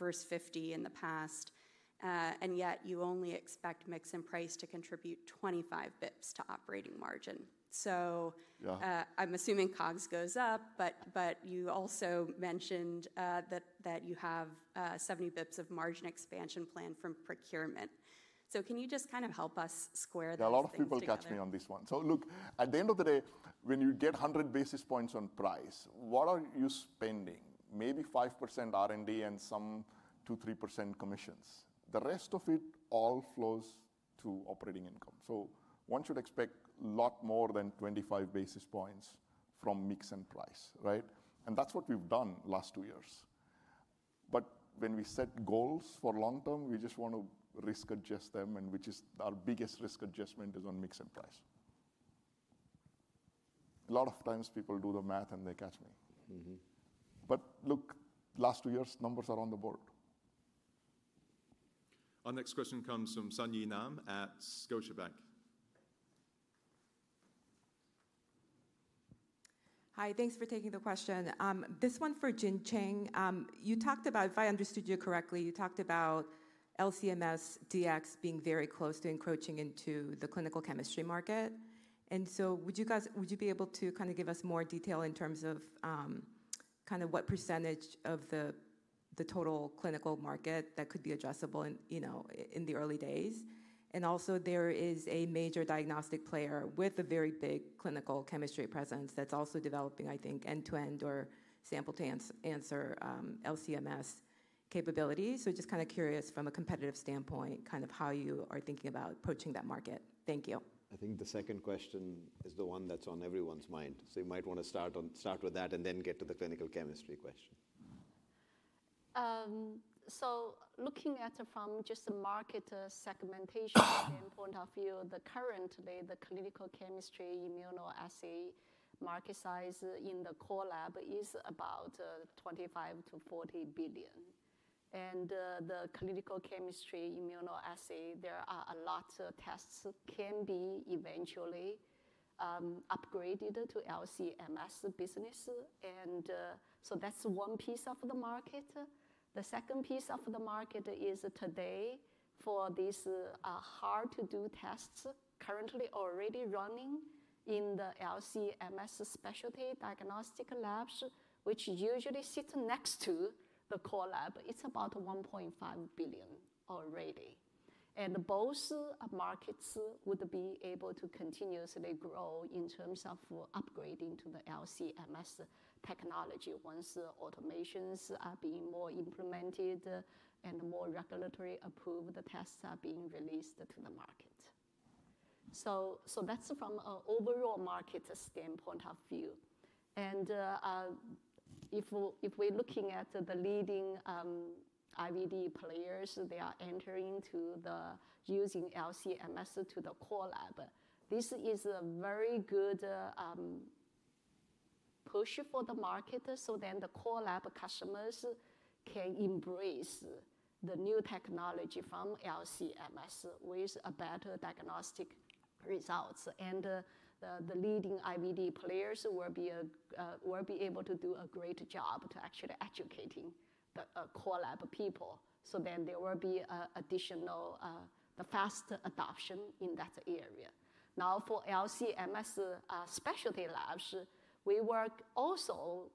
vs 50 basis points in the past. And yet you only expect mix and price to contribute 25 basis points to operating margin. So I'm assuming COGS goes up, but you also mentioned that you have 70 basis points of margin expansion plan from procurement. So can you just kind of help us square that? There are a lot of people catch me on this one. So look, at the end of the day, when you get 100 basis points on price, what are you spending? Maybe 5% R&D and some 2-3% commissions. The rest of it all flows to operating income. So one should expect a lot more than 25 basis points from mix and price, right? And that's what we've done last two years. But when we set goals for long term, we just want to risk adjust them, and which is our biggest risk adjustment is on mix and price. A lot of times people do the math and they catch me. But look, last two years numbers are on the board. Our next question comes from Sung Ji Nam at Scotiabank. Hi, thanks for taking the question. This one for Jianqing. You talked about, if I understood you correctly, you talked about LC-MS Dx being very close to encroaching into the clinical chemistry market. And so would you be able to kind of give us more detail in terms of kind of what percentage of the total clinical market that could be addressable in the early days? And also there is a major diagnostic player with a very big clinical chemistry presence that's also developing, I think, end-to-end or sample to answer LC-MS capabilities. So just kind of curious from a competitive standpoint, kind of how you are thinking about approaching that market. Thank you. I think the second question is the one that's on everyone's mind. So you might want to start with that and then get to the clinical chemistry question. So looking at it from just the market segmentation point of view, the current today, the clinical chemistry, immunoassay market size in the core lab is about $25 billion-$40 billion. And the clinical chemistry, immunoassay, there are a lot of tests that can be eventually upgraded to LC-MS business. And so that's one piece of the market. The second piece of the market is today for these hard-to-do tests currently already running in the LC-MS specialty diagnostic labs, which usually sit next to the core lab. It's about $1.5 billion already, and both markets would be able to continuously grow in terms of upgrading to the LC-MS technology once the automations are being more implemented and more regulatory approved tests are being released to the market, so that's from an overall market standpoint of view. And if we're looking at the leading IVD players, they are entering to the using LC-MS to the core lab. This is a very good push for the market, so then the core lab customers can embrace the new technology from LC-MS with better diagnostic results, and the leading IVD players will be able to do a great job to actually educating the core lab people. So then there will be an additional, the fast adoption in that area. Now for LC-MS specialty labs, we work also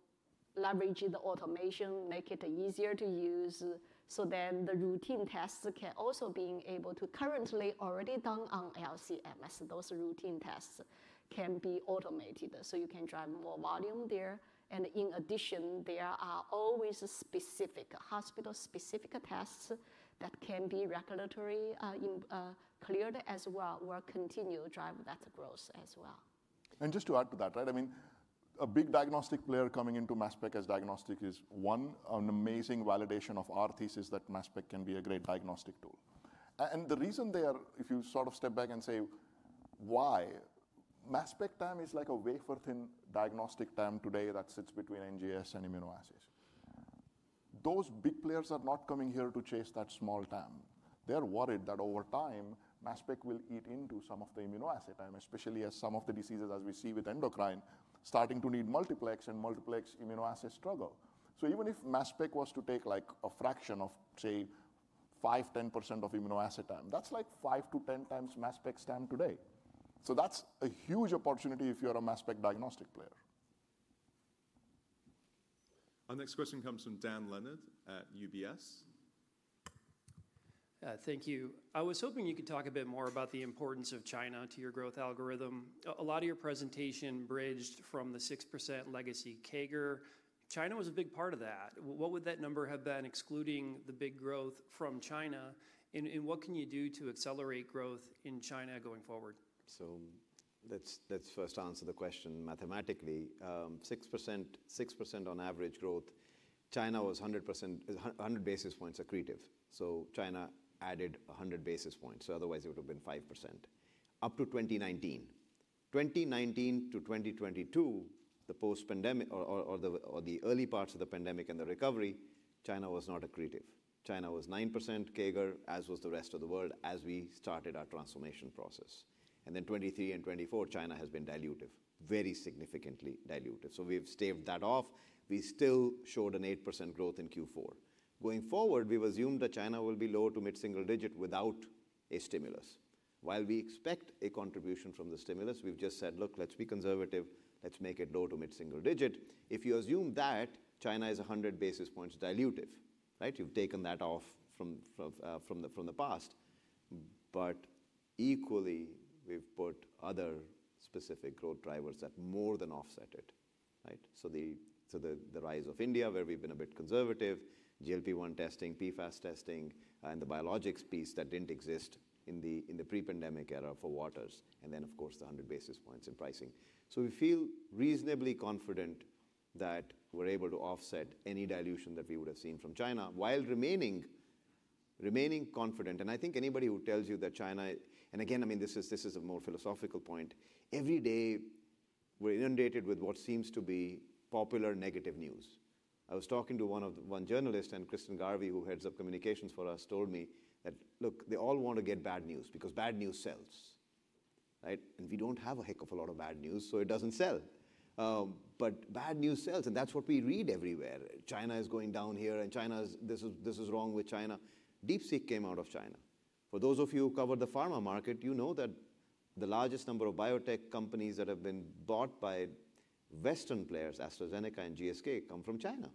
leveraging the automation, make it easier to use. So then the routine tests can also be able to currently already done on LC-MS. Those routine tests can be automated. So you can drive more volume there. And in addition, there are always specific hospital-specific tests that can be regulatory cleared as well or continue to drive that growth as well. And just to add to that, right? I mean, a big diagnostic player coming into Mass Spec as diagnostic is one, an amazing validation of our thesis that Mass Spec can be a great diagnostic tool. And the reason they are, if you sort of step back and say why, Mass Spec time is like a wafer-thin diagnostic time today that sits between NGS and immunoassays. Those big players are not coming here to chase that small time. They're worried that over time, Mass Spec will eat into some of the immunoassay time, especially as some of the diseases, as we see with endocrine, starting to need multiplex and multiplex immunoassay struggle. So even if Mass Spec was to take like a fraction of, say, 5-10% of immunoassay time, that's like 5x-10x Mass Spec's time today. So that's a huge opportunity if you're a Mass Spec diagnostic player. Our next question comes from Dan Leonard at UBS. Thank you. I was hoping you could talk a bit more about the importance of China to your growth algorithm. A lot of your presentation bridged from the 6% legacy CAGR. China was a big part of that. What would that number have been excluding the big growth from China? And what can you do to accelerate growth in China going forward? Let's first answer the question mathematically. 6% on average growth, China was 100 basis points accretive. China added 100 basis points. Otherwise it would have been 5% up to 2019. 2019-2022, the post-pandemic or the early parts of the pandemic and the recovery, China was not accretive. China was 9% CAGR, as was the rest of the world as we started our transformation process. Then 2023 and 2024, China has been dilutive, very significantly dilutive. We've staved that off. We still showed an 8% growth in Q4. Going forward, we've assumed that China will be low to mid-single-digit without a stimulus. While we expect a contribution from the stimulus, we've just said, look, let's be conservative. Let's make it low to mid-single-digit. If you assume that, China is 100 basis points dilutive, right? You've taken that off from the past. But equally, we've put other specific growth drivers that more than offset it, right? So the rise of India, where we've been a bit conservative, GLP-1 testing, PFAS testing, and the biologics piece that didn't exist in the pre-pandemic era for Waters. And then, of course, the 100 basis points in pricing. So we feel reasonably confident that we're able to offset any dilution that we would have seen from China while remaining confident. And I think anybody who tells you that China, and again, I mean, this is a more philosophical point, every day we're inundated with what seems to be popular negative news. I was talking to one journalist, and Kristen Garvey, who heads up communications for us, told me that, look, they all want to get bad news because bad news sells, right? And we don't have a heck of a lot of bad news, so it doesn't sell. But bad news sells, and that's what we read everywhere. China is going down here, and China is, this is wrong with China. DeepSeek came out of China. For those of you who cover the pharma market, you know that the largest number of biotech companies that have been bought by Western players, AstraZeneca and GSK, come from China,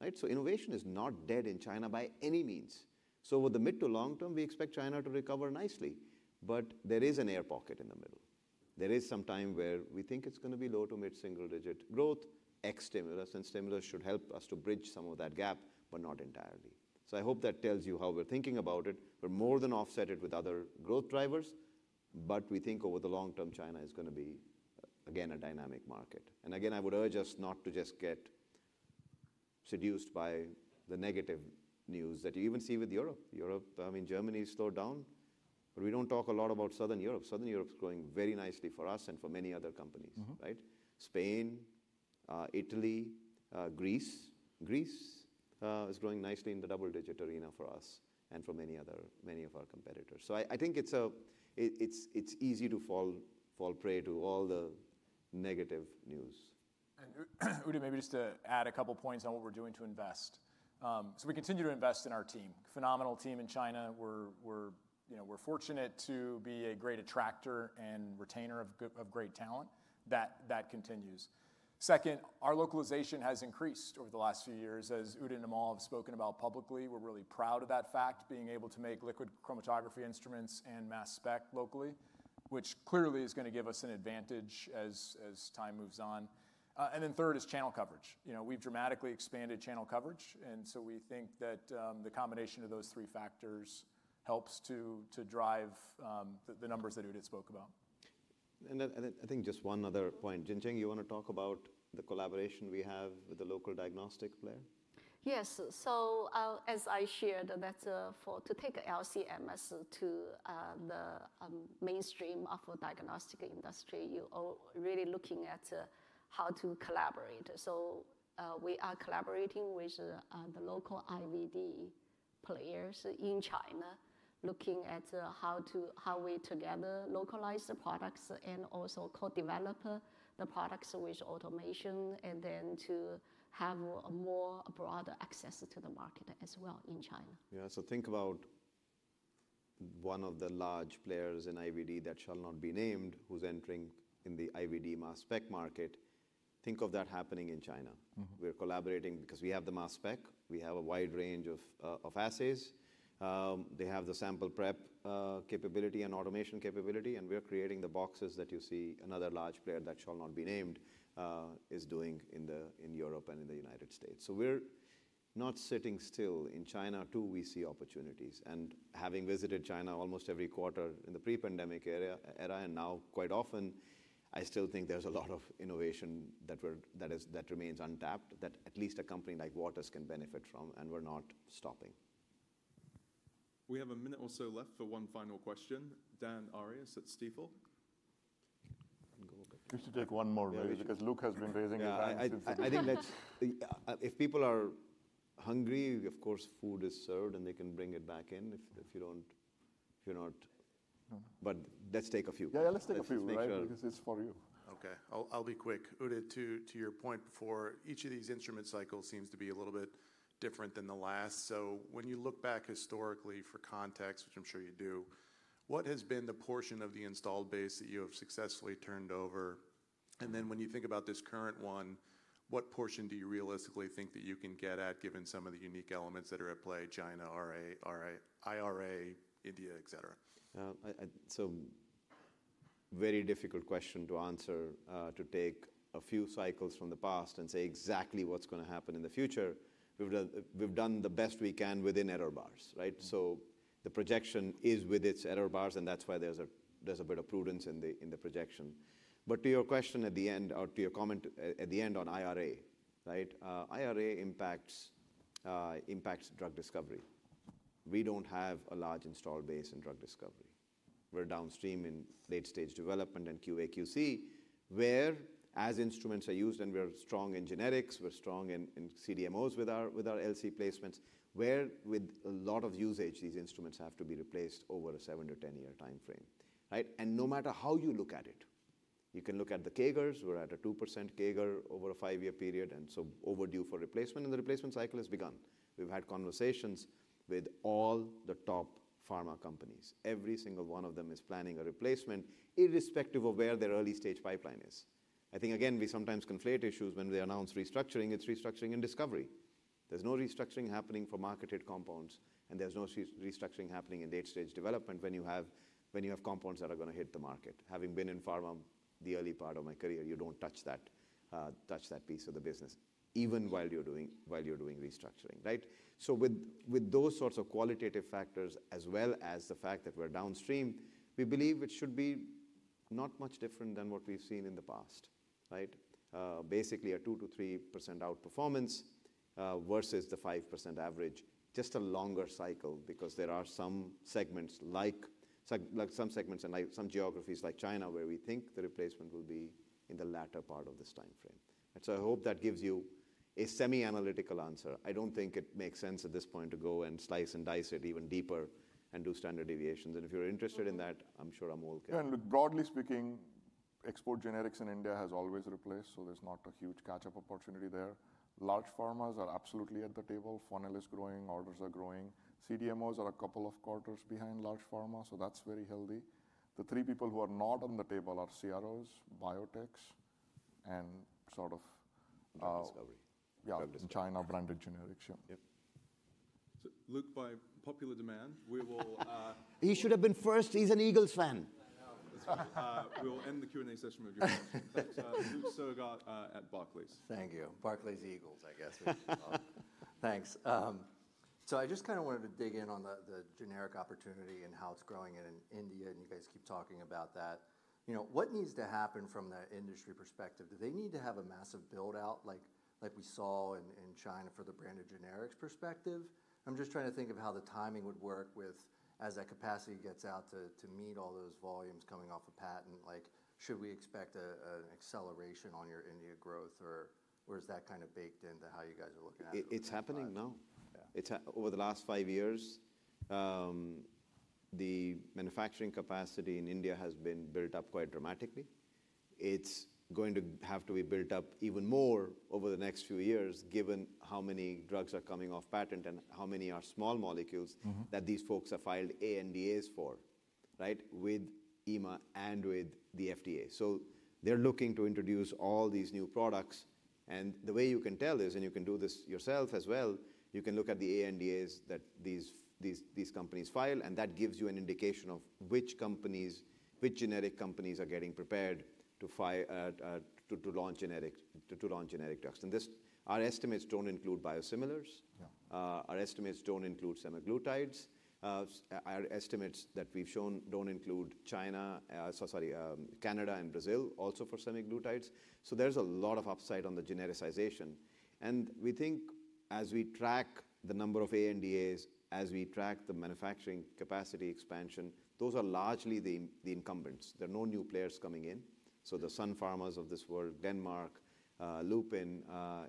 right? So innovation is not dead in China by any means. So with the mid- to long-term, we expect China to recover nicely. But there is an air pocket in the middle. There is some time where we think it's going to be low- to mid-single-digit growth. Ex-stimulus and stimulus should help us to bridge some of that gap, but not entirely. So I hope that tells you how we're thinking about it. We're more than offset it with other growth drivers. But we think over the long term, China is going to be, again, a dynamic market. And again, I would urge us not to just get seduced by the negative news that you even see with Europe. Europe, I mean, Germany is slowed down. But we don't talk a lot about Southern Europe. Southern Europe is growing very nicely for us and for many other companies, right? Spain, Italy, Greece. Greece is growing nicely in the double-digit arena for us and for many of our competitors. So I think it's easy to fall prey to all the negative news. And Udit, maybe just to add a couple of points on what we're doing to invest. So we continue to invest in our team, phenomenal team in China. We're fortunate to be a great attractor and retainer of great talent. That continues. Second, our localization has increased over the last few years, as Udit and Amol have spoken about publicly. We're really proud of that fact, being able to make Liquid Chromatography Instruments and Mass Spec locally, which clearly is going to give us an advantage as time moves on. And then third is channel coverage. We've dramatically expanded channel coverage. And so we think that the combination of those three factors helps to drive the numbers that Udit spoke about. And I think just one other point, Jianqing, you want to talk about the collaboration we have with the local diagnostic player? Yes. So as I shared, that's for to take LC-MS to the mainstream of a diagnostic industry. You're really looking at how to collaborate. So we are collaborating with the local IVD players in China, looking at how we together localize the products and also co-develop the products with automation, and then to have a more broader access to the market as well in China. Yeah. So think about one of the large players in IVD that shall not be named, who's entering in the IVD Mass Spec market. Think of that happening in China. We're collaborating because we have the Mass Spec. We have a wide range of assays. They have the sample prep capability and automation capability. And we're creating the boxes that you see another large player that shall not be named is doing in Europe and in the United States. So we're not sitting still. In China too, we see opportunities. And having visited China almost every quarter in the pre-pandemic era and now quite often, I still think there's a lot of innovation that remains untapped that at least a company like Waters can benefit from. And we're not stopping. We have a minute or so left for one final question. Dan Arias at Stifel. You should take one more, maybe, because Luke has been raising his hand. I think if people are hungry, of course, food is served and they can bring it back in if you don't. But let's take a few. Yeah, let's take a few. This is for you. Okay. I'll be quick. Udit, to your point before, each of these instrument cycles seems to be a little bit different than the last. So, when you look back historically for context, which I'm sure you do, what has been the portion of the installed base that you have successfully turned over? And then, when you think about this current one, what portion do you realistically think that you can get at, given some of the unique elements that are at play? China, IRA, India, etc. So, very difficult question to answer, to take a few cycles from the past and say exactly what's going to happen in the future. We've done the best we can within error bars, right? So, the projection is with its error bars, and that's why there's a bit of prudence in the projection. But to your question at the end, or to your comment at the end on IRA, right? IRA impacts drug discovery. We don't have a large installed base in drug discovery. We're downstream in late-stage development and QA/QC, where as instruments are used, and we're strong in generics, we're strong in CDMOs with our LC placements, where with a lot of usage, these instruments have to be replaced over a 7-10-year time frame, right? And no matter how you look at it, you can look at the CAGRs. We're at a 2% CAGR over a five-year period, and so overdue for replacement, and the replacement cycle has begun. We've had conversations with all the top pharma companies. Every single one of them is planning a replacement, irrespective of where their early-stage pipeline is. I think, again, we sometimes conflate issues when we announce restructuring. It's restructuring in discovery. There's no restructuring happening for marketed compounds, and there's no restructuring happening in late-stage development when you have compounds that are going to hit the market. Having been in Pharma the early part of my career, you don't touch that piece of the business, even while you're doing restructuring, right? So with those sorts of qualitative factors, as well as the fact that we're downstream, we believe it should be not much different than what we've seen in the past, right? Basically, a 2%-3% outperformance vs the 5% average, just a longer cycle because there are some segments, like some geographies like China, where we think the replacement will be in the latter part of this time frame. And so I hope that gives you a semi-analytical answer. I don't think it makes sense at this point to go and slice and dice it even deeper and do standard deviations. And if you're interested in that, I'm sure Amol can. Broadly speaking, export generics in India has always replaced, so there's not a huge catch-up opportunity there. Large pharmas are absolutely at the table. Funnel is growing. Orders are growing. CDMOs are a couple of quarters behind large pharma, so that's very healthy. The three people who are not on the table are CROs, biotechs, and sort of discovery. Yeah, in China, branded generics. Yeah. So Luke, by popular demand, we will. He should have been first. He's an Eagles fan. We will end the Q&A session with you. Luke Sergott at Barclays. Thank you. Barclays Eagles, I guess. Thanks. So I just kind of wanted to dig in on the generic opportunity and how it's growing in India, and you guys keep talking about that. What needs to happen from that industry perspective? Do they need to have a massive build-out like we saw in China for the branded generics perspective? I'm just trying to think of how the timing would work as that capacity gets out to meet all those volumes coming off a patent. Should we expect an acceleration on your India growth, or is that kind of baked into how you guys are looking at it? It's happening now. Over the last five years, the manufacturing capacity in India has been built up quite dramatically. It's going to have to be built up even more over the next few years, given how many drugs are coming off patent and how many are small molecules that these folks have filed ANDAs for, right, with EMA and with the FDA. So they're looking to introduce all these new products. The way you can tell this, and you can do this yourself as well, you can look at the ANDAs that these companies file, and that gives you an indication of which companies, which generic companies are getting prepared to launch generic drugs. Our estimates don't include biosimilars. Our estimates don't include semaglutides. Our estimates that we've shown don't include China, sorry, Canada and Brazil also for semaglutides. There's a lot of upside on the genericization. We think as we track the number of ANDAs, as we track the manufacturing capacity expansion, those are largely the incumbents. There are no new players coming in. The Sun Pharmas of this world, Glenmark, Lupin,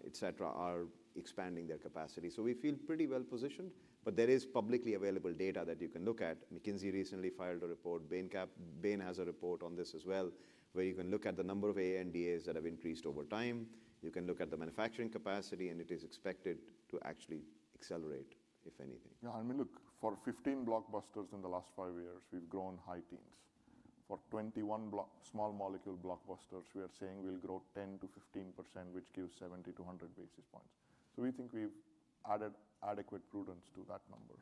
etc., are expanding their capacity. We feel pretty well positioned. But there is publicly available data that you can look at. McKinsey recently filed a report. Bain has a report on this as well, where you can look at the number of ANDAs that have increased over time. You can look at the manufacturing capacity, and it is expected to actually accelerate, if anything. Yeah. I mean, look, for 15 blockbusters in the last five years, we've grown high teens. For 21 small molecule blockbusters, we are saying we'll grow 10%-15%, which gives 70-100 basis points. So we think we've added adequate prudence to that number.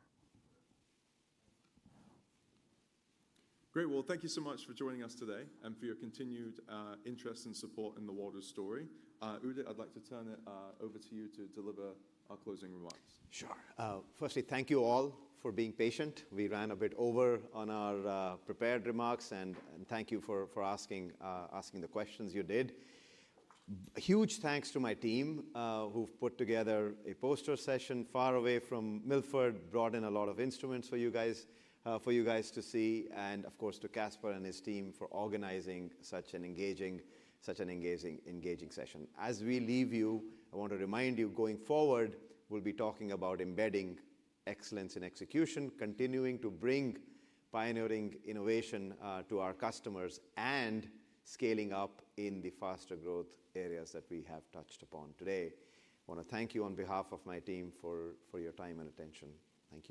Great. Well, thank you so much for joining us today and for your continued interest and support in the Waters story. Udit, I'd like to turn it over to you to deliver our closing remarks. Sure. Firstly, thank you all for being patient. We ran a bit over on our prepared remarks, and thank you for asking the questions you did. Huge thanks to my team who've put together a poster session far away from Milford, brought in a lot of instruments for you guys to see, and of course, to Caspar and his team for organizing such an engaging session. As we leave you, I want to remind you going forward, we'll be talking about embedding excellence in execution, continuing to bring pioneering innovation to our customers, and scaling up in the faster growth areas that we have touched upon today. I want to thank you on behalf of my team for your time and attention. Thank you.